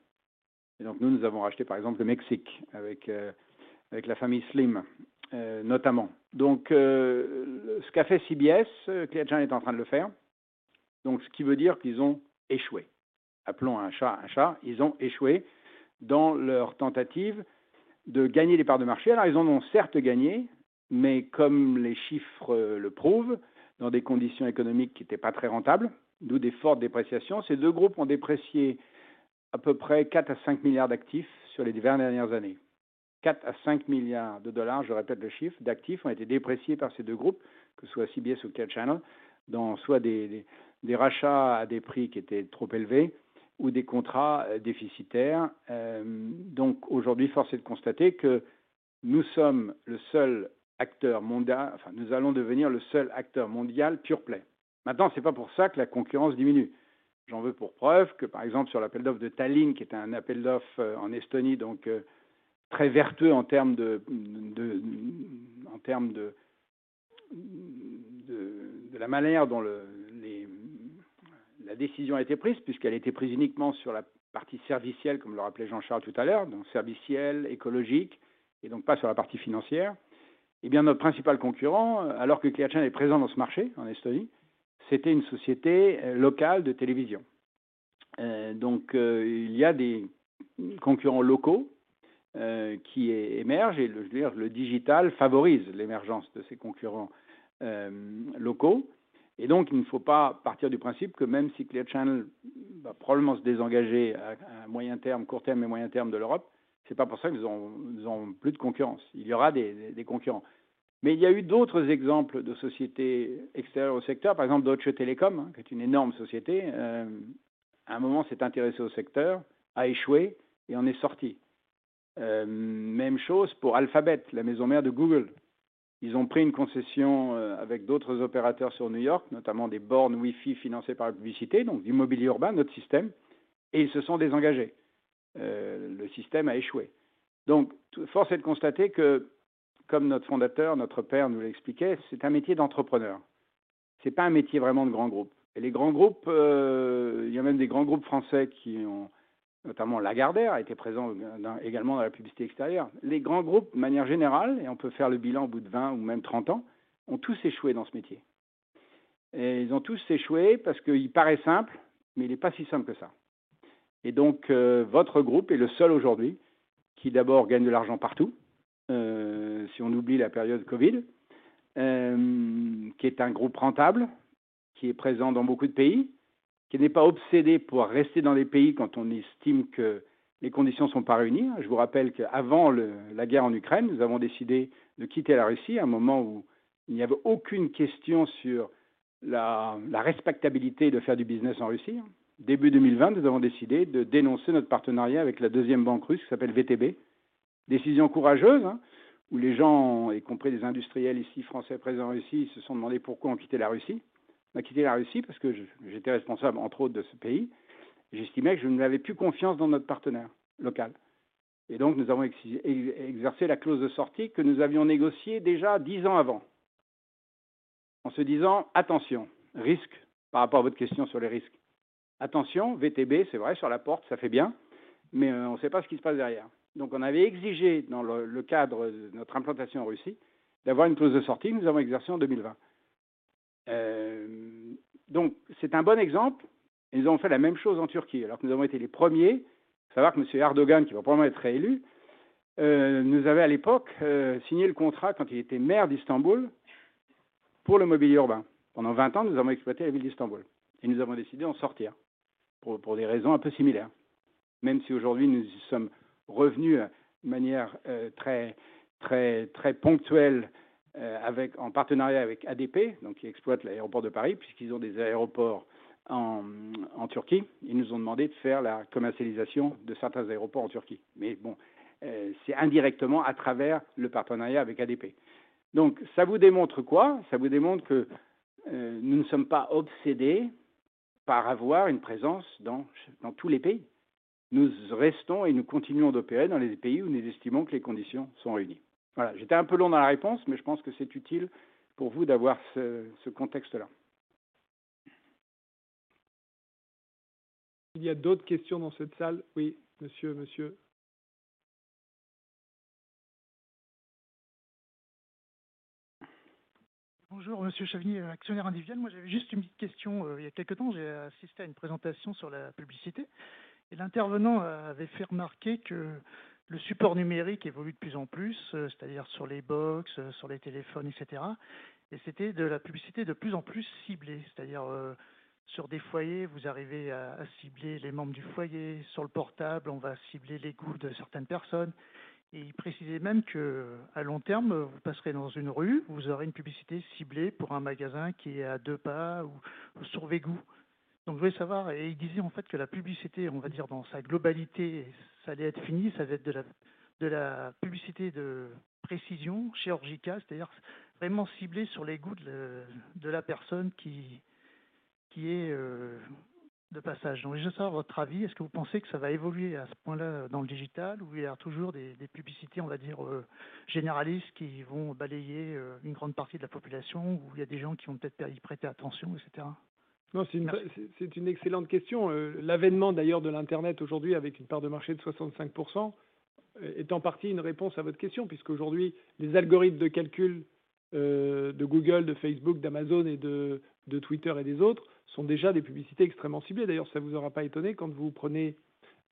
Nous, nous avons racheté par exemple le Mexique avec la famille Slim, notamment. Ce qu'a fait CBS, Clear Channel est en train de le faire. Ce qui veut dire qu'ils ont échoué. Appelons un chat un chat, ils ont échoué dans leur tentative de gagner des parts de marché. Ils en ont certes gagné, mais comme les chiffres le prouvent, dans des conditions économiques qui n'étaient pas très rentables, d'où des fortes dépréciations. Ces deux groupes ont déprécié à peu près $4 billion-$5 billion d'actifs sur les 20 dernières années. $4 billion-$5 billion, je répète le chiffre, d'actifs ont été dépréciés par ces deux groupes, que ce soit CBS ou Clear Channel, dans soit des rachats à des prix qui étaient trop élevés ou des contrats déficitaires. Aujourd'hui, force est de constater que nous sommes le seul acteur, enfin, nous allons devenir le seul acteur mondial pure play. Ce n'est pas pour ça que la concurrence diminue. J'en veux pour preuve que, par exemple, sur l'appel d'offres de Tallinn, qui est un appel d'offres en Estonie, donc très vertueux en termes de, en termes de la manière dont la décision a été prise, puisqu'elle a été prise uniquement sur la partie servicielle, comme le rappelait Jean-Charles tout à l'heure, donc servicielle, écologique et donc pas sur la partie financière. Eh bien, notre principal concurrent, alors que Clear Channel est présent dans ce marché, en Estonie, c'était une société locale de télévision. Donc, il y a des concurrents locaux, qui émergent. Le, je veux dire, le digital favorise l'émergence de ces concurrents, locaux. Il ne faut pas partir du principe que même si Clear Channel va probablement se désengager à moyen terme, court terme et moyen terme de l'Europe, ce n'est pas pour ça que nous avons plus de concurrence. Il y aura des concurrents. Il y a eu d'autres exemples de sociétés extérieures au secteur. Par exemple, Deutsche Telekom, qui est une énorme société, à un moment s'est intéressée au secteur, a échoué et en est sortie. Même chose pour Alphabet, la maison mère de Google. Ils ont pris une concession avec d'autres opérateurs sur New York, notamment des bornes Wi-Fi financées par la publicité, donc du mobilier urbain, notre système, et ils se sont désengagés. Le système a échoué. Force est de constater que comme notre fondateur, notre père nous l'expliquait, c'est un métier d'entrepreneur. Ce n'est pas un métier vraiment de grands groupes. Les grands groupes, il y a même des grands groupes français qui ont, notamment Lagardère, a été présent également dans la publicité extérieure. Les grands groupes, de manière générale, on peut faire le bilan au bout de 20 ou même 30 ans, ont tous échoué dans ce métier. Ils ont tous échoué parce qu'il paraît simple, mais il n'est pas si simple que ça. Donc votre groupe est le seul aujourd'hui qui d'abord gagne de l'argent partout, si on oublie la période COVID, qui est un groupe rentable, qui est présent dans beaucoup de pays, qui n'est pas obsédé pour rester dans les pays quand on estime que les conditions ne sont pas réunies. Je vous rappelle qu'avant la guerre en Ukraine, nous avons décidé de quitter la Russia à un moment où il n'y avait aucune question sur la respectabilité de faire du business en Russia. Début 2020, nous avons décidé de dénoncer notre partenariat avec la deuxième banque Russian qui s'appelle VTB. Décision courageuse où les gens, y compris les industriels ici French présents en Russia, se sont demandé pourquoi on quittait la Russia. On a quitté la Russia parce que j'étais responsable, entre autres, de ce pays. J'estimais que je n'avais plus confiance dans notre partenaire local. Donc nous avons exercé la clause de sortie que nous avions négociée déjà 10 ans avant. En se disant: attention, risque, par rapport à votre question sur les risques. Attention, VTB, c'est vrai, sur la porte, ça fait bien, mais on ne sait pas ce qui se passe derrière. On avait exigé, dans le cadre de notre implantation en Russie, d'avoir une clause de sortie que nous avons exercée en 2020. C'est un bon exemple. Ils ont fait la même chose en Turquie, alors que nous avons été les premiers. Il faut savoir que M. Erdoğan, qui va probablement être réélu, nous avait à l'époque signé le contrat quand il était maire d'Istanbul pour le mobilier urbain. Pendant 20 ans, nous avons exploité la ville d'Istanbul et nous avons décidé d'en sortir pour des raisons un peu similaires. Même si aujourd'hui, nous y sommes revenus de manière très ponctuelle, avec, en partenariat avec ADP, donc qui exploite l'aéroport de Paris, puisqu'ils ont des aéroports en Turquie. Ils nous ont demandé de faire la commercialisation de certains aéroports en Turkey. C'est indirectement à travers le partenariat avec ADP. Ça vous démontre quoi? Ça vous démontre que Nous ne sommes pas obsédés par avoir une présence dans tous les pays. Nous restons et nous continuons d'opérer dans les pays où nous estimons que les conditions sont réunies. Voilà, j'étais un peu long dans la réponse, mais je pense que c'est utile pour vous d'avoir ce contexte-là. Est-ce qu'il y a d'autres questions dans cette salle? Oui, monsieur. Bonjour Monsieur Chavinier, actionnaire individuel. Moi, j'avais juste une petite question. Il y a quelque temps, j'ai assisté à une présentation sur la publicité et l'intervenant avait fait remarquer que le support numérique évolue de plus en plus, c'est-à-dire sur les box, sur les téléphones, etc. C'était de la publicité de plus en plus ciblée, c'est-à-dire sur des foyers, vous arrivez à cibler les membres du foyer. Sur le portable, on va cibler les goûts de certaines personnes. Il précisait même que à long terme, vous passerez dans une rue, vous aurez une publicité ciblée pour un magasin qui est à deux pas ou sur vos goûts. Je voulais savoir. Il disait en fait que la publicité, on va dire, dans sa globalité, ça allait être fini. Ça va être de la publicité de précision chirurgicale, c'est-à-dire vraiment ciblée sur les goûts de la personne qui est de passage. Je veux savoir votre avis. Est-ce que vous pensez que ça va évoluer à ce point-là dans le digital ou il y a toujours des publicités, on va dire, généralistes qui vont balayer une grande partie de la population où il y a des gens qui vont peut-être y prêter attention, etc. ? C'est une excellente question. L'avènement d'ailleurs de l'internet aujourd'hui avec une part de marché de 65% est en partie une réponse à votre question, puisqu'aujourd'hui les algorithmes de calcul de Google, de Facebook, d'Amazon et de Twitter et des autres sont déjà des publicités extrêmement ciblées. Ça vous aura pas étonné, quand vous prenez,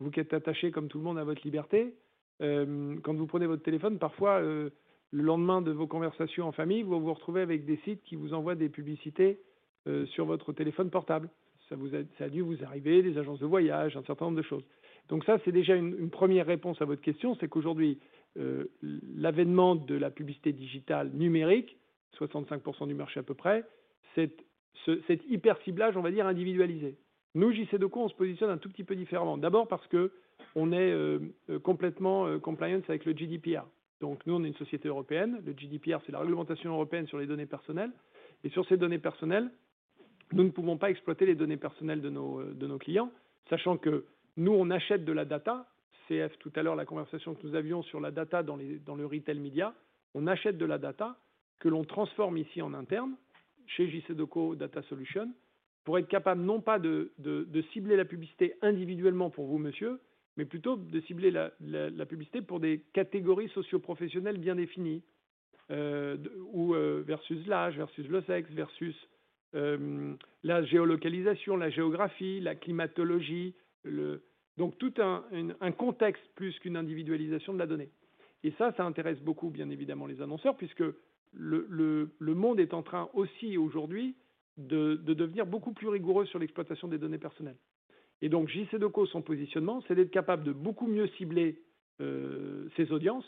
vous qui êtes attaché comme tout le monde à votre liberté, quand vous prenez votre téléphone, parfois, le lendemain de vos conversations en famille, vous vous retrouvez avec des sites qui vous envoient des publicités sur votre téléphone portable. Ça a dû vous arriver, des agences de voyage, un certain nombre de choses. Ça, c'est déjà une première réponse à votre question, c'est qu'aujourd'hui, l'avènement de la publicité digitale numérique, 65% du marché à peu près, c'est cet hyperciblage, on va dire, individualisé. Nous, JCDecaux, on se positionne un tout petit peu différemment. D'abord parce qu'on est complètement compliance avec le GDPR. Nous, on est une Société européenne. Le GDPR, c'est la réglementation européenne sur les données personnelles. Et sur ces données personnelles, nous ne pouvons pas exploiter les données personnelles de nos clients, sachant que nous, on achète de la data. Cf tout à l'heure, la conversation que nous avions sur la data dans le retail media. On achète de la data que l'on transforme ici en interne chez JCDecaux Data Solutions, pour être capable non pas de cibler la publicité individuellement pour vous, monsieur, mais plutôt de cibler la publicité pour des catégories socioprofessionnelles bien définies, ou versus l'âge, versus le sexe, versus la géolocalisation, la géographie, la climatologie, donc tout un contexte plus qu'une individualisation de la donnée. Ça, ça intéresse beaucoup, bien évidemment, les annonceurs, puisque le monde est en train aussi aujourd'hui de devenir beaucoup plus rigoureux sur l'exploitation des données personnelles. Donc, JCDecaux, son positionnement, c'est d'être capable de beaucoup mieux cibler ses audiences.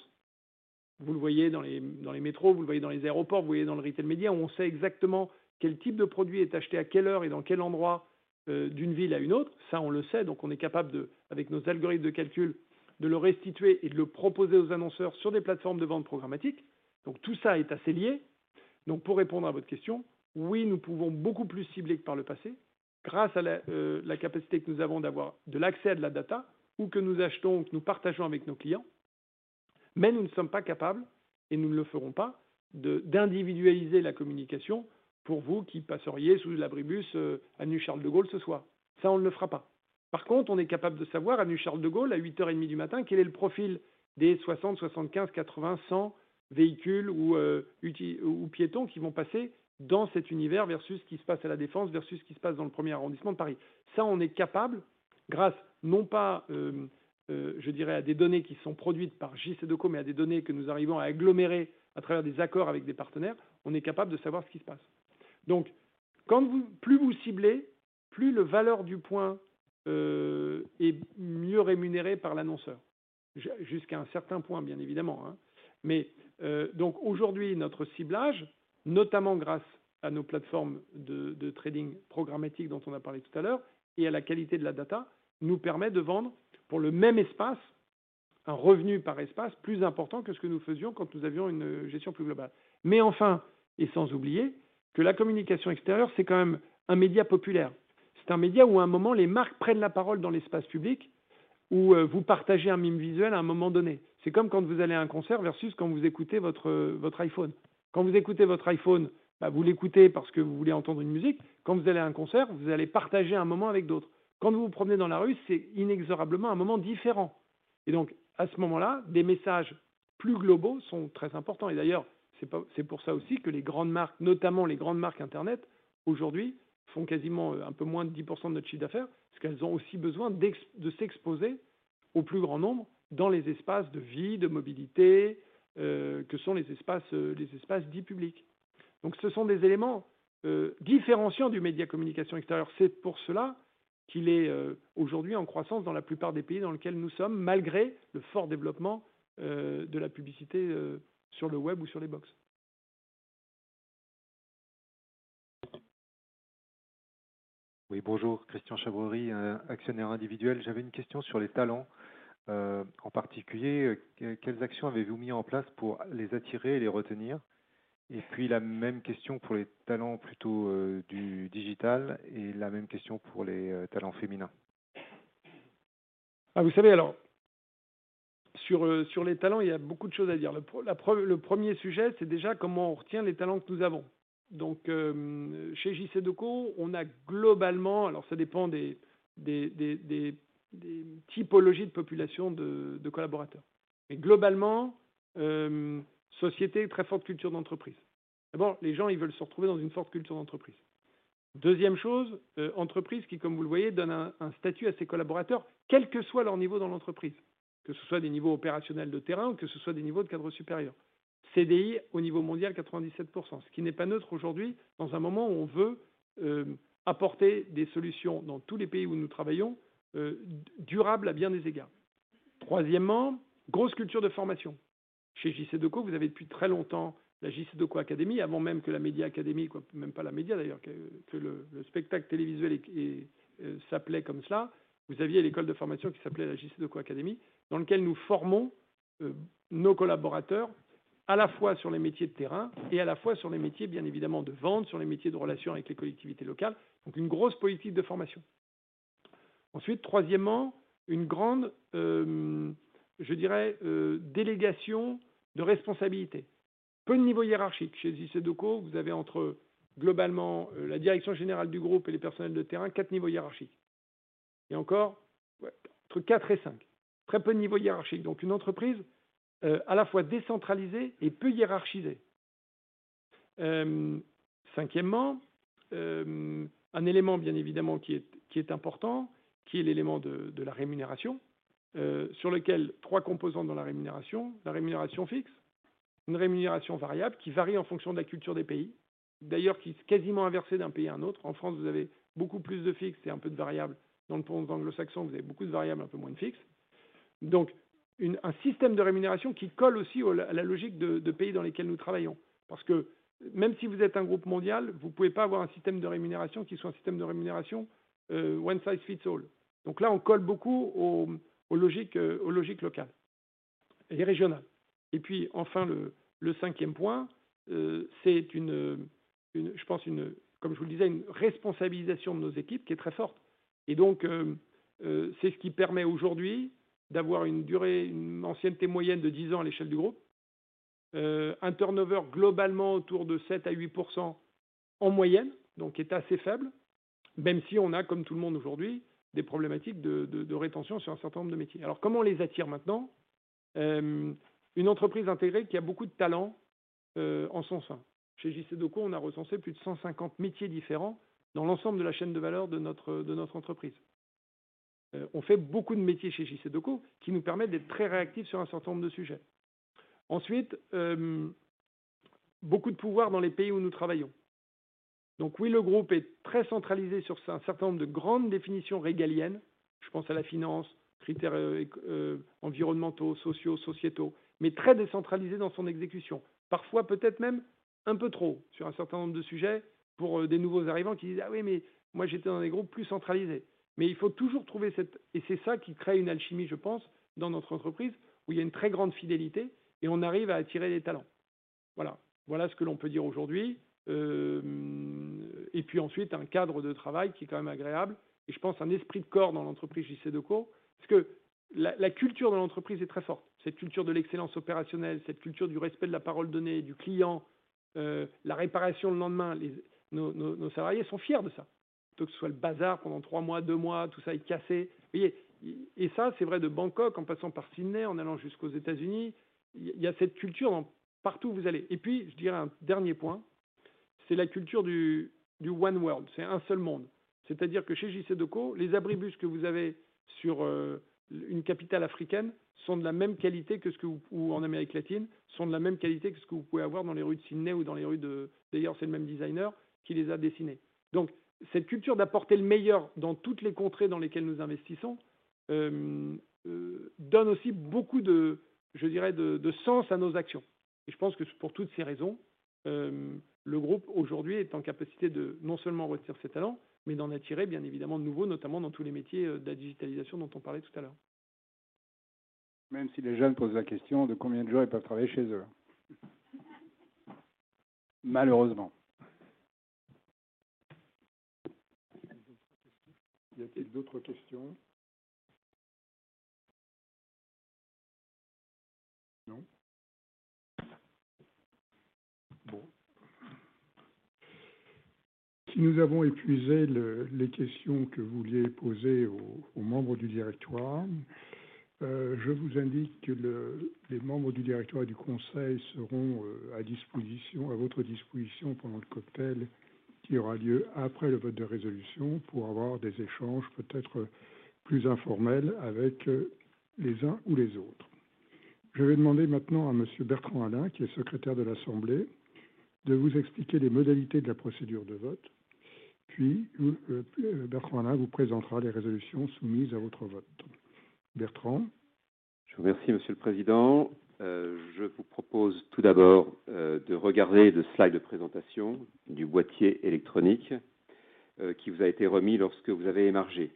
Vous le voyez dans les, dans les métros, vous le voyez dans les aéroports, vous le voyez dans le retail media, où on sait exactement quel type de produit est acheté, à quelle heure et dans quel endroit, d'une ville à une autre. Ça, on le sait. On est capable de, avec nos algorithmes de calcul, de le restituer et de le proposer aux annonceurs sur des plateformes de vente programmatique. Tout ça est assez lié. Pour répondre à votre question, oui, nous pouvons beaucoup plus cibler que par le passé grâce à la capacité que nous avons d'avoir de l'accès de la data ou que nous achetons ou que nous partageons avec nos clients, mais nous ne sommes pas capables, et nous ne le ferons pas, de, d'individualiser la communication pour vous qui passeriez sous l'abribus avenue Charles de Gaulle ce soir. Ça, on ne le fera pas. Par contre, on est capable de savoir, avenue Charles de Gaulle, à 8:30 A.M., quel est le profil des 60, 75, 80, 100 véhicules ou piétons qui vont passer dans cet univers versus ce qui se passe à la Défense, versus ce qui se passe dans le premier arrondissement de Paris. Ça, on est capable, grâce non pas, je dirais, à des données qui sont produites par JCDecaux, mais à des données que nous arrivons à agglomérer à travers des accords avec des partenaires, on est capable de savoir ce qui se passe. Quand plus vous ciblez, plus la valeur du point est mieux rémunérée par l'annonceur. Jusqu'à un certain point, bien évidemment, hein. Aujourd'hui, notre ciblage, notamment grâce à nos plateformes de trading programmatique dont on a parlé tout à l'heure et à la qualité de la data, nous permet de vendre pour le même espace un revenu par espace plus important que ce que nous faisions quand nous avions une gestion plus globale. Enfin, et sans oublier que la communication extérieure, c'est quand même un média populaire. C'est un média où à un moment, les marques prennent la parole dans l'espace public, où vous partagez un même visuel à un moment donné. C'est comme quand vous allez à un concert versus quand vous écoutez votre iPhone. Quand vous écoutez votre iPhone, vous l'écoutez parce que vous voulez entendre une musique. Quand vous allez à un concert, vous allez partager un moment avec d'autres. Quand vous vous promenez dans la rue, c'est inexorablement un moment différent. À ce moment-là, des messages plus globaux sont très importants. C'est pour ça aussi que les grandes marques, notamment les grandes marques Internet, aujourd'hui, font quasiment un peu moins de 10% de notre chiffre d'affaires, parce qu'elles ont aussi besoin de s'exposer au plus grand nombre dans les espaces de vie, de mobilité, que sont les espaces, les espaces dits publics. Ce sont des éléments différenciants du média communication extérieure. C'est pour cela qu'il est aujourd'hui en croissance dans la plupart des pays dans lesquels nous sommes, malgré le fort développement de la publicité sur le Web ou sur les box. Oui, bonjour, Christian Chaverrier, actionnaire individuel. J'avais une question sur les talents. En particulier, quelles actions avez-vous mis en place pour les attirer et les retenir? La même question pour les talents plutôt du digital et la même question pour les talents féminins. Vous savez, alors, sur les talents, il y a beaucoup de choses à dire. Le premier sujet, c'est déjà comment on retient les talents que nous avons. Chez JCDecaux, on a globalement, alors ça dépend des typologies de population de collaborateurs. Mais globalement, société très forte culture d'entreprise. D'abord, les gens, ils veulent se retrouver dans une forte culture d'entreprise. Deuxième chose, entreprise qui, comme vous le voyez, donne un statut à ses collaborateurs, quel que soit leur niveau dans l'entreprise, que ce soit des niveaux opérationnels de terrain ou que ce soit des niveaux de cadres supérieurs. CDI au niveau mondial 97%. Ce qui n'est pas neutre aujourd'hui dans un moment où on veut apporter des solutions dans tous les pays où nous travaillons, durables à bien des égards. Troisièmement, grosse culture de formation. Chez JCDecaux, vous avez depuis très longtemps la JCDecaux ACADEMY, avant même que la Media Academy, même pas la Media d'ailleurs, que le spectacle télévisuel s'appelait comme cela. Vous aviez l'école de formation qui s'appelait la JCDecaux ACADEMY, dans laquelle nous formons nos collaborateurs à la fois sur les métiers de terrain et à la fois sur les métiers, bien évidemment, de vente, sur les métiers de relation avec les collectivités locales. Donc une grosse politique de formation. Ensuite, troisièmement, une grande, je dirais, délégation de responsabilité. Peu de niveaux hiérarchiques. Chez JCDecaux, vous avez entre globalement la direction générale du groupe et les personnels de terrain, quatre niveaux hiérarchiques. Encore, entre 4 et 5. Très peu de niveaux hiérarchiques. Une entreprise à la fois décentralisée et peu hiérarchisée. Cinquièmement, un élément bien évidemment qui est important, qui est l'élément de la rémunération, sur lequel 3 composants dans la rémunération: la rémunération fixe, une rémunération variable qui varie en fonction de la culture des pays, d'ailleurs, qui est quasiment inversée d'un pays à un autre. En France, vous avez beaucoup plus de fixe et un peu de variable. Dans le monde anglo-saxon, vous avez beaucoup de variable et un peu moins de fixe. Un système de rémunération qui colle aussi à la logique de pays dans lesquels nous travaillons. Même si vous êtes un groupe mondial, vous ne pouvez pas avoir un système de rémunération qui soit un système de rémunération, one size fits all. Là, on colle beaucoup aux logiques locales et régionales. Puis enfin, le cinquième point, c'est une, je pense, une, comme je vous le disais, une responsabilisation de nos équipes qui est très forte. C'est ce qui permet aujourd'hui d'avoir une durée, une ancienneté moyenne de 10 ans à l'échelle du groupe, un turnover globalement autour de 7%-8% en moyenne, donc qui est assez faible, même si on a, comme tout le monde aujourd'hui, des problématiques de rétention sur un certain nombre de métiers. Comment on les attire maintenant? Une entreprise intégrée qui a beaucoup de talents en son sein. Chez JCDecaux, on a recensé plus de 150 métiers différents dans l'ensemble de la chaîne de valeurs de notre entreprise. On fait beaucoup de métiers chez JCDecaux qui nous permettent d'être très réactifs sur un certain nombre de sujets. Ensuite, beaucoup de pouvoir dans les pays où nous travaillons. Oui, le groupe est très centralisé sur un certain nombre de grandes définitions régaliennes. Je pense à la finance, critères, environnementaux, sociaux, sociétaux, mais très décentralisé dans son exécution. Parfois peut-être même un peu trop sur un certain nombre de sujets pour des nouveaux arrivants qui disent: « Ah oui, mais moi, j'étais dans des groupes plus centralisés. » Il faut toujours trouver et c'est ça qui crée une alchimie, je pense, dans notre entreprise où il y a une très grande fidélité et on arrive à attirer les talents. Voilà. Voilà ce que l'on peut dire aujourd'hui. Et puis ensuite, un cadre de travail qui est quand même agréable et je pense un esprit de corps dans l'entreprise JCDecaux. Parce que la culture de l'entreprise est très forte. Cette culture de l'excellence opérationnelle, cette culture du respect de la parole donnée, du client, la réparation le lendemain. Nos salariés sont fiers de ça. Plutôt que ce soit le bazar pendant trois mois, deux mois, tout ça est cassé. Vous voyez? Et ça, c'est vrai de Bangkok en passant par Sydney, en allant jusqu'aux United States. Il y a cette culture partout où vous allez. Et puis, je dirais un dernier point, c'est la culture du one world, c'est un seul monde. C'est-à-dire que chez JCDecaux, les abribus que vous avez sur une capitale africaine sont de la même qualité que ce que vous ou en Amérique latine, sont de la même qualité que ce que vous pouvez avoir dans les rues de Sydney ou dans les rues de... D'ailleurs, c'est le même designer qui les a dessinés. Cette culture d'apporter le meilleur dans toutes les contrées dans lesquelles nous investissons, donne aussi beaucoup de, je dirais, de sens à nos actions. Je pense que pour toutes ces raisons, le groupe aujourd'hui est en capacité de non seulement retenir ses talents, mais d'en attirer bien évidemment de nouveaux, notamment dans tous les métiers de la digitalisation dont on parlait tout à l'heure. Même si les jeunes posent la question de combien de jours ils peuvent travailler chez eux. Malheureusement. Y a-t-il d'autres questions? Non. Bon. Si nous avons épuisé les questions que vous vouliez poser aux membres du directoire, je vous indique que les membres du directoire et du conseil seront à disposition, à votre disposition pendant le cocktail qui aura lieu après le vote de résolution pour avoir des échanges peut-être plus informels avec les uns ou les autres. Je vais demander maintenant à monsieur Bertrand Allain, qui est secrétaire de l'Assemblée, de vous expliquer les modalités de la procédure de vote. Bertrand Allain vous présentera les résolutions soumises à votre vote Je vous remercie, Monsieur le Président. Je vous propose tout d'abord de regarder le slide de présentation du boîtier électronique qui vous a été remis lorsque vous avez émargé.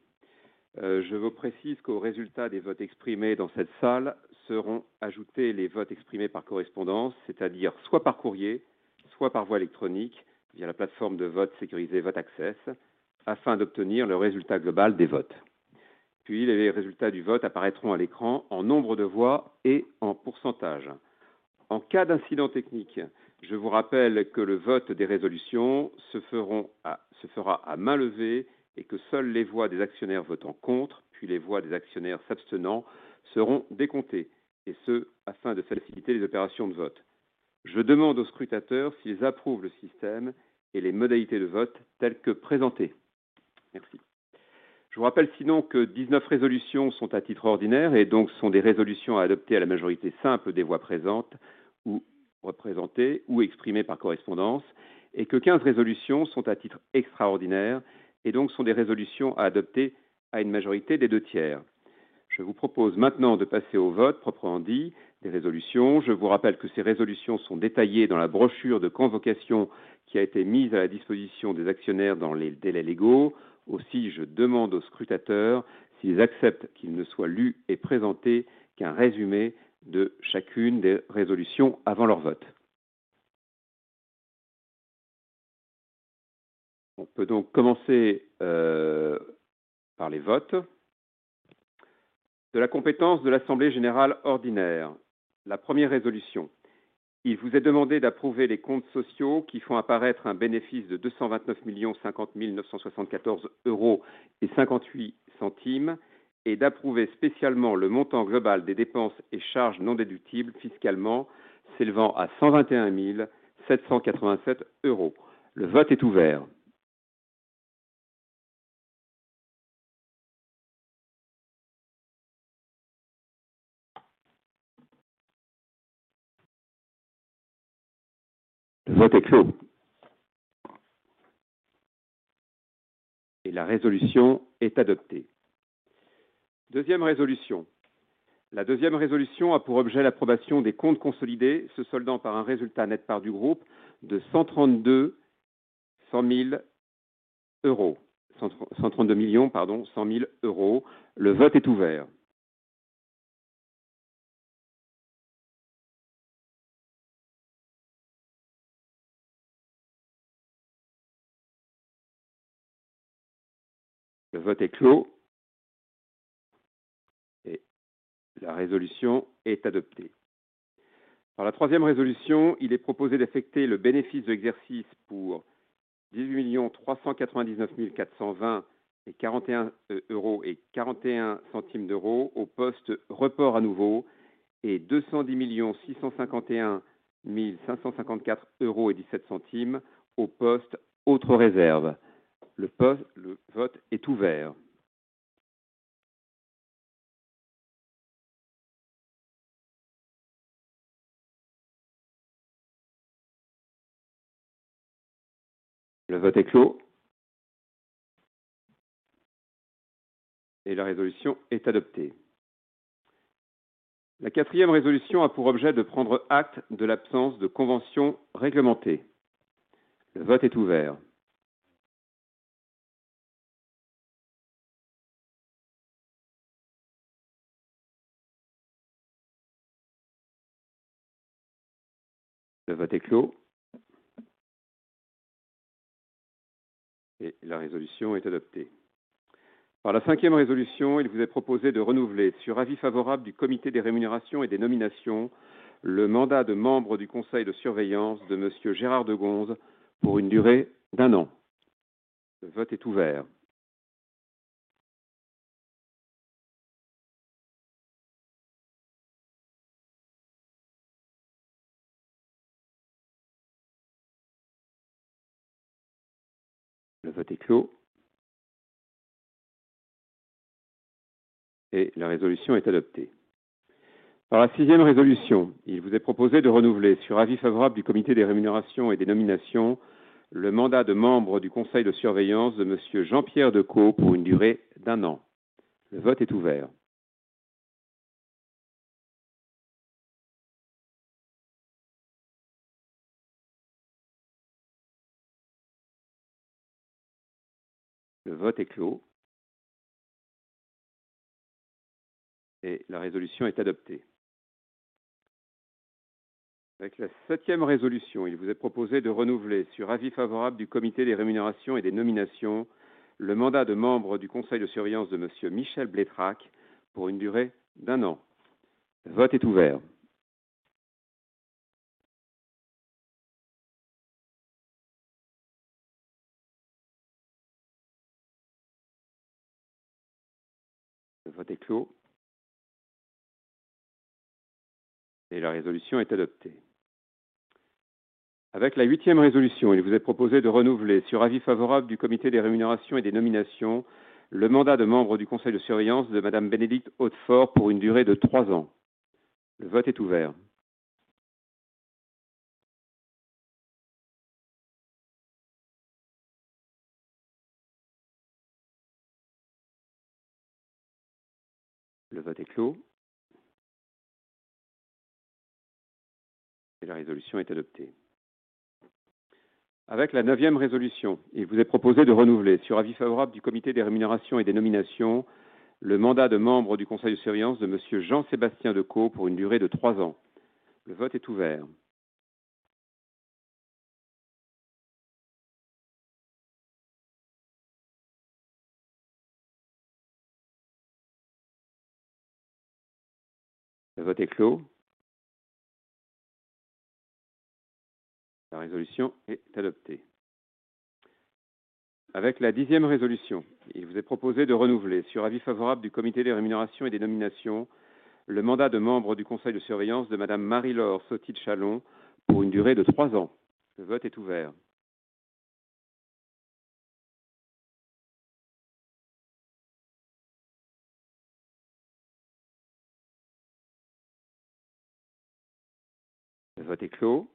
Je vous précise qu'aux résultats des votes exprimés dans cette salle seront ajoutés les votes exprimés par correspondance, c'est-à-dire soit par courrier, soit par voie électronique via la plateforme de vote sécurisée Vote Access, afin d'obtenir le résultat global des votes. Puis, les résultats du vote apparaîtront à l'écran en nombre de voix et en pourcentage. En cas d'incident technique, je vous rappelle que le vote des résolutions se fera à main levée et que seules les voix des actionnaires votant contre puis les voix des actionnaires s'abstenant seront décomptées et ce, afin de faciliter les opérations de vote. Je demande aux scrutateurs s'ils approuvent le système et les modalités de vote telles que présentées. Merci. Je vous rappelle sinon que 19 résolutions sont à titre ordinaire et donc sont des résolutions à adopter à la majorité simple des voix présentes ou représentées ou exprimées par correspondance et que 15 résolutions sont à titre extraordinaire et donc sont des résolutions à adopter à une majorité des 2/3. Je vous propose maintenant de passer au vote proprement dit des résolutions. Je vous rappelle que ces résolutions sont détaillées dans la brochure de convocation qui a été mise à la disposition des actionnaires dans les délais légaux. Aussi, je demande aux scrutateurs s'ils acceptent qu'il ne soit lu et présenté qu'un résumé de chacune des résolutions avant leur vote. On peut donc commencer par les votes. De la compétence de l'assemblée générale ordinaire, la first résolution. Il vous est demandé d'approuver les comptes sociaux qui font apparaître un bénéfice de 229,050,974.58 euros et d'approuver spécialement le montant global des dépenses et charges non déductibles fiscalement s'élevant à 121,787 euros. The vote is open. The vote is closed. The resolution is adopted. Deuxième résolution. La deuxième résolution a pour objet l'approbation des comptes consolidés se soldant par un résultat net part du groupe de 132.1 million euros. The vote is open. The vote is closed. The resolution is adopted. Par la troisième résolution, il est proposé d'affecter le bénéfice de l'exercice pour EUR 18,399,420.41 au poste report à nouveau et EUR 210,651,554.17 au poste autres réserves. Le vote est ouvert. Le vote est clos. La résolution est adoptée. La quatrième résolution a pour objet de prendre acte de l'absence de convention réglementée. Le vote est ouvert. Le vote est clos. La résolution est adoptée. Par la cinquième résolution, il vous est proposé de renouveler, sur avis favorable du Comité des Rémunérations et des Nominations, le mandat de membre du conseil de surveillance de monsieur Gérard Degonse pour une durée d'un an. Le vote est ouvert. Le vote est clos. La résolution est adoptée. Par la sixième résolution, il vous est proposé de renouveler, sur avis favorable du Comité des rémunérations et des nominations, le mandat de membre du conseil de surveillance de monsieur Jean-Pierre Decaux pour une durée d'1 an. Le vote est ouvert. Le vote est clos. La résolution est adoptée. La septième résolution, il vous est proposé de renouveler, sur avis favorable du Comité des rémunérations et des nominations, le mandat de membre du conseil de surveillance de monsieur Michel Bleitrach pour une durée d'1 an. Le vote est ouvert. Le vote est clos. La résolution est adoptée. La huitième résolution, il vous est proposé de renouveler, sur avis favorable du Comité des rémunérations et des nominations, le mandat de membre du conseil de surveillance de madame Bénédicte Hautefort pour une durée de 3 ans. Le vote est ouvert. Le vote est clos et la résolution est adoptée. Avec la neuvième résolution, il vous est proposé de renouveler, sur avis favorable du Comité des Rémunérations et des Nominations, le mandat de membre du conseil de surveillance de monsieur Jean-Sébastien Decaux pour une durée de trois ans. Le vote est ouvert. Le vote est clos. La résolution est adoptée. Avec la dixième résolution, il vous est proposé de renouveler, sur avis favorable du Comité des Rémunérations et des Nominations, le mandat de membre du conseil de surveillance de madame Marie-Laure Sauty de Chalon pour une durée de trois ans. Le vote est ouvert. Le vote est clos.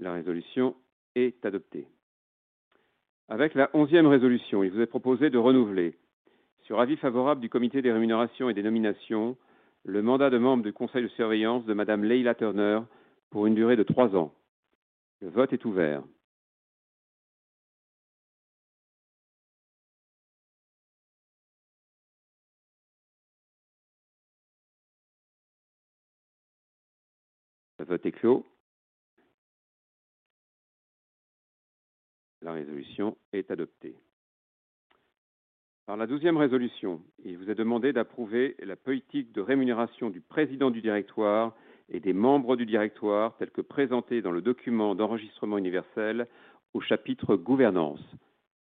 La résolution est adoptée. La 11th résolution, il vous est proposé de renouveler, sur avis favorable du Comité des Rémunérations et des Nominations, le mandat de membre du Conseil de Surveillance de Madame Leila Turner pour une durée de 3 ans. Le vote est ouvert. Le vote est clos. La résolution est adoptée. Par la 12th résolution, il vous est demandé d'approuver la politique de rémunération du Président du Directoire et des Membres du Directoire tels que présentés dans le Document d'Enregistrement Universel au Chapitre Gouvernance.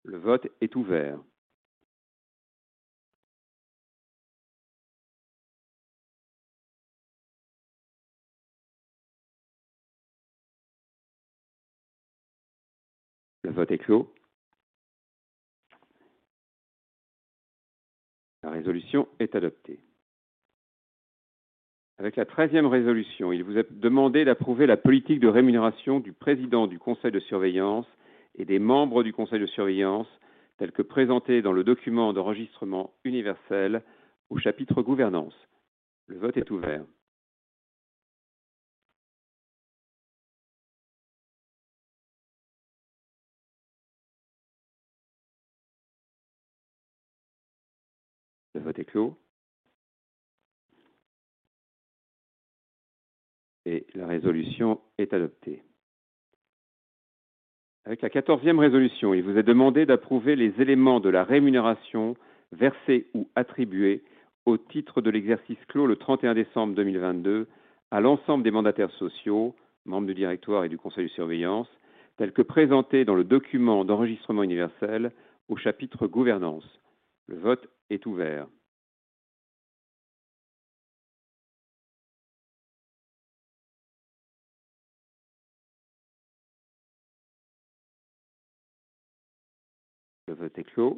Le vote est ouvert. Le vote est clos. La résolution est adoptée. La 13th résolution, il vous est demandé d'approuver la politique de rémunération du Président du Conseil de Surveillance et des Membres du Conseil de Surveillance tel que présenté dans le Document d'Enregistrement Universel au Chapitre Gouvernance. Le vote est ouvert. Le vote est clos. La résolution est adoptée. Avec la 14th résolution, il vous est demandé d'approuver les éléments de la rémunération versés ou attribués au titre de l'exercice clos le 31 December 2022 à l'ensemble des mandataires sociaux, membres du directoire et du conseil de surveillance, tels que présentés dans le document d'enregistrement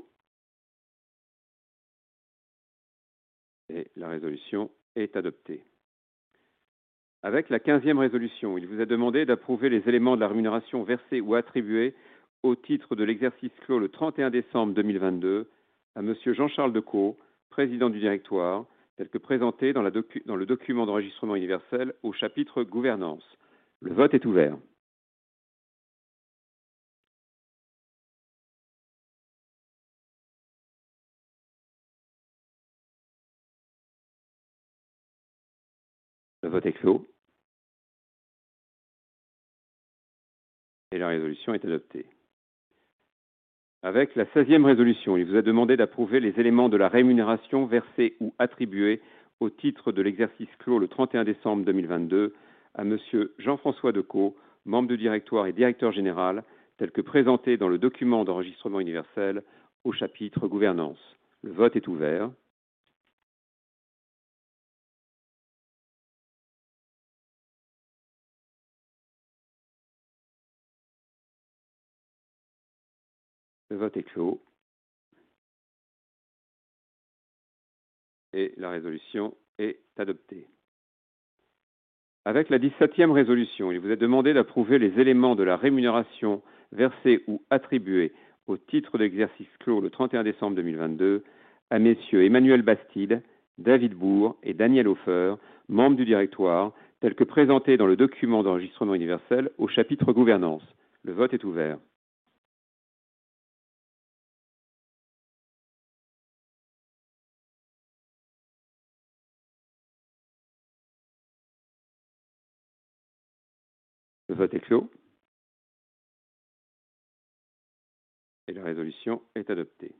universel au chapitre Gouvernance. Le vote est ouvert. Le vote est clos. La résolution est adoptée.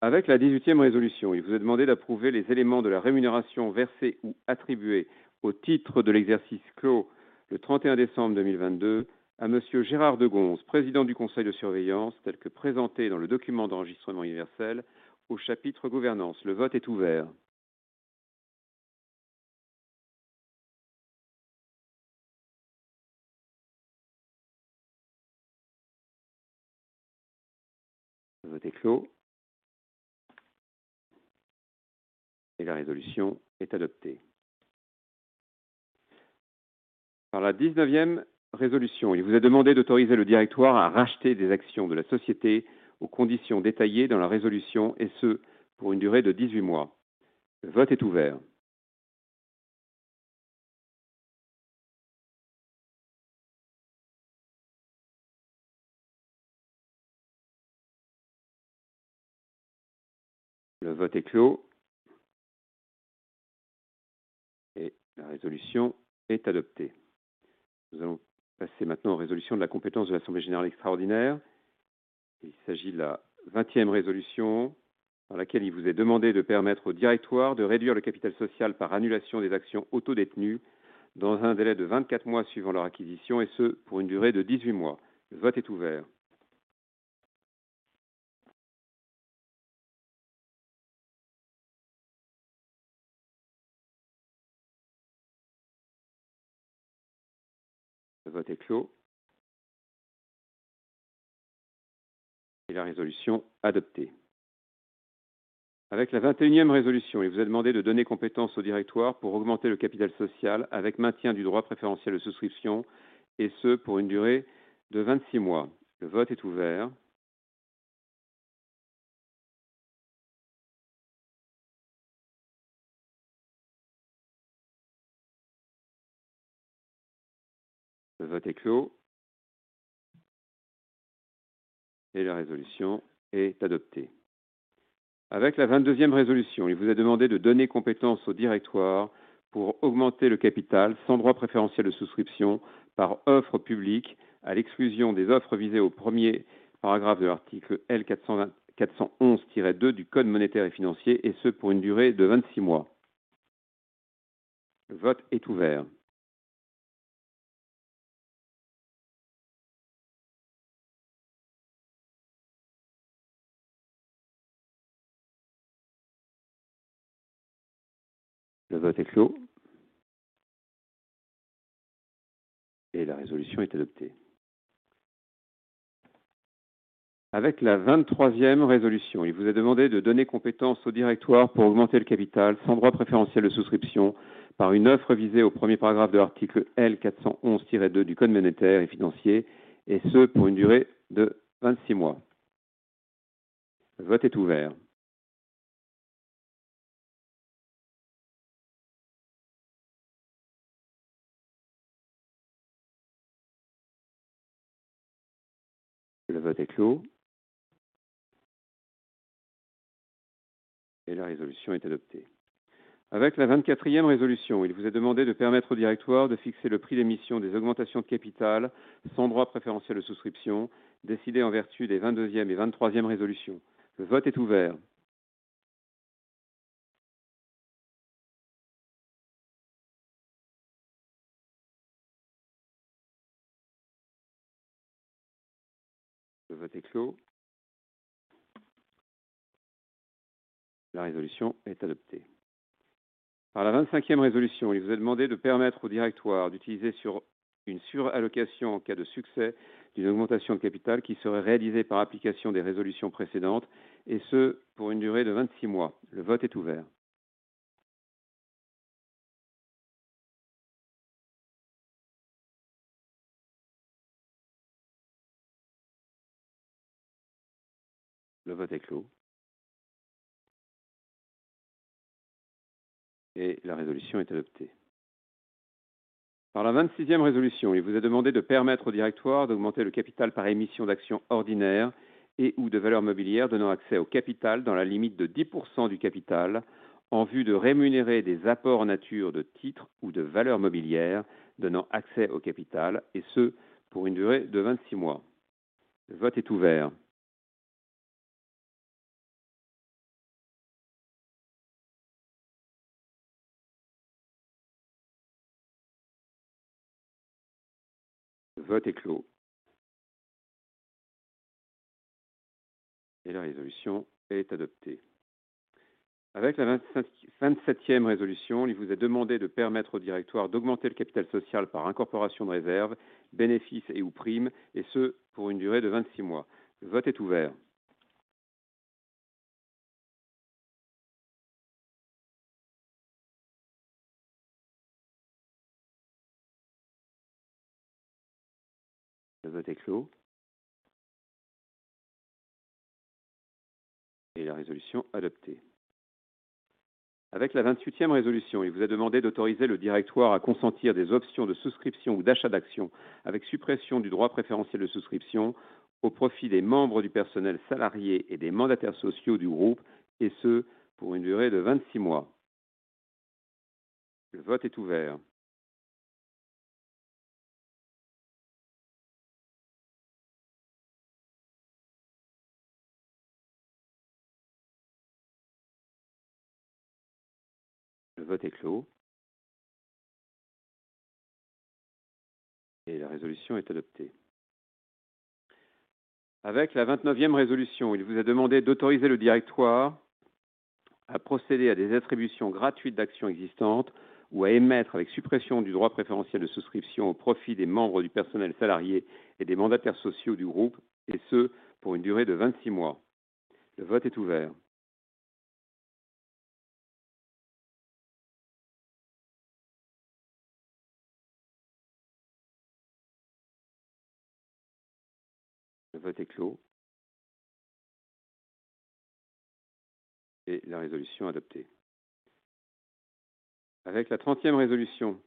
Avec la 18th résolution, il vous est demandé d'approuver les éléments de la rémunération versés ou attribués au titre de l'exercice clos le 31 décembre 2022 à monsieur Gérard Degonse, président du conseil de surveillance, tels que présentés dans le document d'enregistrement universel au chapitre Gouvernance. Le vote est ouvert. Le vote est clos. La résolution est adoptée. Par la 19th résolution, il vous est demandé d'autoriser le directoire à racheter des actions de la société aux conditions détaillées dans la résolution, et ce, pour une durée de 18 mois. Le vote est ouvert. Le vote est clos. La résolution est adoptée. Nous allons passer maintenant aux résolutions de la compétence de l'assemblée générale extraordinaire. Il s'agit de la 20th résolution par laquelle il vous est demandé de permettre au directoire de réduire le capital social par annulation des actions autodétenues dans un délai de 24 mois suivant leur acquisition, et ce, pour une durée de 18 mois. Le vote est ouvert. Le vote est clos. La résolution adoptée. Avec la 21st résolution, il vous est demandé de donner compétence au directoire pour augmenter le capital social avec maintien du droit préférentiel de souscription, et ce, pour une durée de 26 mois. Le vote est ouvert. Le vote est clos. La résolution est adoptée. Avec la 22nd résolution, il vous est demandé de donner compétence au directoire pour augmenter le capital sans droit préférentiel de souscription par offre publique à l'exclusion des offres visées au premier paragraphe de l'article L 411-2 du Code monétaire et financier, et ce, pour une durée de 26 months. Le vote est ouvert. Le vote est clos. La résolution est adoptée. Avec la 23rd résolution, il vous est demandé de donner compétence au directoire pour augmenter le capital sans droit préférentiel de souscription par une offre visée au premier paragraphe de l'article L 411-2 du Code monétaire et financier, et ce, pour une durée de 26 months. Le vote est ouvert. Le vote est clos. La résolution est adoptée. Avec la 24th résolution, il vous est demandé de permettre au directoire de fixer le prix d'émission des augmentations de capital sans droit préférentiel de souscription décidé en vertu des 22nd et 23rd résolutions. Le vote est ouvert. Le vote est clos. La résolution est adoptée. Par la 25th résolution, il vous est demandé de permettre au directoire d'utiliser une surallocation en cas de succès d'une augmentation de capital qui serait réalisée par application des résolutions précédentes, et ce, pour une durée de 26 mois. Le vote est ouvert. Le vote est clos. La résolution est adoptée. Par la 26th résolution, il vous est demandé de permettre au directoire d'augmenter le capital par émission d'actions ordinaires et/ou de valeurs mobilières donnant accès au capital dans la limite de 10% du capital en vue de rémunérer des apports en nature de titres ou de valeurs mobilières donnant accès au capital, et ce, pour une durée de 26 mois. Le vote est ouvert. Le vote est clos. La résolution est adoptée. Avec la 27th résolution, il vous est demandé de permettre au directoire d'augmenter le capital social par incorporation de réserves, bénéfices et/ou primes, et ce, pour une durée de 26 mois. Le vote est ouvert. Le vote est clos. La résolution adoptée. La 28th résolution, il vous est demandé d'autoriser le directoire à consentir des options de souscription ou d'achat d'actions avec suppression du droit préférentiel de souscription au profit des membres du personnel salarié et des mandataires sociaux du groupe, et ce, pour une durée de 26 mois. Le vote est ouvert. Le vote est clos. La résolution est adoptée. La 29th résolution, il vous est demandé d'autoriser le directoire à procéder à des attributions gratuites d'actions existantes ou à émettre avec suppression du droit préférentiel de souscription au profit des membres du personnel salarié et des mandataires sociaux du groupe, et ce, pour une durée de 26 mois. Le vote est ouvert. Le vote est clos. La résolution adoptée. Avec la trentième résolution,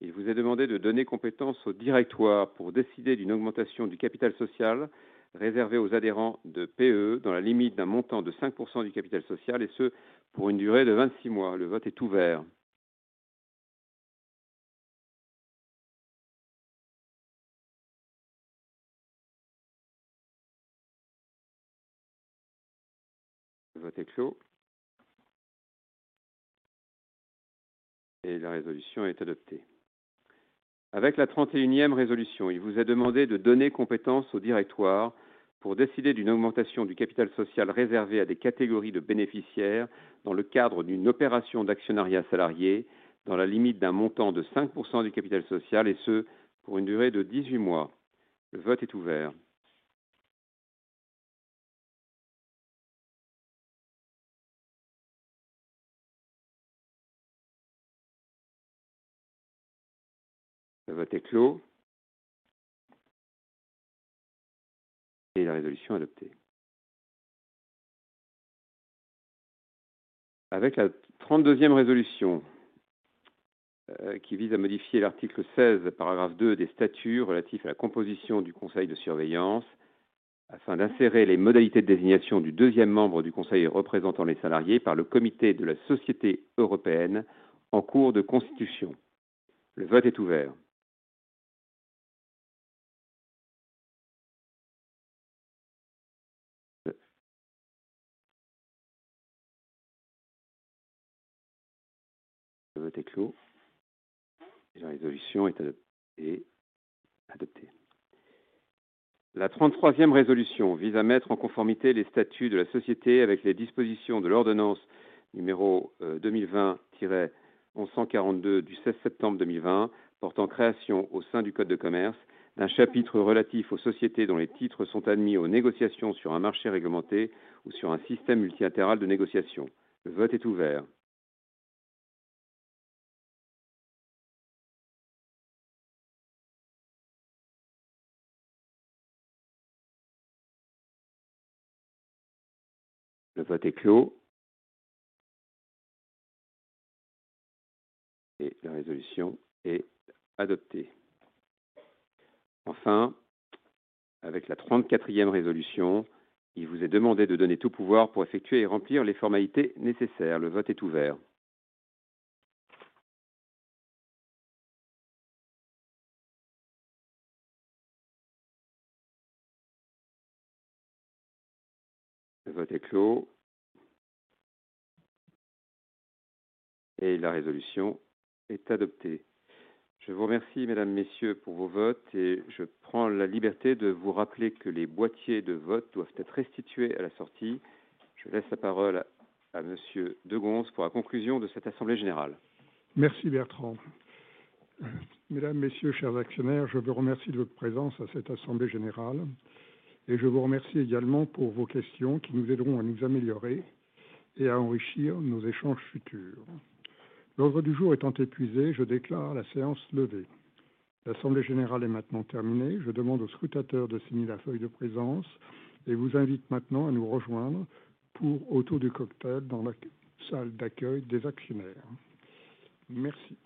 il vous est demandé de donner compétence au directoire pour décider d'une augmentation du capital social réservé aux adhérents de PE dans la limite d'un montant de cinq pour cent du capital social, et ce, pour une durée de vingt-six mois. Le vote est ouvert. Le vote est clos. Et la résolution est adoptée. Avec la trente-et-unième résolution, il vous est demandé de donner compétence au directoire pour décider d'une augmentation du capital social réservé à des catégories de bénéficiaires dans le cadre d'une opération d'actionnariat salarié dans la limite d'un montant de cinq pour cent du capital social, et ce, pour une durée de dix-huit mois. Le vote est ouvert. Le vote est clos. Et la résolution adoptée. La 32e résolution qui vise à modifier l'article 16, paragraphe 2 des statuts relatifs à la composition du conseil de surveillance afin d'insérer les modalités de désignation du 2e membre du conseil représentant les salariés par le comité de la Société européenne en cours de constitution. Le vote est ouvert. Le vote est clos. La résolution est adoptée. La 33e résolution vise à mettre en conformité les statuts de la société avec les dispositions de l'ordonnance numéro 2020-1142 du 16 septembre 2020 portant création au sein du code de commerce d'un chapitre relatif aux sociétés dont les titres sont admis aux négociations sur un marché réglementé ou sur un système multilatéral de négociation. Le vote est ouvert. Le vote est clos. La résolution est adoptée. Enfin, avec la 34th résolution, il vous est demandé de donner tout pouvoir pour effectuer et remplir les formalités nécessaires. Le vote est ouvert. Le vote est clos. La résolution est adoptée. Je vous remercie, Mesdames, Messieurs, pour vos votes et je prends la liberté de vous rappeler que les boîtiers de vote doivent être restitués à la sortie. Je laisse la parole à Monsieur de Gonse pour la conclusion de cette assemblée générale. Merci Bertrand. Mesdames, Messieurs, chers actionnaires, je vous remercie de votre présence à cette assemblée générale et je vous remercie également pour vos questions qui nous aideront à nous améliorer et à enrichir nos échanges futurs. L'ordre du jour étant épuisé, je déclare la séance levée. L'assemblée générale est maintenant terminée. Je demande au scrutateur de signer la feuille de présence et vous invite maintenant à nous rejoindre autour du cocktail dans la salle d'accueil des actionnaires. Merci.